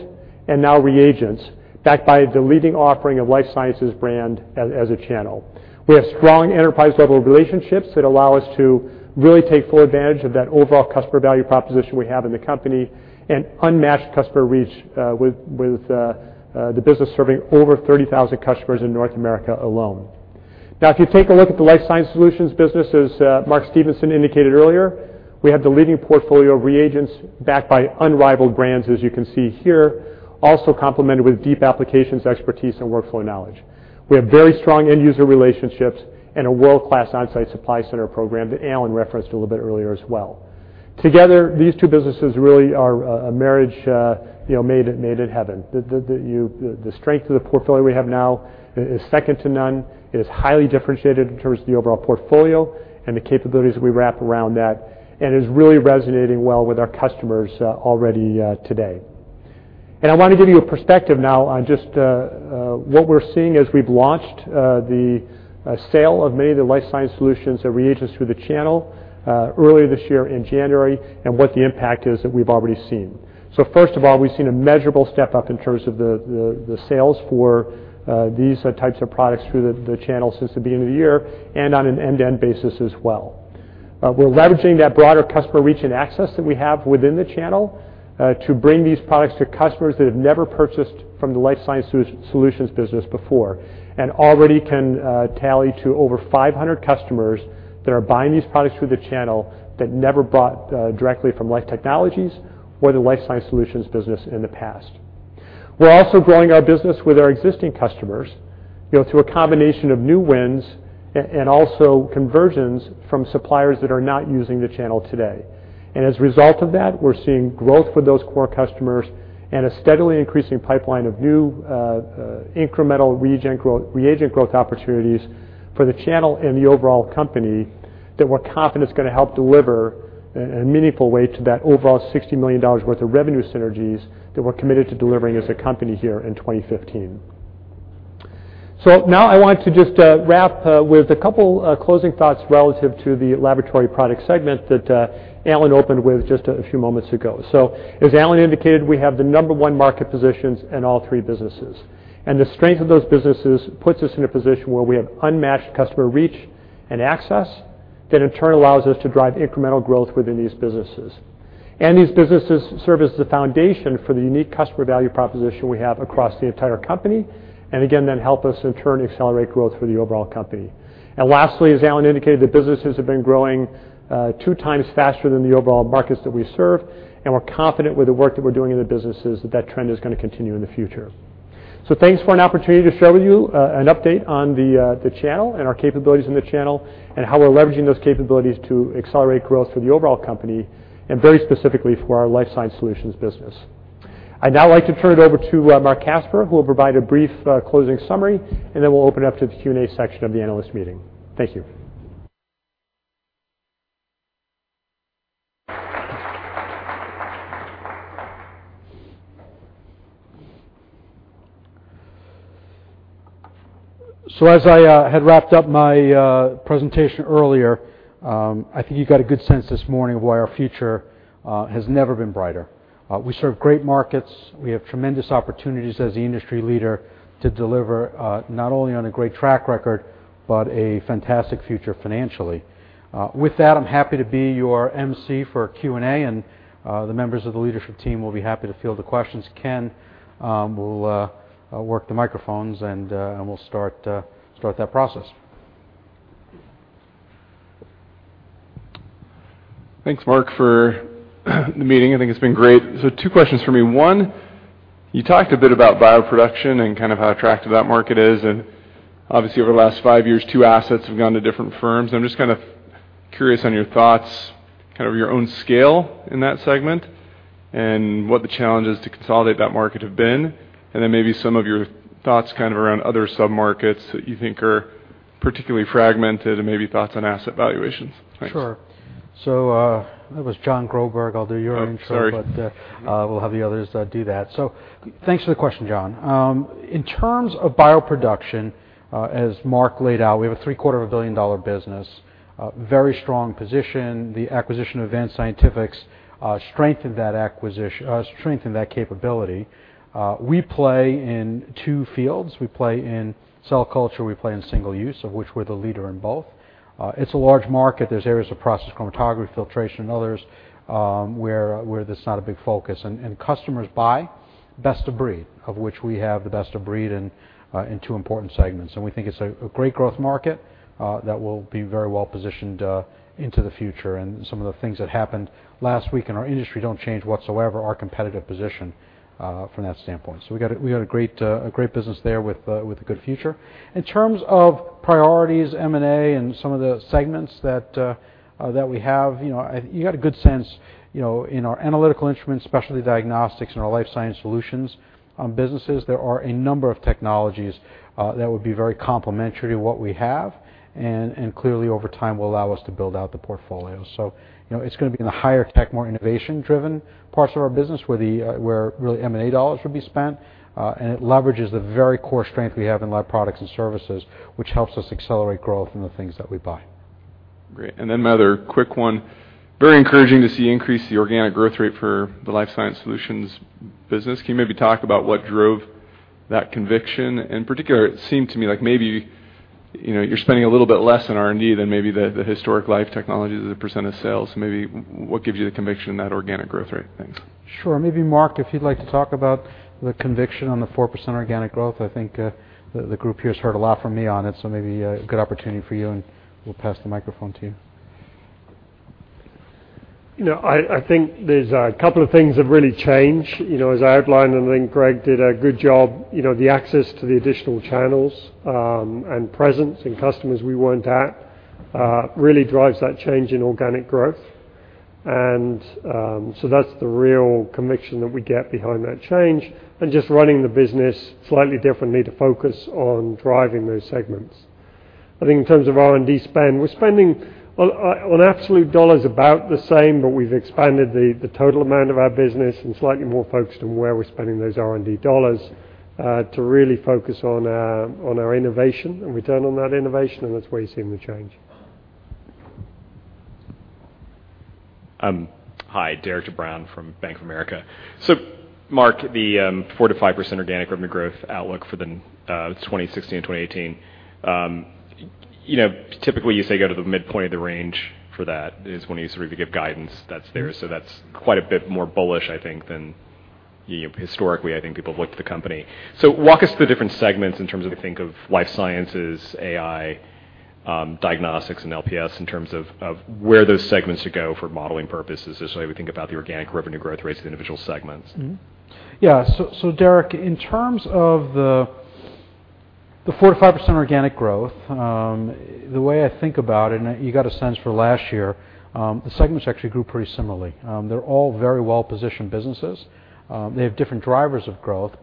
and now reagents, backed by the leading offering of Life Sciences brand as a channel. We have strong enterprise-level relationships that allow us to really take full advantage of that overall customer value proposition we have in the company and unmatched customer reach with the business serving over 30,000 customers in North America alone. If you take a look at the Life Sciences Solutions business, as Mark Stevenson indicated earlier, we have the leading portfolio of reagents backed by unrivaled brands, as you can see here, also complemented with deep applications expertise and workflow knowledge. We have very strong end-user relationships and a world-class on-site supply center program that Alan referenced a little bit earlier as well. Together, these two businesses really are a marriage made in heaven. The strength of the portfolio we have now is second to none, it is highly differentiated in terms of the overall portfolio and the capabilities we wrap around that, and is really resonating well with our customers already today. I want to give you a perspective now on just what we're seeing as we've launched the sale of many of the Life Sciences Solutions reagents through the channel earlier this year in January, and what the impact is that we've already seen. First of all, we've seen a measurable step-up in terms of the sales for these types of products through the channel since the beginning of the year and on an end-to-end basis as well. We're leveraging that broader customer reach and access that we have within the channel to bring these products to customers that have never purchased from the Life Sciences Solutions business before, and already can tally to over 500 customers that are buying these products through the channel that never bought directly from Life Technologies or the Life Sciences Solutions business in the past. We're also growing our business with our existing customers, through a combination of new wins and also conversions from suppliers that are not using the channel today. As a result of that, we're seeing growth with those core customers and a steadily increasing pipeline of new incremental reagent growth opportunities for the channel and the overall company that we're confident is going to help deliver in a meaningful way to that overall $60 million worth of revenue synergies that we're committed to delivering as a company here in 2015. Now I want to just wrap with a couple closing thoughts relative to the Laboratory Products segment that Alan opened with just a few moments ago. As Alan indicated, we have the number one market positions in all three businesses. The strength of those businesses puts us in a position where we have unmatched customer reach and access that in turn allows us to drive incremental growth within these businesses. These businesses serve as the foundation for the unique customer value proposition we have across the entire company, and again, then help us in turn accelerate growth for the overall company. Lastly, as Alan indicated, the businesses have been growing two times faster than the overall markets that we serve, and we're confident with the work that we're doing in the businesses that trend is going to continue in the future. Thanks for an opportunity to share with you an update on the channel and our capabilities in the channel and how we're leveraging those capabilities to accelerate growth for the overall company and very specifically for our Life Sciences Solutions business. I'd now like to turn it over to Marc Casper, who will provide a brief closing summary, and then we'll open up to the Q&A section of the analyst meeting. Thank you. As I had wrapped up my presentation earlier, I think you got a good sense this morning of why our future has never been brighter. We serve great markets. We have tremendous opportunities as the industry leader to deliver, not only on a great track record, but a fantastic future financially. With that, I'm happy to be your emcee for Q&A, and the members of the leadership team will be happy to field the questions. Ken will work the microphones, and we'll start that process. Thanks, Mark, for the meeting. I think it's been great. Two questions from me. One, you talked a bit about bioproduction and how attractive that market is. Obviously over the last five years, two assets have gone to different firms. I'm just curious on your thoughts, your own scale in that segment, what the challenges to consolidate that market have been, then maybe some of your thoughts around other sub-markets that you think are particularly fragmented and maybe thoughts on asset valuations. Thanks. Sure. That was Jon Groberg. Oh, sorry We'll have the others do that. Thanks for the question, Jon. In terms of bioproduction, as Mark laid out, we have a three-quarter of a billion-dollar business, very strong position. The acquisition of Advanced Scientifics strengthened that capability. We play in two fields. We play in cell culture, we play in single use, of which we're the leader in both. It's a large market. There's areas of process chromatography, filtration, and others, where that's not a big focus. Customers buy best of breed, of which we have the best of breed in two important segments. We think it's a great growth market that will be very well-positioned into the future. Some of the things that happened last week in our industry don't change whatsoever our competitive position from that standpoint. We got a great business there with a good future. In terms of priorities, M&A, and some of the segments that we have, you got a good sense, in our Analytical Instruments, Specialty Diagnostics, and our Life Sciences Solutions businesses, there are a number of technologies that would be very complementary to what we have and clearly over time will allow us to build out the portfolio. It's going to be in the higher tech, more innovation-driven parts of our business where really M&A dollars will be spent. It leverages the very core strength we have in Laboratory Products and Services, which helps us accelerate growth in the things that we buy. Great. My other quick one, very encouraging to see increase the organic growth rate for the Life Sciences Solutions business. Can you maybe talk about what drove that conviction? In particular, it seemed to me like maybe you're spending a little bit less on R&D than maybe the historic Life Technologies as a % of sales. Maybe what gives you the conviction in that organic growth rate? Thanks. Sure. Maybe, Mark, if you'd like to talk about the conviction on the 4% organic growth. I think the group here has heard a lot from me on it, so maybe a good opportunity for you, and we'll pass the microphone to you. I think there's a couple of things have really changed. As I outlined, and I think Greg did a good job, the access to the additional channels, and presence and customers we weren't at, really drives that change in organic growth. That's the real conviction that we get behind that change and just running the business slightly differently to focus on driving those segments. I think in terms of R&D spend, we're spending on absolute dollars about the same, but we've expanded the total amount of our business and slightly more focused on where we're spending those R&D dollars, to really focus on our innovation and return on that innovation, and that's where you're seeing the change. Hi, Derik de Bruin from Bank of America. Mark, the 4%-5% organic revenue growth outlook for the 2016 and 2018, typically you say go to the midpoint of the range for that is when you sort of give guidance that's there. That's quite a bit more bullish, I think, than historically I think people have looked at the company. Walk us through the different segments in terms of, I think of Life Sciences, AI, Diagnostics, and LPS in terms of where those segments should go for modeling purposes, just the way we think about the organic revenue growth rates of the individual segments. Yeah. Derik, in terms of the 4%-5% organic growth, the way I think about it, and you got a sense for last year, the segments actually grew pretty similarly. They're all very well-positioned businesses. They have different drivers of growth,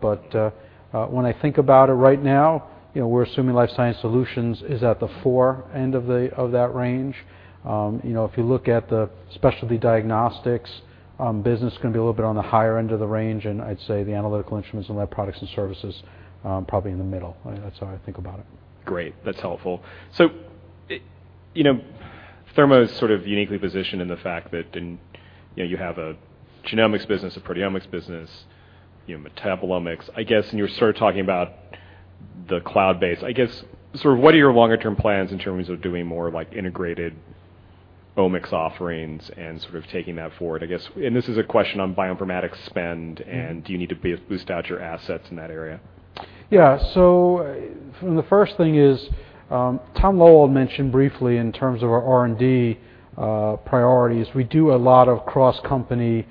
when I think about it right now, we're assuming Life Science Solutions is at the 4 end of that range. If you look at the Specialty Diagnostics business, going to be a little bit on the higher end of the range, and I'd say the Analytical Instruments and Laboratory Products and Services, probably in the middle. That's how I think about it. Great. That's helpful. Thermo is sort of uniquely positioned in the fact that you have a genomics business, a proteomics business, metabolomics, I guess, and you're sort of talking about the cloud-based. I guess, sort of what are your longer term plans in terms of doing more integrated omics offerings and sort of taking that forward? I guess, this is a question on bioinformatics spend, do you need to boost out your assets in that area? Yeah. The first thing is, Thomas Loewald mentioned briefly in terms of our R&D priorities, we do a lot of cross-company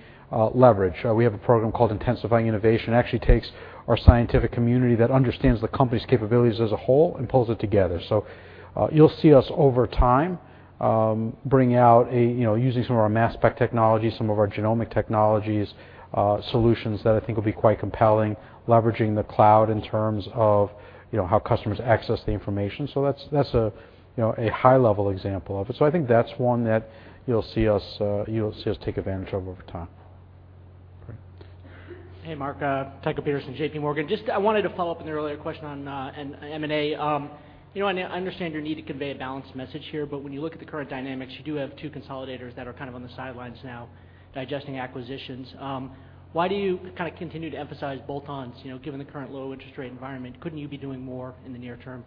leverage. We have a program called Intensifying Innovation, actually takes our scientific community that understands the company's capabilities as a whole and pulls it together. You'll see us over time, bring out, using some of our mass spec technology, some of our genomic technologies, solutions that I think will be quite compelling, leveraging the cloud in terms of how customers access the information. That's a high-level example of it. I think that's one that you'll see us take advantage of over time. Great. Hey, Mark. Tycho Peterson, J.P. Morgan. Just I wanted to follow up on the earlier question on M&A. When you look at the current dynamics, you do have two consolidators that are kind of on the sidelines now digesting acquisitions. Why do you kind of continue to emphasize bolt-ons? Given the current low interest rate environment, couldn't you be doing more in the near term?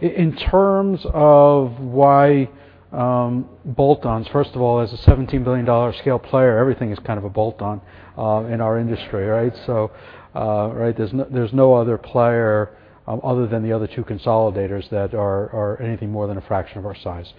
In terms of why bolt-ons, first of all, as a $17 billion scale player, everything is kind of a bolt-on in our industry, right? There's no other player other than the other two consolidators that are anything more than a fraction of our size.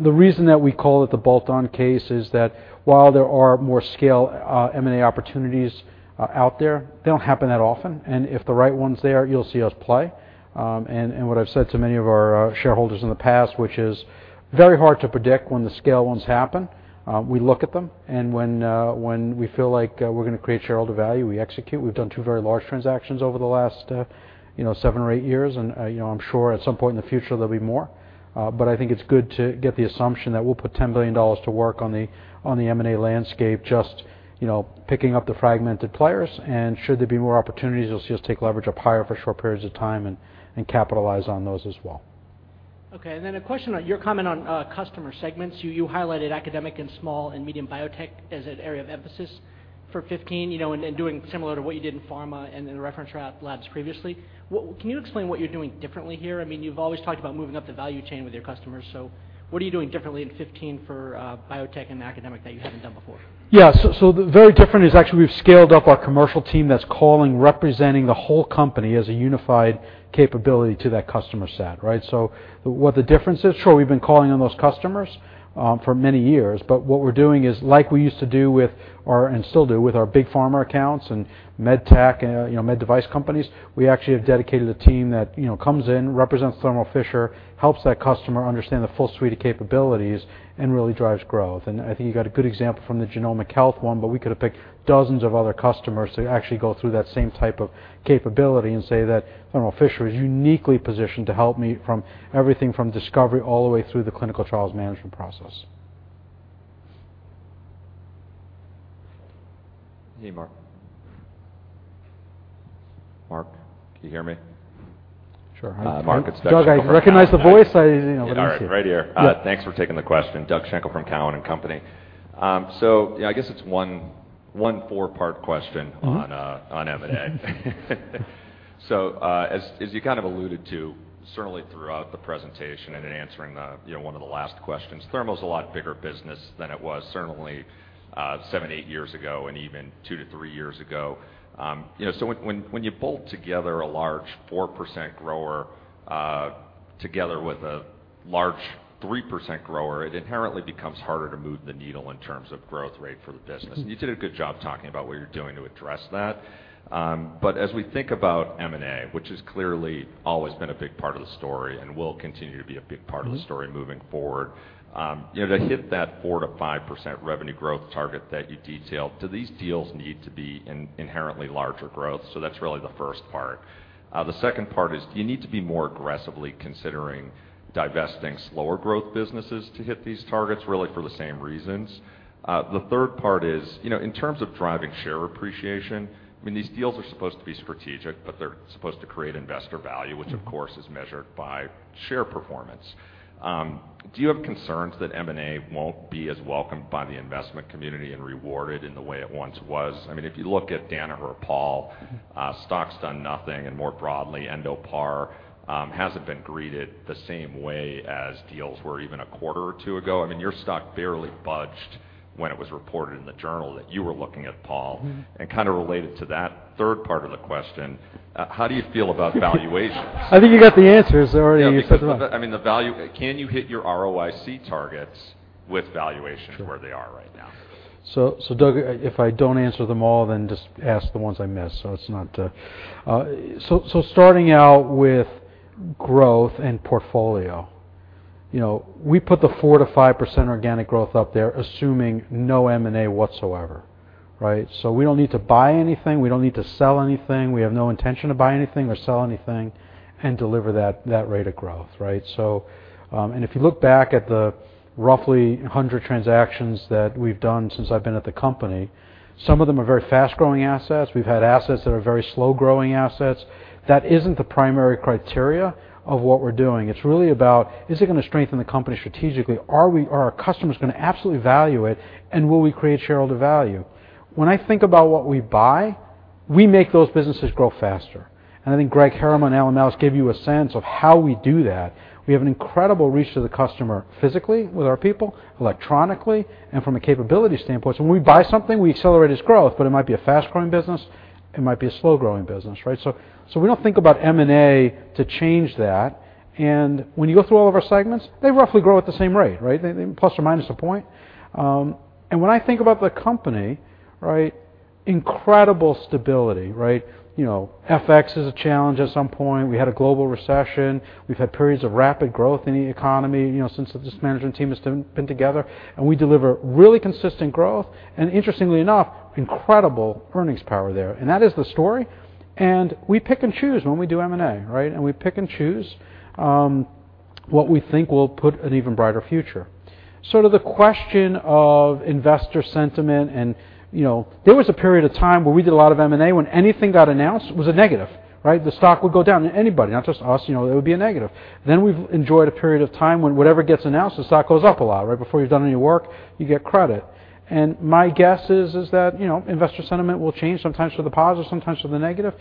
The reason that we call it the bolt-on case is that while there are more scale M&A opportunities out there, they don't happen that often. If the right one's there, you'll see us play. What I've said to many of our shareholders in the past, which is very hard to predict when the scale ones happen. We look at them, and when we feel like we're going to create shareholder value, we execute. We've done two very large transactions over the last seven or eight years, and I'm sure at some point in the future, there'll be more. I think it's good to get the assumption that we'll put $10 billion to work on the M&A landscape, just picking up the fragmented players, should there be more opportunities, you'll see us take leverage up higher for short periods of time and capitalize on those as well. A question on your comment on customer segments. You highlighted academic and small and medium biotech as an area of emphasis for 2015, doing similar to what you did in pharma and in the reference labs previously. Can you explain what you're doing differently here? You've always talked about moving up the value chain with your customers. What are you doing differently in 2015 for biotech and academic that you haven't done before? Very different is actually we've scaled up our commercial team that's calling, representing the whole company as a unified capability to that customer set, right? What the difference is, sure, we've been calling on those customers for many years, but what we're doing is like we used to do with our, and still do, with our big pharma accounts and med tech, med device companies. We actually have dedicated a team that comes in, represents Thermo Fisher, helps that customer understand the full suite of capabilities, and really drives growth. I think you got a good example from the Genomic Health one, but we could have picked dozens of other customers to actually go through that same type of capability and say that Thermo Fisher is uniquely positioned to help me from everything from discovery all the way through the clinical trials management process. Hey, Mark. Mark, can you hear me? Sure. Mark, it's Doug. Doug, I recognize the voice. Let me see. All right. Right here. Yeah. Thanks for taking the question. Doug Schenkel from Cowen and Company. Yeah, I guess it's one four-part question- on M&A. As you kind of alluded to certainly throughout the presentation and in answering one of the last questions, Thermo's a lot bigger business than it was certainly, seven, eight years ago, and even two to three years ago. When you pull together a large four% grower, together with a large three% grower, it inherently becomes harder to move the needle in terms of growth rate for the business. You did a good job talking about what you're doing to address that. As we think about M&A, which has clearly always been a big part of the story and will continue to be a big part- of the story moving forward, to hit that 4%-5% revenue growth target that you detailed, do these deals need to be inherently larger growth? That's really the first part. The second part is, do you need to be more aggressively considering divesting slower growth businesses to hit these targets really for the same reasons? The third part is, in terms of driving share appreciation, these deals are supposed to be strategic, but they're supposed to create investor value which of course is measured by share performance. Do you have concerns that M&A won't be as welcomed by the investment community and rewarded in the way it once was? If you look at Danaher or Pall, stock's done nothing, and more broadly, Endo Par hasn't been greeted the same way as deals were even a quarter or two ago. Your stock barely budged when it was reported in the journal that you were looking at, Pall. Kind of related to that third part of the question, how do you feel about valuations? I think you got the answers already. Can you hit your ROIC targets with valuations Sure where they are right now? Doug, if I don't answer them all, then just ask the ones I miss. Starting out with growth and portfolio. We put the 4% to 5% organic growth up there, assuming no M&A whatsoever. Right? We don't need to buy anything. We don't need to sell anything. We have no intention to buy anything or sell anything and deliver that rate of growth. Right? If you look back at the roughly 100 transactions that we've done since I've been at the company, some of them are very fast-growing assets. We've had assets that are very slow-growing assets. That isn't the primary criteria of what we're doing. It's really about, is it going to strengthen the company strategically? Are our customers going to absolutely value it, and will we create shareholder value? When I think about what we buy, we make those businesses grow faster. I think Greg Herrema and Alan Malus gave you a sense of how we do that. We have an incredible reach to the customer physically with our people, electronically, and from a capability standpoint. When we buy something, we accelerate its growth, but it might be a fast-growing business, it might be a slow-growing business. Right? We don't think about M&A to change that. When you go through all of our segments, they roughly grow at the same rate. Right? Plus or minus a point. When I think about the company, incredible stability. Right? FX is a challenge at some point. We had a global recession. We've had periods of rapid growth in the economy, since this management team has been together. We deliver really consistent growth, and interestingly enough, incredible earnings power there. That is the story, and we pick and choose when we do M&A. Right? We pick and choose what we think will put an even brighter future. To the question of investor sentiment. There was a period of time where we did a lot of M&A, when anything got announced, it was a negative. Right? Anybody, not just us, it would be a negative. We've enjoyed a period of time when whatever gets announced, the stock goes up a lot. Right? Before you've done any work, you get credit. My guess is that investor sentiment will change sometimes for the positive, sometimes for the negative.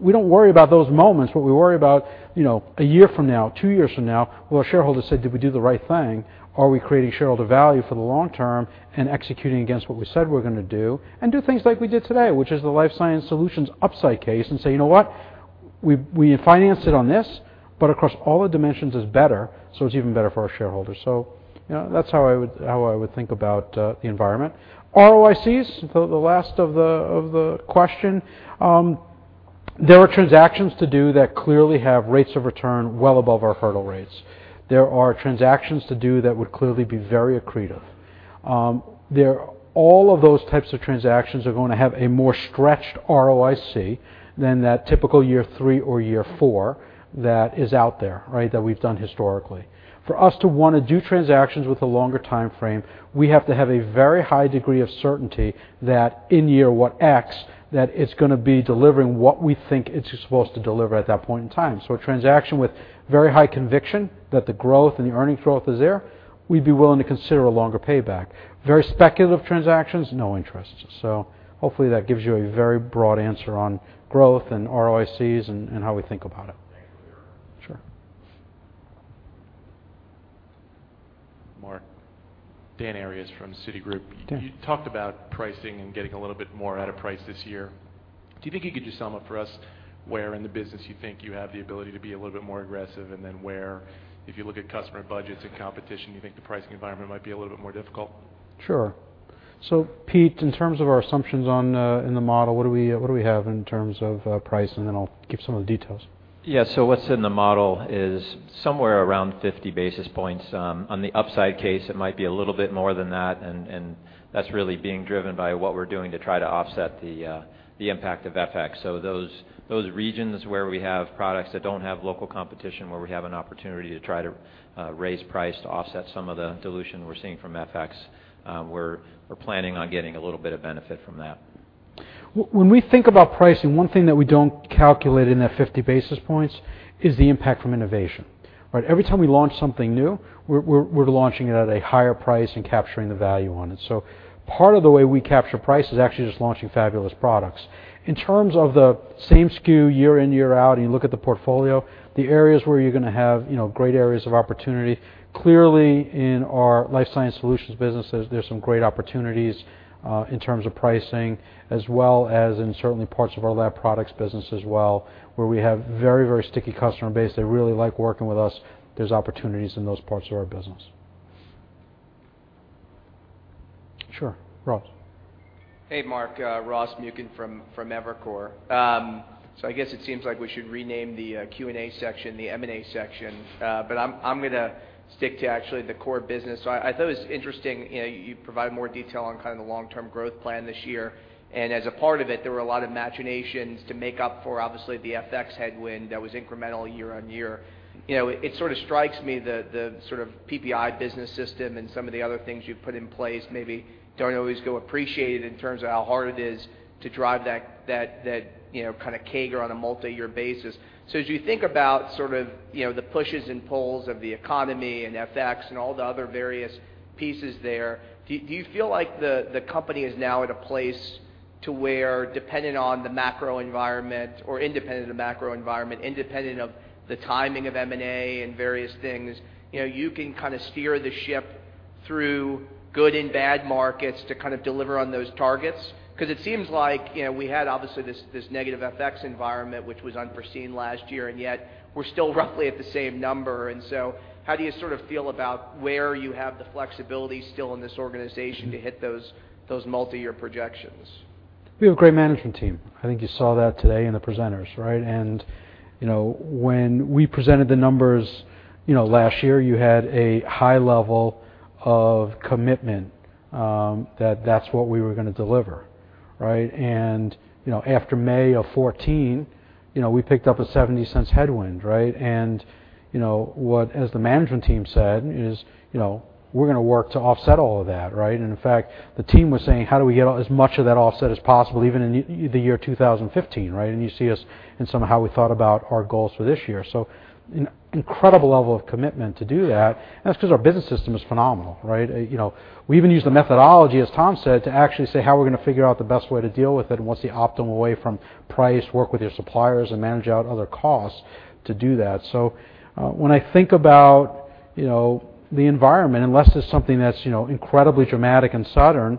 We don't worry about those moments, we worry about one year from now, two years from now. Will our shareholders say, "Did we do the right thing? Are we creating shareholder value for the long term and executing against what we said we're going to do?" Do things like we did today, which is the Life Sciences Solutions upside case and say, "You know what? We financed it on this, but across all the dimensions is better, so it's even better for our shareholders." That's how I would think about the environment. ROICs, the last of the question. There are transactions to do that clearly have rates of return well above our hurdle rates. There are transactions to do that would clearly be very accretive. All of those types of transactions are going to have a more stretched ROIC than that typical year 3 or year 4 that is out there, that we've done historically. For us to want to do transactions with a longer timeframe, we have to have a very high degree of certainty that in year, what, X, that it's going to be delivering what we think it's supposed to deliver at that point in time. So a transaction with very high conviction that the growth and the earning growth is there, we'd be willing to consider a longer payback. Very speculative transactions, no interest. Hopefully, that gives you a very broad answer on growth and ROICs and how we think about it. Thank you. Sure. Mark, Dan Arias from Citigroup. Dan. You talked about pricing and getting a little bit more out of price this year. Do you think you could just sum up for us where in the business you think you have the ability to be a little bit more aggressive, and then where, if you look at customer budgets and competition, you think the pricing environment might be a little bit more difficult? Sure. Pete, in terms of our assumptions in the model, what do we have in terms of price? I'll give some of the details. What's in the model is somewhere around 50 basis points. On the upside case, it might be a little bit more than that, and that's really being driven by what we're doing to try to offset the impact of FX. Those regions where we have products that don't have local competition, where we have an opportunity to try to raise price to offset some of the dilution we're seeing from FX, we're planning on getting a little bit of benefit from that. When we think about pricing, one thing that we don't calculate in that 50 basis points is the impact from innovation. Right? Every time we launch something new, we're launching it at a higher price and capturing the value on it. Part of the way we capture price is actually just launching fabulous products. In terms of the same SKU year in, year out, and you look at the portfolio, the areas where you're going to have great areas of opportunity, clearly in our Life Sciences Solutions businesses, there's some great opportunities, in terms of pricing, as well as in certainly parts of our lab products business as well, where we have very sticky customer base. They really like working with us. There's opportunities in those parts of our business. Sure, Ross. Hey, Mark. Ross Muken from Evercore. I guess it seems like we should rename the Q&A section the M&A section. I'm going to stick to actually the core business. I thought it was interesting, you provided more detail on kind of the long-term growth plan this year. As a part of it, there were a lot of machinations to make up for, obviously, the FX headwind that was incremental year-on-year. It sort of strikes me the sort of PPI business system and some of the other things you've put in place maybe don't always go appreciated in terms of how hard it is to drive that kind of CAGR on a multi-year basis. As you think about sort of the pushes and pulls of the economy and FX and all the other various pieces there, do you feel like the company is now at a place to where, depending on the macro environment or independent of the macro environment, independent of the timing of M&A and various things, you can kind of steer the ship through good and bad markets to deliver on those targets? Because it seems like we had, obviously, this negative FX environment, which was unforeseen last year, and yet we're still roughly at the same number. How do you feel about where you have the flexibility still in this organization to hit those multi-year projections? We have a great management team. I think you saw that today in the presenters, right? When we presented the numbers last year, you had a high level of commitment that that's what we were going to deliver, right? After May of 2014, we picked up a $0.70 headwind, right? What, as the management team said, is we're going to work to offset all of that. In fact, the team was saying, "How do we get as much of that offset as possible, even in the year 2015?" You see us in some of how we thought about our goals for this year. An incredible level of commitment to do that, and that's because our business system is phenomenal, right? We even use the methodology, as Tom said, to actually say how we're going to figure out the best way to deal with it and what's the optimal way from price, work with your suppliers, and manage out other costs to do that. When I think about the environment, unless it's something that's incredibly dramatic and sudden,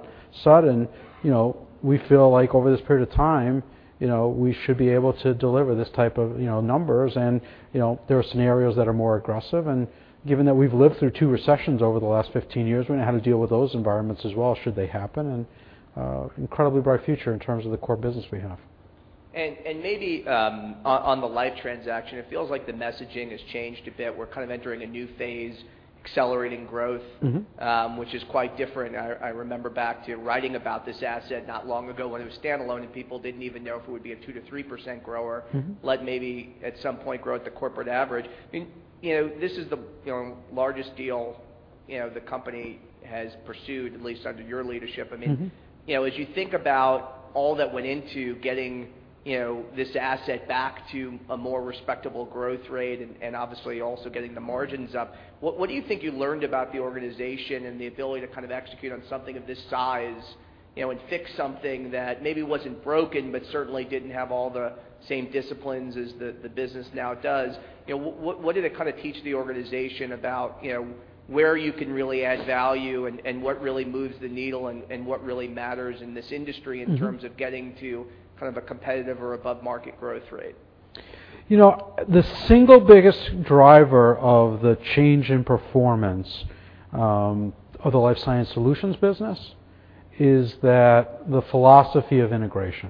we feel like over this period of time we should be able to deliver this type of numbers. There are scenarios that are more aggressive, and given that we've lived through two recessions over the last 15 years, we know how to deal with those environments as well should they happen, incredibly bright future in terms of the core business we have. Maybe on the Life transaction, it feels like the messaging has changed a bit. We're kind of entering a new phase, accelerating growth. Which is quite different. I remember back to writing about this asset not long ago when it was standalone, people didn't even know if it would be a 2%-3% grower. Let maybe at some point grow at the corporate average. This is the largest deal the company has pursued, at least under your leadership. As you think about all that went into getting this asset back to a more respectable growth rate and obviously also getting the margins up, what do you think you learned about the organization and the ability to execute on something of this size, and fix something that maybe wasn't broken but certainly didn't have all the same disciplines as the business now does? What did it teach the organization about where you can really add value, and what really moves the needle, and what really matters in this industry. In terms of getting to a competitive or above-market growth rate? The single biggest driver of the change in performance of the Life Sciences Solutions business is that the philosophy of integration.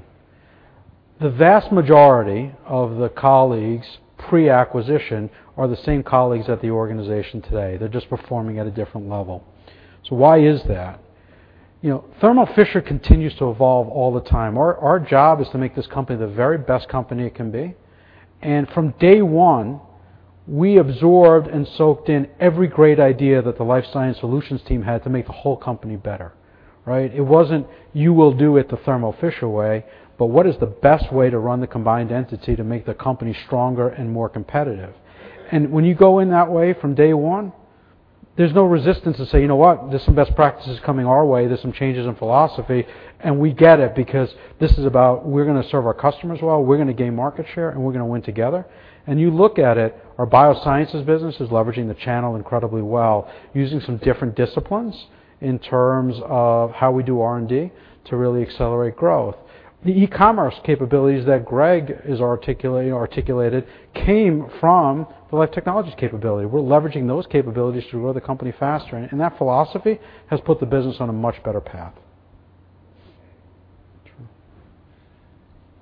The vast majority of the colleagues pre-acquisition are the same colleagues at the organization today. They're just performing at a different level. Why is that? Thermo Fisher continues to evolve all the time. Our job is to make this company the very best company it can be. From day one, we absorbed and soaked in every great idea that the Life Sciences Solutions team had to make the whole company better, right? It wasn't, "You will do it the Thermo Fisher way," but "What is the best way to run the combined entity to make the company stronger and more competitive?" When you go in that way from day one, there's no resistance to say, "You know what? There's some best practices coming our way. There's some changes in philosophy," we get it because this is about we're going to serve our customers well, we're going to gain market share, and we're going to win together. You look at it, our Biosciences business is leveraging the channel incredibly well, using some different disciplines in terms of how we do R&D to really accelerate growth. The e-commerce capabilities that Greg has articulated came from the Life Technologies capability. We're leveraging those capabilities to grow the company faster, that philosophy has put the business on a much better path.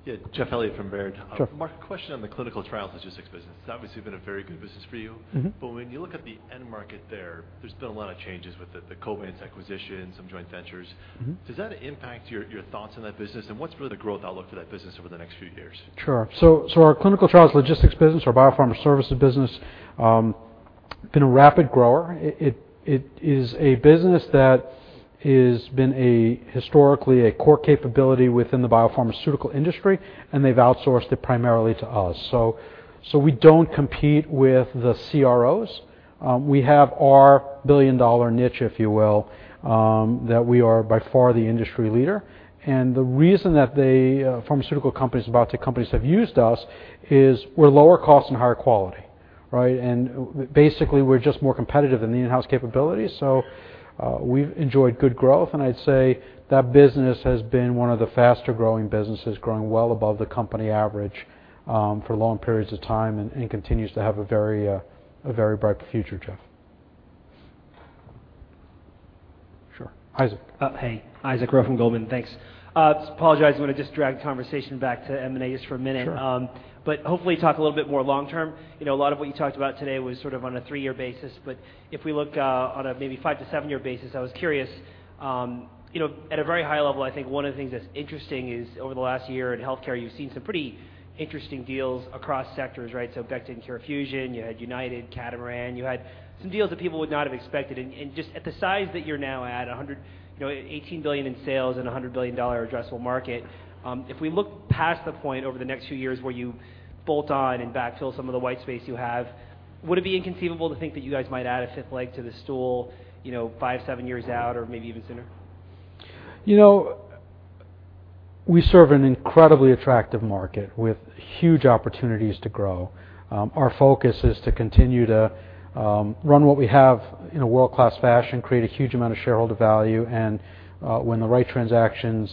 Sure. Yeah, Jeff Elliott from Baird. Sure. Marc, question on the Clinical Trials Logistics business. It's obviously been a very good business for you. When you look at the end market there's been a lot of changes with the Covance acquisition, some joint ventures. Does that impact your thoughts on that business, and what's really the growth outlook for that business over the next few years? Sure. Our Clinical Trials Logistics business, our Biopharma Services business, been a rapid grower. It is a business that has been historically a core capability within the biopharmaceutical industry, and they've outsourced it primarily to us. We don't compete with the CROs. We have our billion-dollar niche, if you will, that we are by far the industry leader. The reason that the pharmaceutical companies and biotech companies have used us is we're lower cost and higher quality, right? Basically, we're just more competitive than the in-house capabilities. We've enjoyed good growth, I'd say that business has been one of the faster-growing businesses, growing well above the company average for long periods of time, and it continues to have a very bright future, Jeff. Sure. Isaac. Hey. Isaac Ro, Goldman. Thanks. Apologize, I'm going to just drag the conversation back to M&A just for a minute. Sure. Hopefully talk a little bit more long term. A lot of what you talked about today was sort of on a 3-year basis. If we look on a maybe 5- to 7-year basis, I was curious, at a very high level, I think one of the things that's interesting is over the last year in healthcare, you've seen some pretty interesting deals across sectors, right? Becton, CareFusion, you had United, Catamaran. You had some deals that people would not have expected. Just at the size that you're now at, $118 billion in sales and $100 billion addressable market, if we look past the point over the next few years where you bolt on and backfill some of the white space you have, would it be inconceivable to think that you guys might add a fifth leg to the stool five, seven years out, or maybe even sooner? We serve an incredibly attractive market with huge opportunities to grow. Our focus is to continue to run what we have in a world-class fashion, create a huge amount of shareholder value, and when the right transactions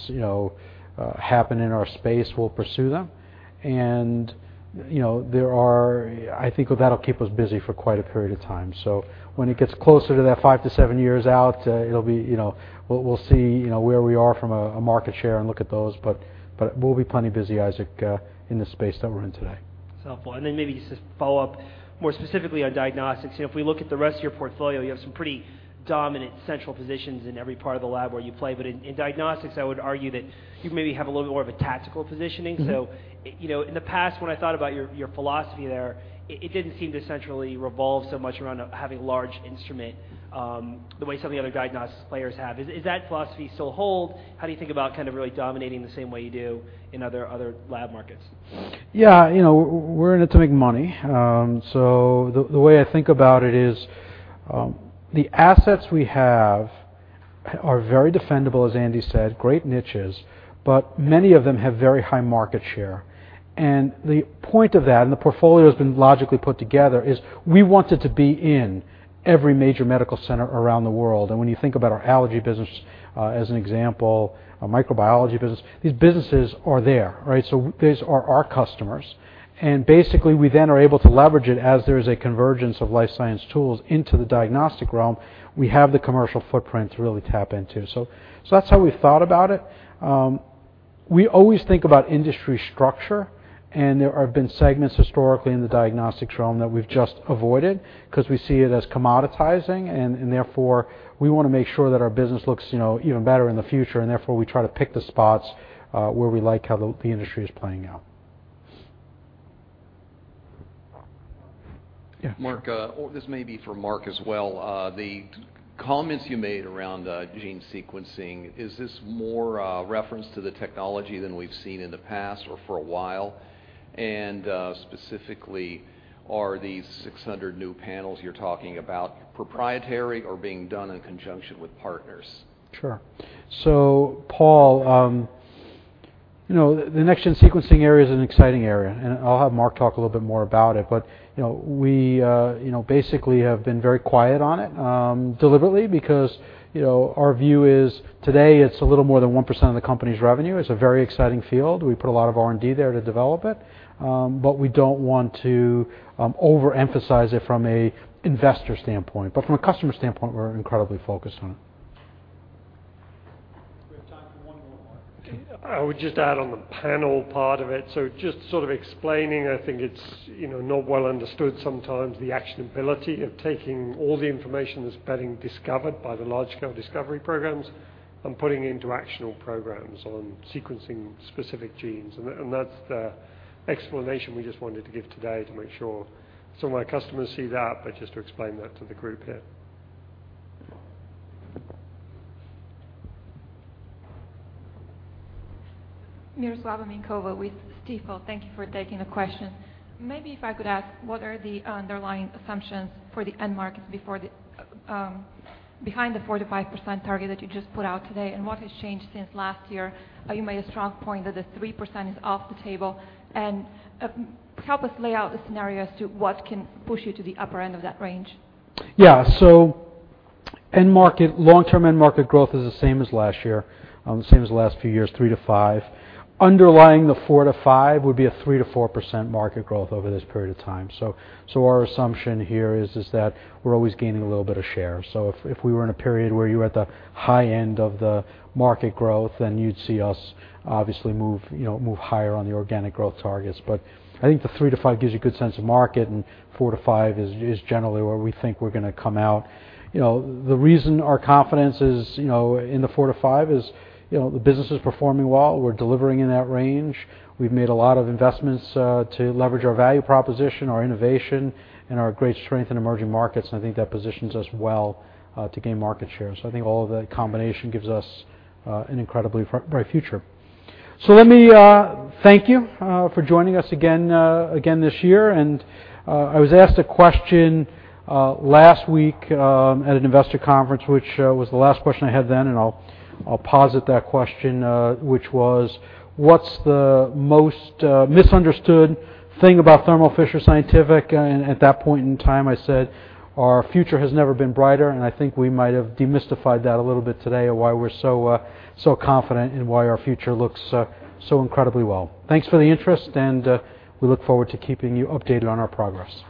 happen in our space, we'll pursue them. I think that'll keep us busy for quite a period of time. When it gets closer to that five to seven years out, we'll see where we are from a market share and look at those, but we'll be plenty busy, Isaac, in the space that we're in today. That's helpful. Then maybe just to follow up more specifically on diagnostics. We look at the rest of your portfolio, you have some pretty dominant central positions in every part of the lab where you play. In diagnostics, I would argue that you maybe have a little bit more of a tactical positioning. In the past when I thought about your philosophy there, it didn't seem to centrally revolve so much around having large instrument the way some of the other diagnostics players have. Is that philosophy still hold? How do you think about really dominating the same way you do in other lab markets? Yeah. We're in it to make money. The way I think about it is, the assets we have are very defendable, as Andy said, great niches, but many of them have very high market share. The point of that, and the portfolio's been logically put together, is we wanted to be in every major medical center around the world. When you think about our allergy business as an example, our microbiology business, these businesses are there, right? These are our customers, basically we then are able to leverage it as there's a convergence of life science tools into the diagnostic realm. We have the commercial footprint to really tap into. That's how we've thought about it. We always think about industry structure, there have been segments historically in the diagnostics realm that we've just avoided because we see it as commoditizing, therefore, we want to make sure that our business looks even better in the future. Therefore, we try to pick the spots where we like how the industry is playing out. Yeah, sure. Mark. This may be for Mark as well. The comments you made around gene sequencing, is this more a reference to the technology than we've seen in the past or for a while? Specifically, are these 600 new panels you're talking about proprietary or being done in conjunction with partners? Sure. Paul, the next-generation sequencing area is an exciting area, I'll have Mark talk a little bit more about it. We basically have been very quiet on it, deliberately because our view is today it's a little more than 1% of the company's revenue. It's a very exciting field. We put a lot of R&D there to develop it. We don't want to overemphasize it from an investor standpoint. From a customer standpoint, we're incredibly focused on it. We have time for one more, Mark. I would just add on the panel part of it, so just sort of explaining, I think it's not well understood sometimes the actionability of taking all the information that's being discovered by the large-scale discovery programs and putting it into actionable programs on sequencing specific genes, and that's the explanation we just wanted to give today to make sure some of our customers see that, but just to explain that to the group here. Miroslava Minkova with Stifel. Thank you for taking the question. Maybe if I could ask, what are the underlying assumptions for the end markets behind the 4%-5% target that you just put out today, and what has changed since last year? You made a strong point that the 3% is off the table. Help us lay out the scenario as to what can push you to the upper end of that range. Yeah. Long-term end market growth is the same as last year, the same as the last few years, 3%-5%. Underlying the 4%-5% would be a 3%-4% market growth over this period of time. Our assumption here is that we're always gaining a little bit of share. If we were in a period where you were at the high end of the market growth, then you'd see us obviously move higher on the organic growth targets. I think the 3%-5% gives you a good sense of market, and 4%-5% is generally where we think we're going to come out. The reason our confidence is in the 4%-5% is the business is performing well. We're delivering in that range. We've made a lot of investments to leverage our value proposition, our innovation, and our great strength in emerging markets, and I think that positions us well to gain market share. I think all of the combination gives us an incredibly bright future. Let me thank you for joining us again this year, and I was asked a question last week at an investor conference, which was the last question I had then, and I'll posit that question, which was: What's the most misunderstood thing about Thermo Fisher Scientific? At that point in time, I said our future has never been brighter, and I think we might have demystified that a little bit today of why we're so confident and why our future looks so incredibly well. Thanks for the interest, and we look forward to keeping you updated on our progress.